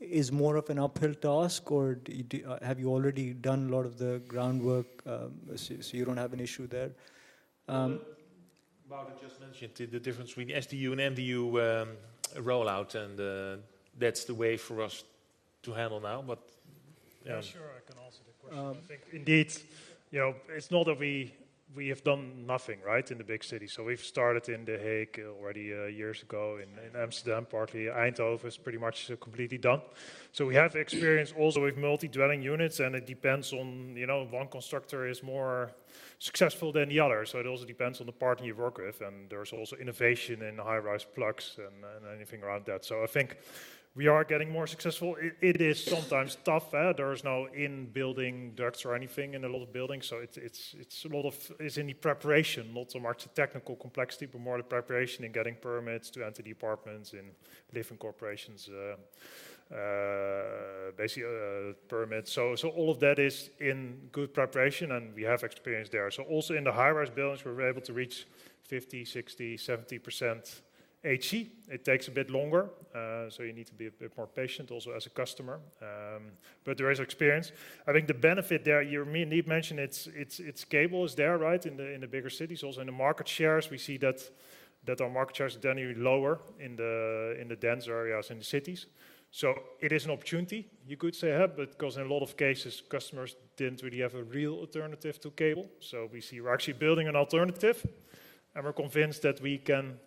is more of an uphill task? Or do you... Have you already done a lot of the groundwork, so you don't have an issue there? Wout just mentioned the difference between SDU and MDU rollout, and that's the way for us to handle now, but yeah. Yeah, sure, I can answer the question. Um- I think, indeed, you know, it's not that we have done nothing, right? In the big city. So we've started in The Hague already, years ago, in Amsterdam, partly. Eindhoven is pretty much completely done. So we have experience also with multi-dwelling units, and it depends on, you know, one constructor is more successful than the other. So it also depends on the partner you work with, and there's also innovation in high-rise plugs and anything around that. So I think we are getting more successful. It is sometimes tough. There is no in-building ducts or anything in a lot of buildings, so it's a lot of—it's in the preparation. Not so much the technical complexity, but more the preparation in getting permits to enter the apartments in different corporations, basically, permits. So all of that is in good preparation, and we have experience there. So also in the high-rise buildings, we're able to reach 50%, 60%, 70% HC. It takes a bit longer, so you need to be a bit more patient also as a customer, but there is experience. I think the benefit there, you, me, and Miek mentioned, it's cable is there, right? In the bigger cities. Also, in the market shares, we see that our market shares are generally lower in the denser areas in the cities. So it is an opportunity, you could say, but 'cause in a lot of cases, customers didn't really have a real alternative to cable. So we see we're actually building an alternative, and we're convinced that we can,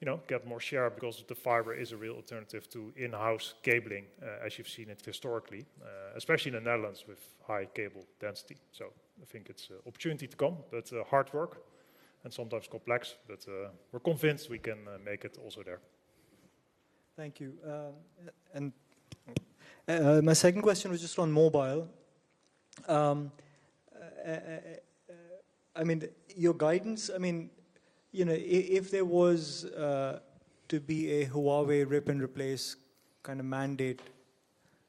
you know, get more share because the fiber is a real alternative to in-house cabling, as you've seen it historically, especially in the Netherlands with high cable density. So I think it's an opportunity to come, but hard work and sometimes complex. But we're convinced we can make it also there. Thank you. And, my second question was just on mobile. I mean, your guidance... I mean, you know, if there was to be a Huawei rip-and-replace kind of mandate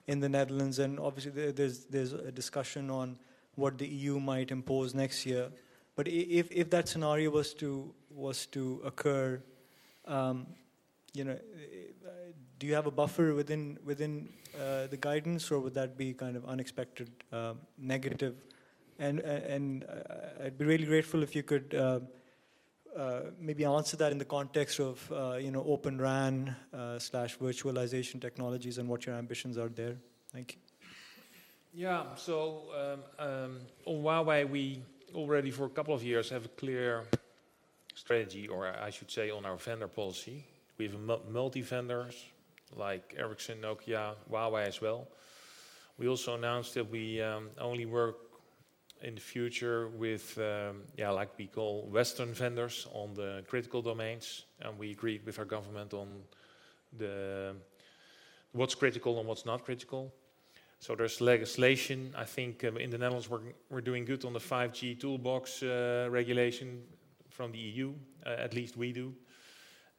in the Netherlands, and obviously there, there's a discussion on what the EU might impose next year, but if that scenario was to occur, you know, do you have a buffer within the guidance, or would that be kind of unexpected negative? And, I'd be really grateful if you could maybe answer that in the context of you know, Open RAN slash virtualization technologies and what your ambitions are there. Thank you. Yeah. So, on Huawei, we already for a couple of years have a clear strategy, or I should say, on our vendor policy. We have multi vendors like Ericsson, Nokia, Huawei as well. We also announced that we only work in the future with, yeah, like we call Western vendors, on the critical domains, and we agree with our government on the... what's critical and what's not critical. So there's legislation. I think, in the Netherlands, we're doing good on the 5G toolbox, regulation from the EU, at least we do.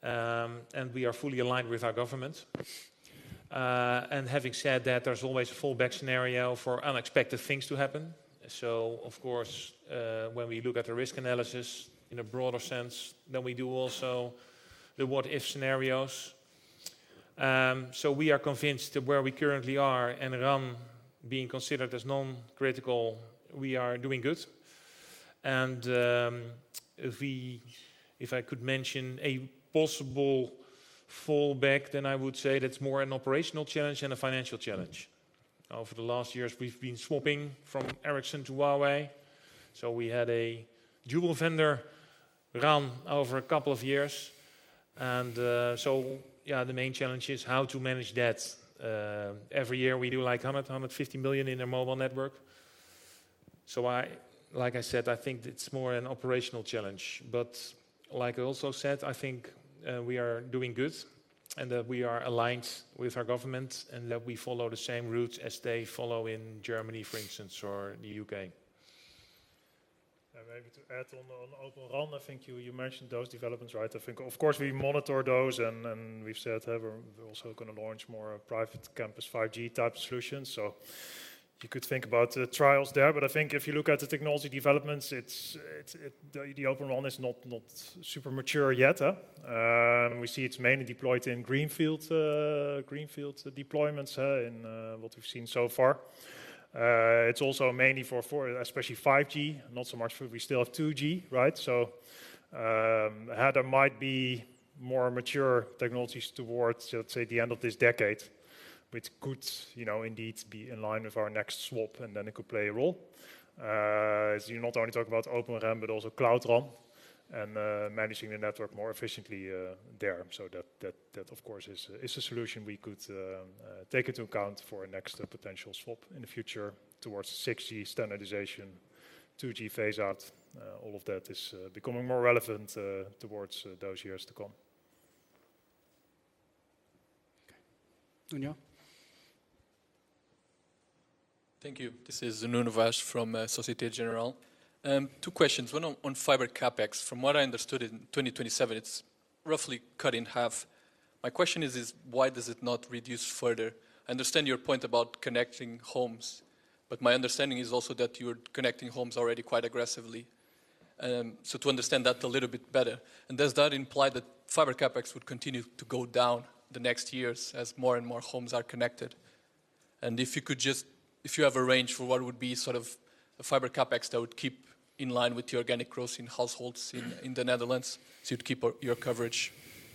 And we are fully aligned with our government. And having said that, there's always a fallback scenario for unexpected things to happen. So of course, when we look at the risk analysis in a broader sense, then we do also the what-if scenarios. So we are convinced that where we currently are, and RAN being considered as non-critical, we are doing good. And if I could mention a possible fallback, then I would say that's more an operational challenge than a financial challenge. Over the last years, we've been swapping from Ericsson to Huawei, so we had a dual vendor RAN over a couple of years, and so yeah, the main challenge is how to manage that. Every year, we do, like, 150 million in a mobile network. So like I said, I think it's more an operational challenge. But like I also said, I think we are doing good, and that we are aligned with our government, and that we follow the same route as they follow in Germany, for instance, or the U.K. Maybe to add on Open RAN, I think you mentioned those developments, right? I think, of course, we monitor those and we've said we're also gonna launch more private campus 5G type solutions. So you could think about the trials there. But I think if you look at the technology developments, it's the Open RAN is not super mature yet. We see it's mainly deployed in greenfield deployments in what we've seen so far. It's also mainly for especially 5G, not so much for we still have 2G, right? So there might be more mature technologies towards, let's say, the end of this decade, which could, you know, indeed be in line with our next swap, and then it could play a role. As you not only talk about Open RAN, but also Cloud RAN and managing the network more efficiently there. That, of course, is a solution we could take into account for a next potential swap in the future towards 6G standardization, 2G phase out. All of that is becoming more relevant towards those years to come. Okay. Nuno? Thank you. This is Nuno Neves from Société Générale. Two questions. One on fiber CapEx. From what I understood, in 2027, it's roughly cut in half. My question is: why does it not reduce further? I understand your point about connecting homes, but my understanding is also that you are connecting homes already quite aggressively. So to understand that a little bit better, and does that imply that fiber CapEx would continue to go down the next years as more and more homes are connected? And if you could just—if you have a range for what would be sort of a fiber CapEx that would keep in line with the organic growth in households in the Netherlands, so you'd keep your coverage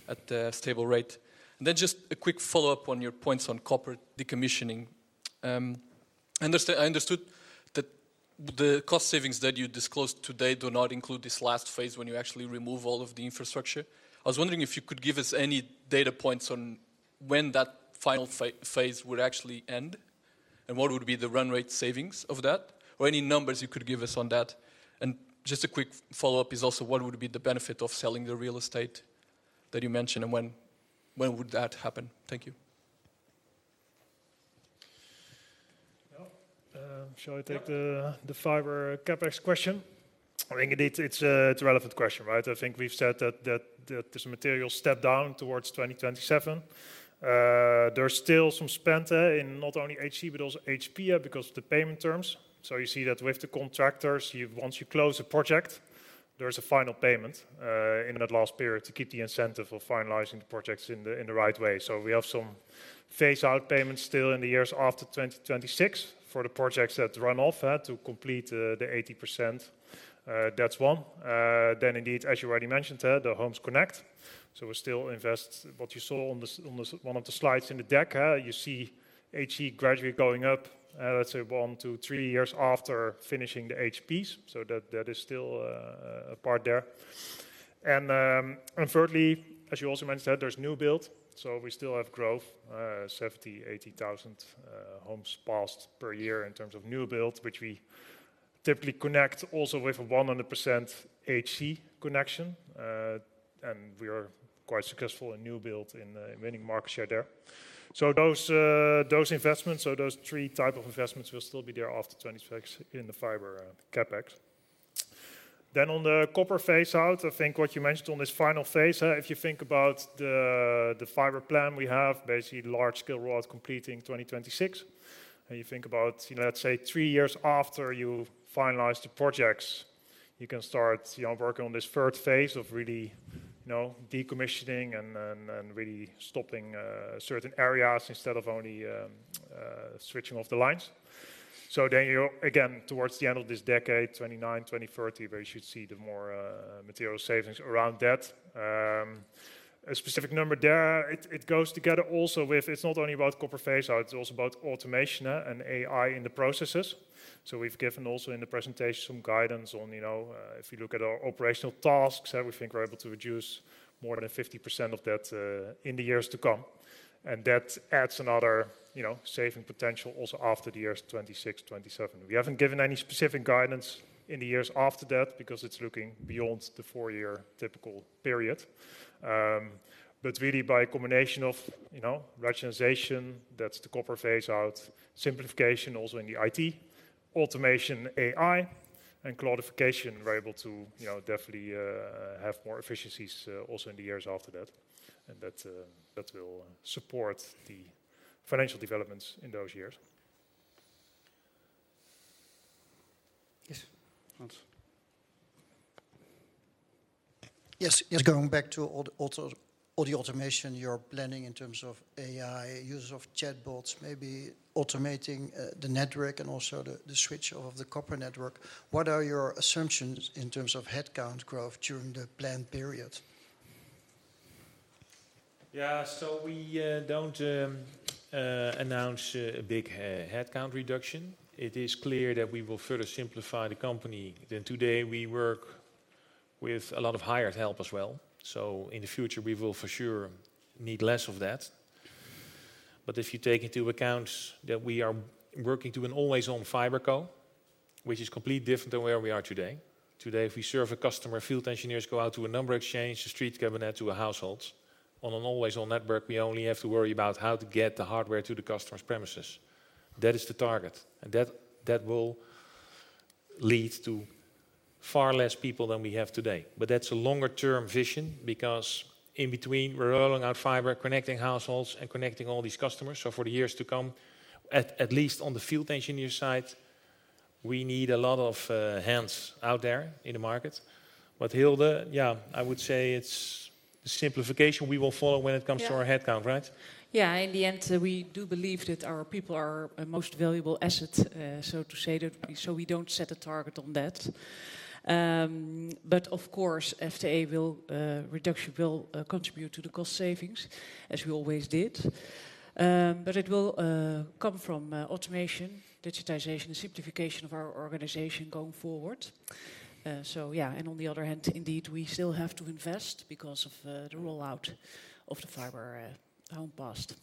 at a stable rate. And then just a quick follow-up on your points on copper decommissioning. I understood that the cost savings that you disclosed today do not include this last phase, when you actually remove all of the infrastructure. I was wondering if you could give us any data points on when that final phase would actually end, and what would be the run rate savings of that, or any numbers you could give us on that? And just a quick follow-up is also: what would be the benefit of selling the real estate that you mentioned, and when would that happen? Thank you. Well, shall I take the- Yeah... the fiber CapEx question? I think indeed, it's a relevant question, right? I think we've said that there's a material step down towards 2027. There's still some spend in not only HC, but also HP, because of the payment terms. So you see that with the contractors, once you close a project, there is a final payment in that last period to keep the incentive of finalizing the projects in the right way. So we have some phase-out payments still in the years after 2026 for the projects that run off to complete the 80%. That's one. Then indeed, as you already mentioned, the Homes Connect, so we still invest. What you saw on one of the slides in the deck, you see HC gradually going up, let's say 1-3 years after finishing the HPs. So that is still a part there. And thirdly, as you also mentioned, there's new build, so we still have growth, 70,000-80,000 homes passed per year in terms of new build, which we typically connect also with 100% HC connection. And we are quite successful in new build in winning market share there. So those investments, those three type of investments will still be there after 2026 in the fiber CapEx. Then on the copper phase-out, I think what you mentioned on this final phase, if you think about the fiber plan, we have basically large-scale rollout completing 2026. And you think about, you know, let's say three years after you finalize the projects, you can start, you know, working on this third phase of really, you know, decommissioning and really stopping certain areas instead of only switching off the lines. So then you, again, towards the end of this decade, 2029, 2030, where you should see the more material savings around that. A specific number there, it goes together also with... It's not only about copper phase-out, it's also about automation and AI in the processes. So we've given also in the presentation some guidance on, you know, if you look at our operational tasks, we think we're able to reduce more than 50% of that in the years to come. That adds another, you know, saving potential also after the years 2026, 2027. We haven't given any specific guidance in the years after that, because it's looking beyond the four-year typical period. But really by a combination of, you know, rationalization, that's the copper phase-out, simplification also in the IT, automation, AI, and cloudification, we're able to, you know, definitely have more efficiencies also in the years after that. That will support the financial developments in those years. Yes, Hans. Yes, just going back to all the automation you're planning in terms of AI, use of chatbots, maybe automating the network and also the switch of the copper network. What are your assumptions in terms of headcount growth during the planned period? Yeah. So we don't announce a big headcount reduction. It is clear that we will further simplify the company. Then today, we work with a lot of hired help as well, so in the future, we will for sure need less of that. But if you take into account that we are working to an always-on fiber co, which is completely different than where we are today. Today, if we serve a customer, field engineers go out to a number exchange, the street cabinet, to a household. On an always-on network, we only have to worry about how to get the hardware to the customer's premises.... That is the target, and that will lead to far less people than we have today. But that's a longer-term vision, because in between, we're rolling out fiber, connecting households, and connecting all these customers. So for the years to come, at least on the field engineer side, we need a lot of hands out there in the market. But Hilde, yeah, I would say it's simplification we will follow when it comes to our- Yeah Headcount, right? Yeah, in the end, we do believe that our people are our most valuable asset, so to say that, so we don't set a target on that. But of course, FTE reduction will contribute to the cost savings, as we always did. But it will come from automation, digitization, and simplification of our organization going forward. So yeah, and on the other hand, indeed, we still have to invest because of the rollout of the fiber footprint.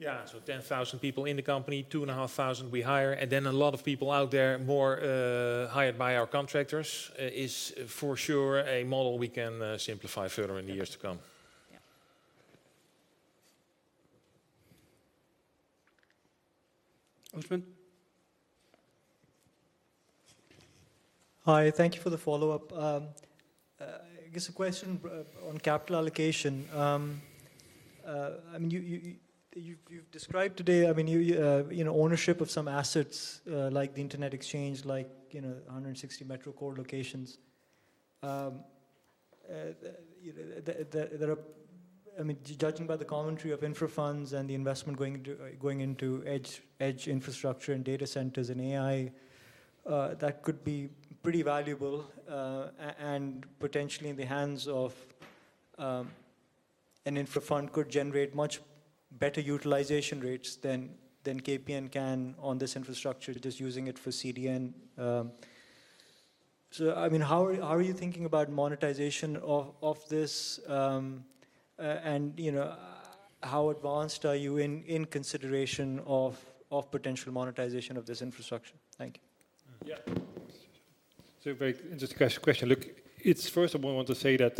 Yeah, so 10,000 people in the company, 2,500 we hire, and then a lot of people out there, more, hired by our contractors, is for sure a model we can simplify further in the years to come. Yeah. Usman? Hi, thank you for the follow-up. I guess a question on capital allocation. I mean, you've described today, I mean, you know, ownership of some assets, like the internet exchange, like, you know, 160 metro core locations. There are... I mean, judging by the commentary of infra funds and the investment going into edge infrastructure and data centers and AI, that could be pretty valuable, and potentially in the hands of an infra fund could generate much better utilization rates than KPN can on this infrastructure, just using it for CDN. So, I mean, how are you thinking about monetization of this, and you know, how advanced are you in consideration of potential monetization of this infrastructure? Thank you. Yeah. So very interesting question. Look, it's first of all, I want to say that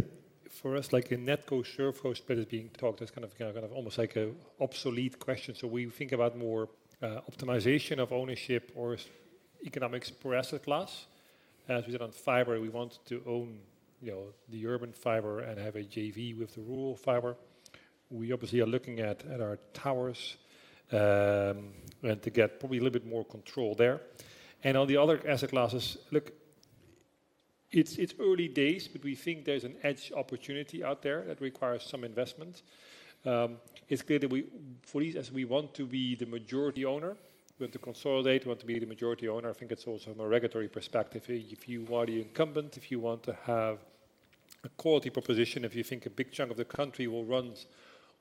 for us, like a net cost share cost that is being talked as kind of, kind of, almost like an obsolete question. So we think about more optimization of ownership or economics per asset class. As we did on fiber, we want to own, you know, the urban fiber and have a JV with the rural fiber. We obviously are looking at our towers and to get probably a little bit more control there. And on the other asset classes, look, it's early days, but we think there's an edge opportunity out there that requires some investment. It's clear that we, for these assets, we want to be the majority owner. We have to consolidate, we want to be the majority owner. I think it's also from a regulatory perspective, if you are the incumbent, if you want to have a quality proposition, if you think a big chunk of the country will run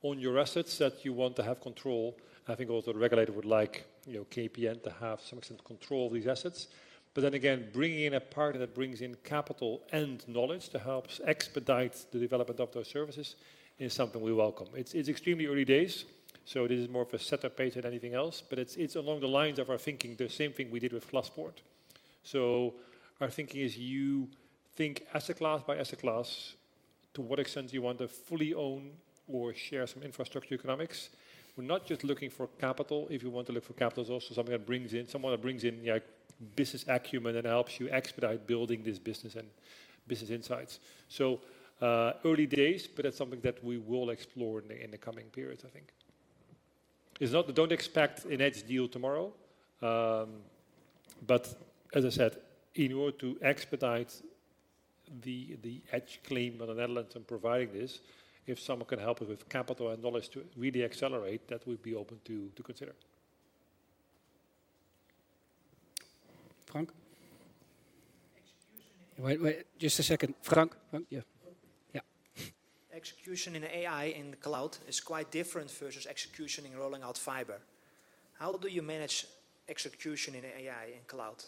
on your assets, that you want to have control. I think also the regulator would like, you know, KPN to have some extent of control of these assets. But then again, bringing in a partner that brings in capital and knowledge to help expedite the development of those services is something we welcome. It's extremely early days, so it is more of a set-up phase than anything else, but it's along the lines of our thinking, the same thing we did with Glaspoort. So our thinking is you think asset class by asset class, to what extent do you want to fully own or share some infrastructure economics? We're not just looking for capital. If you want to look for capital, it's also something that brings in, someone that brings in, yeah, business acumen and helps you expedite building this business and business insights. So, early days, but that's something that we will explore in the coming periods, I think. It's not... Don't expect an edge deal tomorrow. But as I said, in order to expedite the edge claim of the Netherlands on providing this, if someone can help us with capital and knowledge to really accelerate, that we'd be open to consider. Frank? Execution- Wait, wait, just a second. Frank? Frank, yeah. Yeah. Execution in AI, in the cloud, is quite different versus execution in rolling out fiber. How do you manage execution in AI and cloud?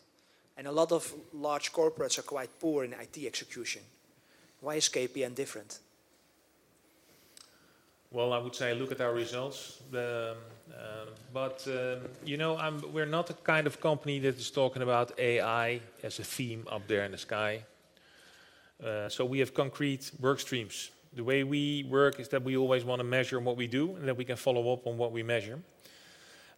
A lot of large corporates are quite poor in IT execution. Why is KPN different? Well, I would say, look at our results. But you know, we're not the kind of company that is talking about AI as a theme up there in the sky. So we have concrete work streams. The way we work is that we always want to measure what we do, and then we can follow up on what we measure.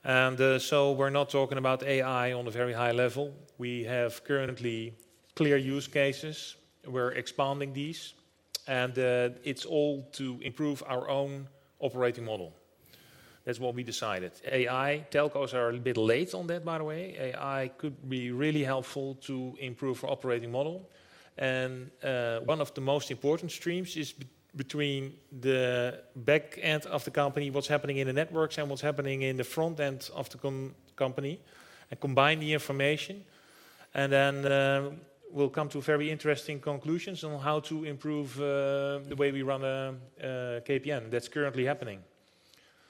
And so we're not talking about AI on a very high level. We have currently clear use cases. We're expanding these, and it's all to improve our own operating model. That's what we decided. AI, telcos are a little bit late on that, by the way. AI could be really helpful to improve our operating model. One of the most important streams is between the back end of the company, what's happening in the networks, and what's happening in the front end of the company, and combine the information. Then, we'll come to very interesting conclusions on how to improve the way we run KPN. That's currently happening.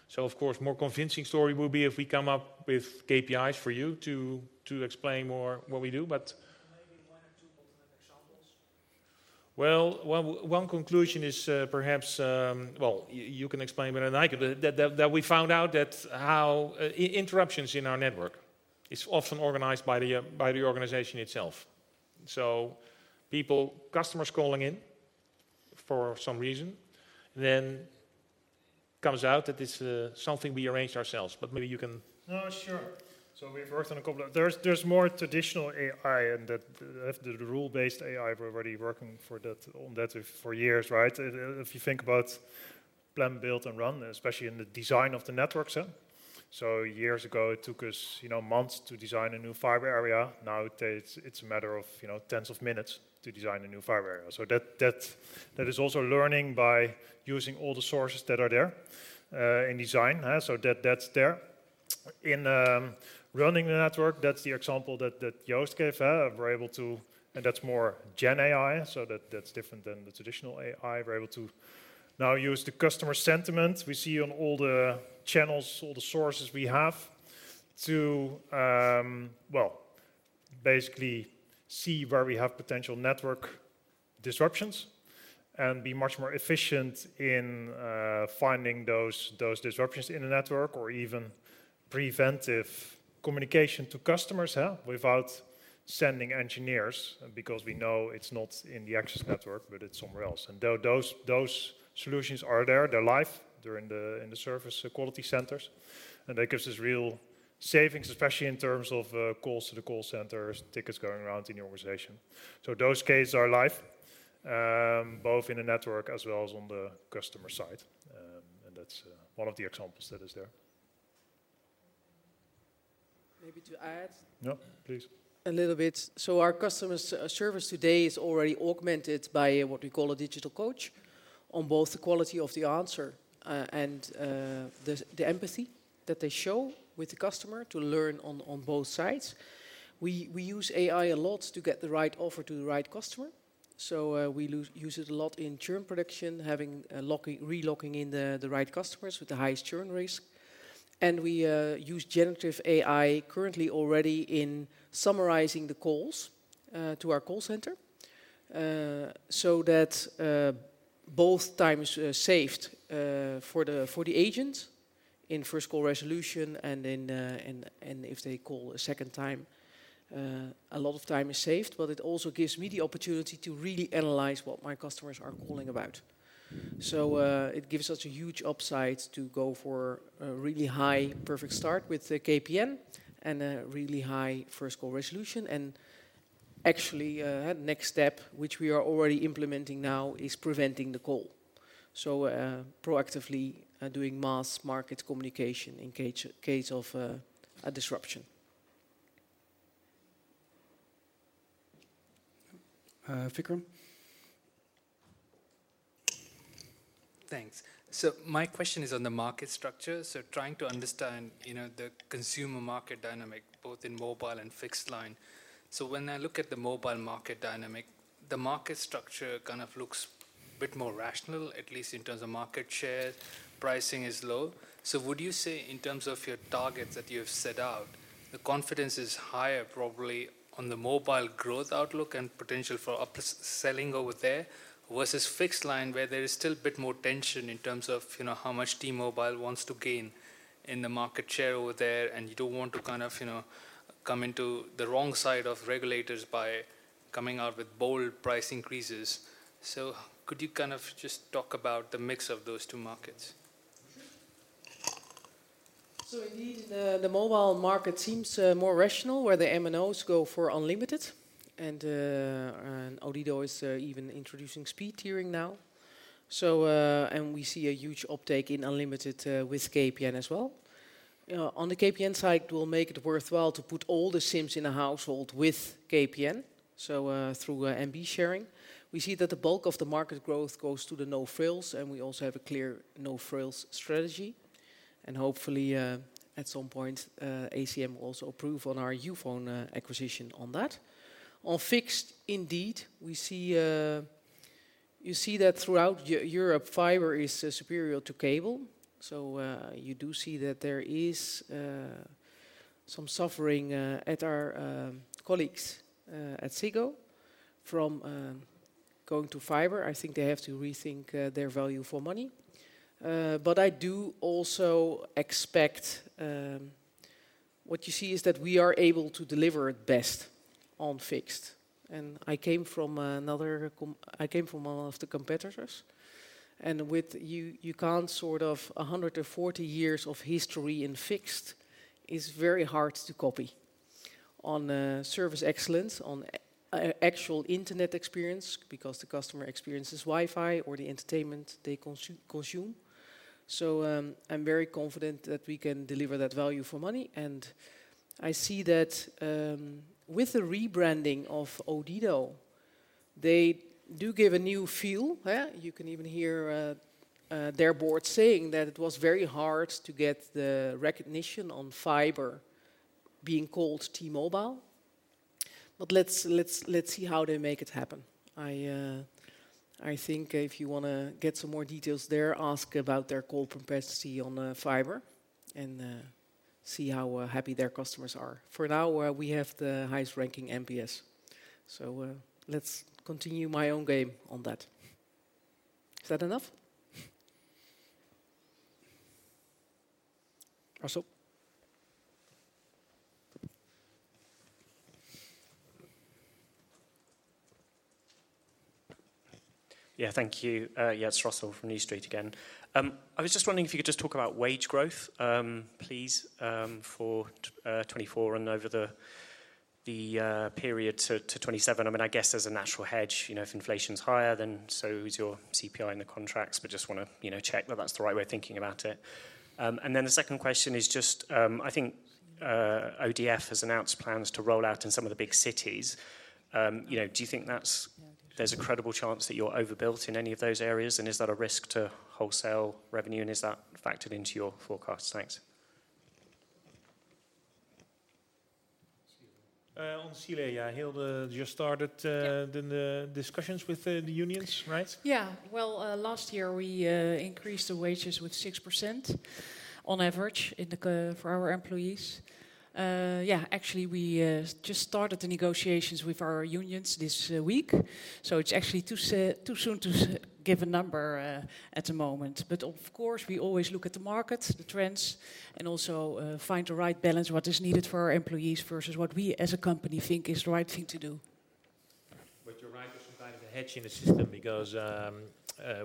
So of course, more convincing story will be if we come up with KPIs for you to explain more what we do, but- Maybe one or two ultimate examples? Well, well, one conclusion is perhaps... Well, you can explain better than I could, that we found out that how interruptions in our network is often organized by the organization itself. So people, customers calling in-... for some reason, then comes out that it's, something we arranged ourselves, but maybe you can- No, sure. So we've worked on a couple of— There's more traditional AI, and that, the rule-based AI, we're already working on that for years, right? If you think about plan, build, and run, especially in the design of the networks, yeah. So years ago, it took us, you know, months to design a new fiber area. Nowadays, it's a matter of, you know, tens of minutes to design a new fiber area. So that is also learning by using all the sources that are there in design, so that's there. In running the network, that's the example that Joost gave, we're able to... And that's more gen AI, so that's different than the traditional AI. We're able to now use the customer sentiment we see on all the channels, all the sources we have, to, well, basically see where we have potential network disruptions and be much more efficient in, finding those disruptions in the network, or even preventive communication to customers, without sending engineers, because we know it's not in the access network, but it's somewhere else. And though those solutions are there, they're live, they're in the service quality centers, and that gives us real savings, especially in terms of, calls to the call centers, tickets going around in the organization. So those cases are live, both in the network as well as on the customer side. And that's one of the examples that is there. Maybe to add- Yeah, please. A little bit. So our customer service today is already augmented by what we call a digital coach, on both the quality of the answer and the empathy that they show with the customer to learn on both sides. We use AI a lot to get the right offer to the right customer. So we use it a lot in churn prediction, having locking, re-locking in the right customers with the highest churn risk. And we use generative AI currently already in summarizing the calls to our call center. So that both time is saved for the agent in first call resolution and if they call a second time, a lot of time is saved, but it also gives me the opportunity to really analyze what my customers are calling about. So, it gives us a huge upside to go for a really high perfect start with the KPN and a really high first call resolution. And actually, next step, which we are already implementing now, is preventing the call. So, proactively, doing mass market communication in case of a disruption. Uh, Vikram? Thanks. So my question is on the market structure. So, trying to understand, you know, the consumer market dynamic, both in mobile and fixed line. So, when I look at the mobile market dynamic, the market structure kind of looks a bit more rational, at least in terms of market share. Pricing is low. So, would you say, in terms of your targets that you've set out, the confidence is higher probably on the mobile growth outlook and potential for up-selling over there, versus fixed line, where there is still a bit more tension in terms of, you know, how much T-Mobile wants to gain in the market share over there, and you don't want to kind of, you know, come into the wrong side of regulators by coming out with bold price increases? So, could you kind of just talk about the mix of those two markets? So indeed, the mobile market seems more rational, where the MNOs go for unlimited, and Odido is even introducing speed tiering now. So, and we see a huge uptake in unlimited with KPN as well. On the KPN side, it will make it worthwhile to put all the SIMs in a household with KPN, so through MB sharing. We see that the bulk of the market growth goes to the no-frills, and we also have a clear no-frills strategy. And hopefully, at some point, ACM will also approve on our Youfone acquisition on that. On fixed, indeed, we see, you see that throughout Europe, fiber is superior to cable. So, you do see that there is some suffering at our colleagues at Ziggo, from going to fiber. I think they have to rethink their value for money. But I do also expect what you see is that we are able to deliver it best on fixed. And I came from one of the competitors, and with you, you can't sort of, 140 years of history in fixed is very hard to copy on service excellence, on actual internet experience, because the customer experiences Wi-Fi or the entertainment they consume. So, I'm very confident that we can deliver that value for money, and I see that with the rebranding of Odido, they do give a new feel, eh? You can even hear their board saying that it was very hard to get the recognition on fiber being called T-Mobile. But let's see how they make it happen. I think if you want to get some more details there, ask about their call capacity on fiber, and see how happy their customers are. For now, we have the highest ranking MPS. So, let's continue my own game on that. Is that enough? Also- ...Yeah, thank you. Yes, Russell from New Street again. I was just wondering if you could just talk about wage growth, please, for 2024 and over the period to 2027. I mean, I guess there's a natural hedge, you know, if inflation's higher, then so is your CPI in the contracts, but just wanna, you know, check that that's the right way of thinking about it. And then the second question is just, I think, Odido has announced plans to roll out in some of the big cities. You know, do you think that's there's a credible chance that you're overbuild in any of those areas? And is that a risk to wholesale revenue, and is that factored into your forecast? Thanks. On CLA, yeah, Hilde just started the discussions with the unions, right? Yeah. Well, last year we increased the wages with 6% on average in the company for our employees. Yeah, actually, we just started the negotiations with our unions this week. So it's actually too soon to give a number at the moment. But of course, we always look at the market, the trends, and also find the right balance, what is needed for our employees versus what we, as a company, think is the right thing to do. But you're right, there's some kind of a hedge in the system because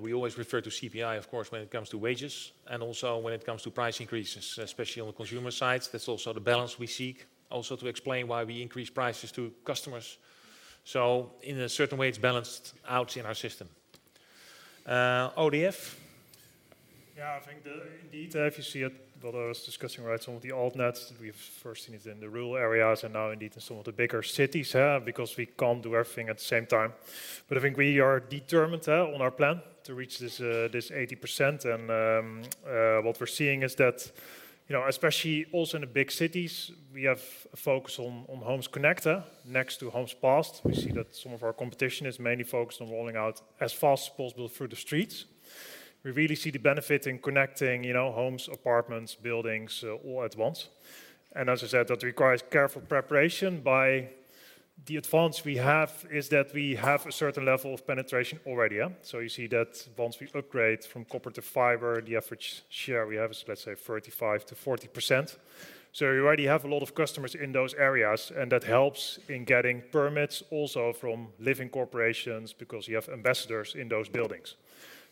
we always refer to CPI, of course, when it comes to wages and also when it comes to price increases, especially on the consumer side. That's also the balance we seek, also to explain why we increase prices to customers. So in a certain way, it's balanced out in our system. ODF? Yeah, I think the, indeed, if you see it, what I was discussing, right? Some of the alt nets, we've first seen it in the rural areas, and now indeed in some of the bigger cities, because we can't do everything at the same time. But I think we are determined on our plan to reach this 80%. And what we're seeing is that, you know, especially also in the big cities, we have a focus on Homes Connect next to Homes Passed. We see that some of our competition is mainly focused on rolling out as fast as possible through the streets. We really see the benefit in connecting, you know, homes, apartments, buildings, all at once. And as I said, that requires careful preparation. The advantage we have is that we have a certain level of penetration already, yeah? So you see that once we upgrade from copper to fiber, the average share we have is, let's say, 35%-40%. So we already have a lot of customers in those areas, and that helps in getting permits also from housing corporations because you have ambassadors in those buildings.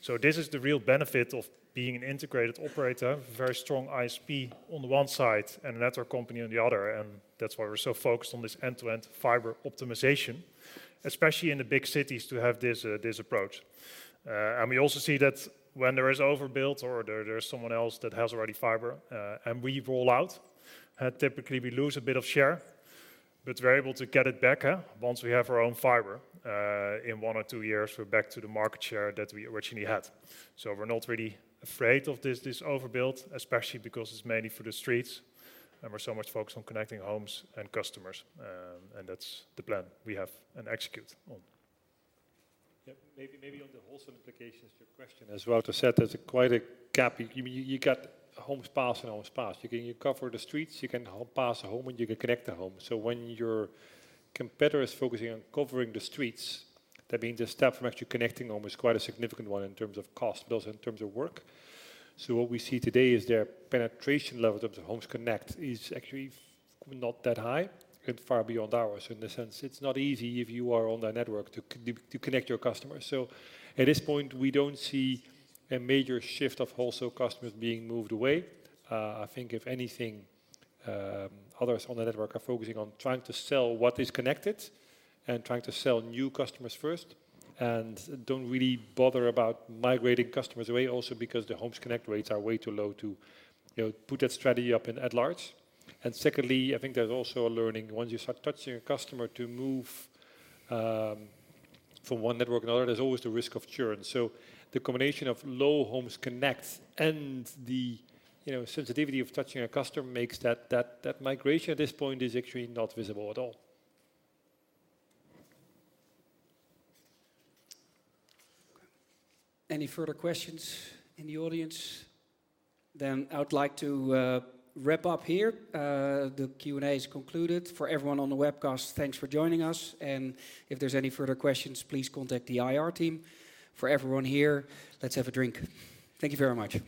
So this is the real benefit of being an integrated operator, very strong ISP on the one side and a network company on the other, and that's why we're so focused on this end-to-end fiber optimization, especially in the big cities, to have this, this approach. We also see that when there is overbuild or there is someone else that has already fiber, and we roll out, typically we lose a bit of share, but we're able to get it back once we have our own fiber. In one or two years, we're back to the market share that we originally had. So we're not really afraid of this overbuild, especially because it's mainly for the streets, and we're so much focused on connecting homes and customers, and that's the plan we have and execute on. Yeah, maybe, maybe on the wholesale implications to your question, as Wouter said, there's quite a gap. You got homes passed and Homes Connected. You can cover the streets, you can pass a home, and you can connect a home. So when your competitor is focusing on covering the streets, that means the step from actually connecting home is quite a significant one in terms of cost, but also in terms of work. So what we see today is their penetration level of the Homes Connected is actually not that high and far below ours. In a sense, it's not easy if you are on their network to connect your customers. So at this point, we don't see a major shift of wholesale customers being moved away. I think if anything, others on the network are focusing on trying to sell what is connected and trying to sell new customers first, and don't really bother about migrating customers away, also because the Homes Connect rates are way too low to, you know, put that strategy up in at large. And secondly, I think there's also a learning. Once you start touching a customer to move from one network to another, there's always the risk of churn. So the combination of low Homes Connect and the, you know, sensitivity of touching a customer makes that migration at this point is actually not visible at all. Any further questions in the audience? Then I would like to wrap up here. The Q&A is concluded. For everyone on the webcast, thanks for joining us, and if there's any further questions, please contact the IR team. For everyone here, let's have a drink. Thank you very much.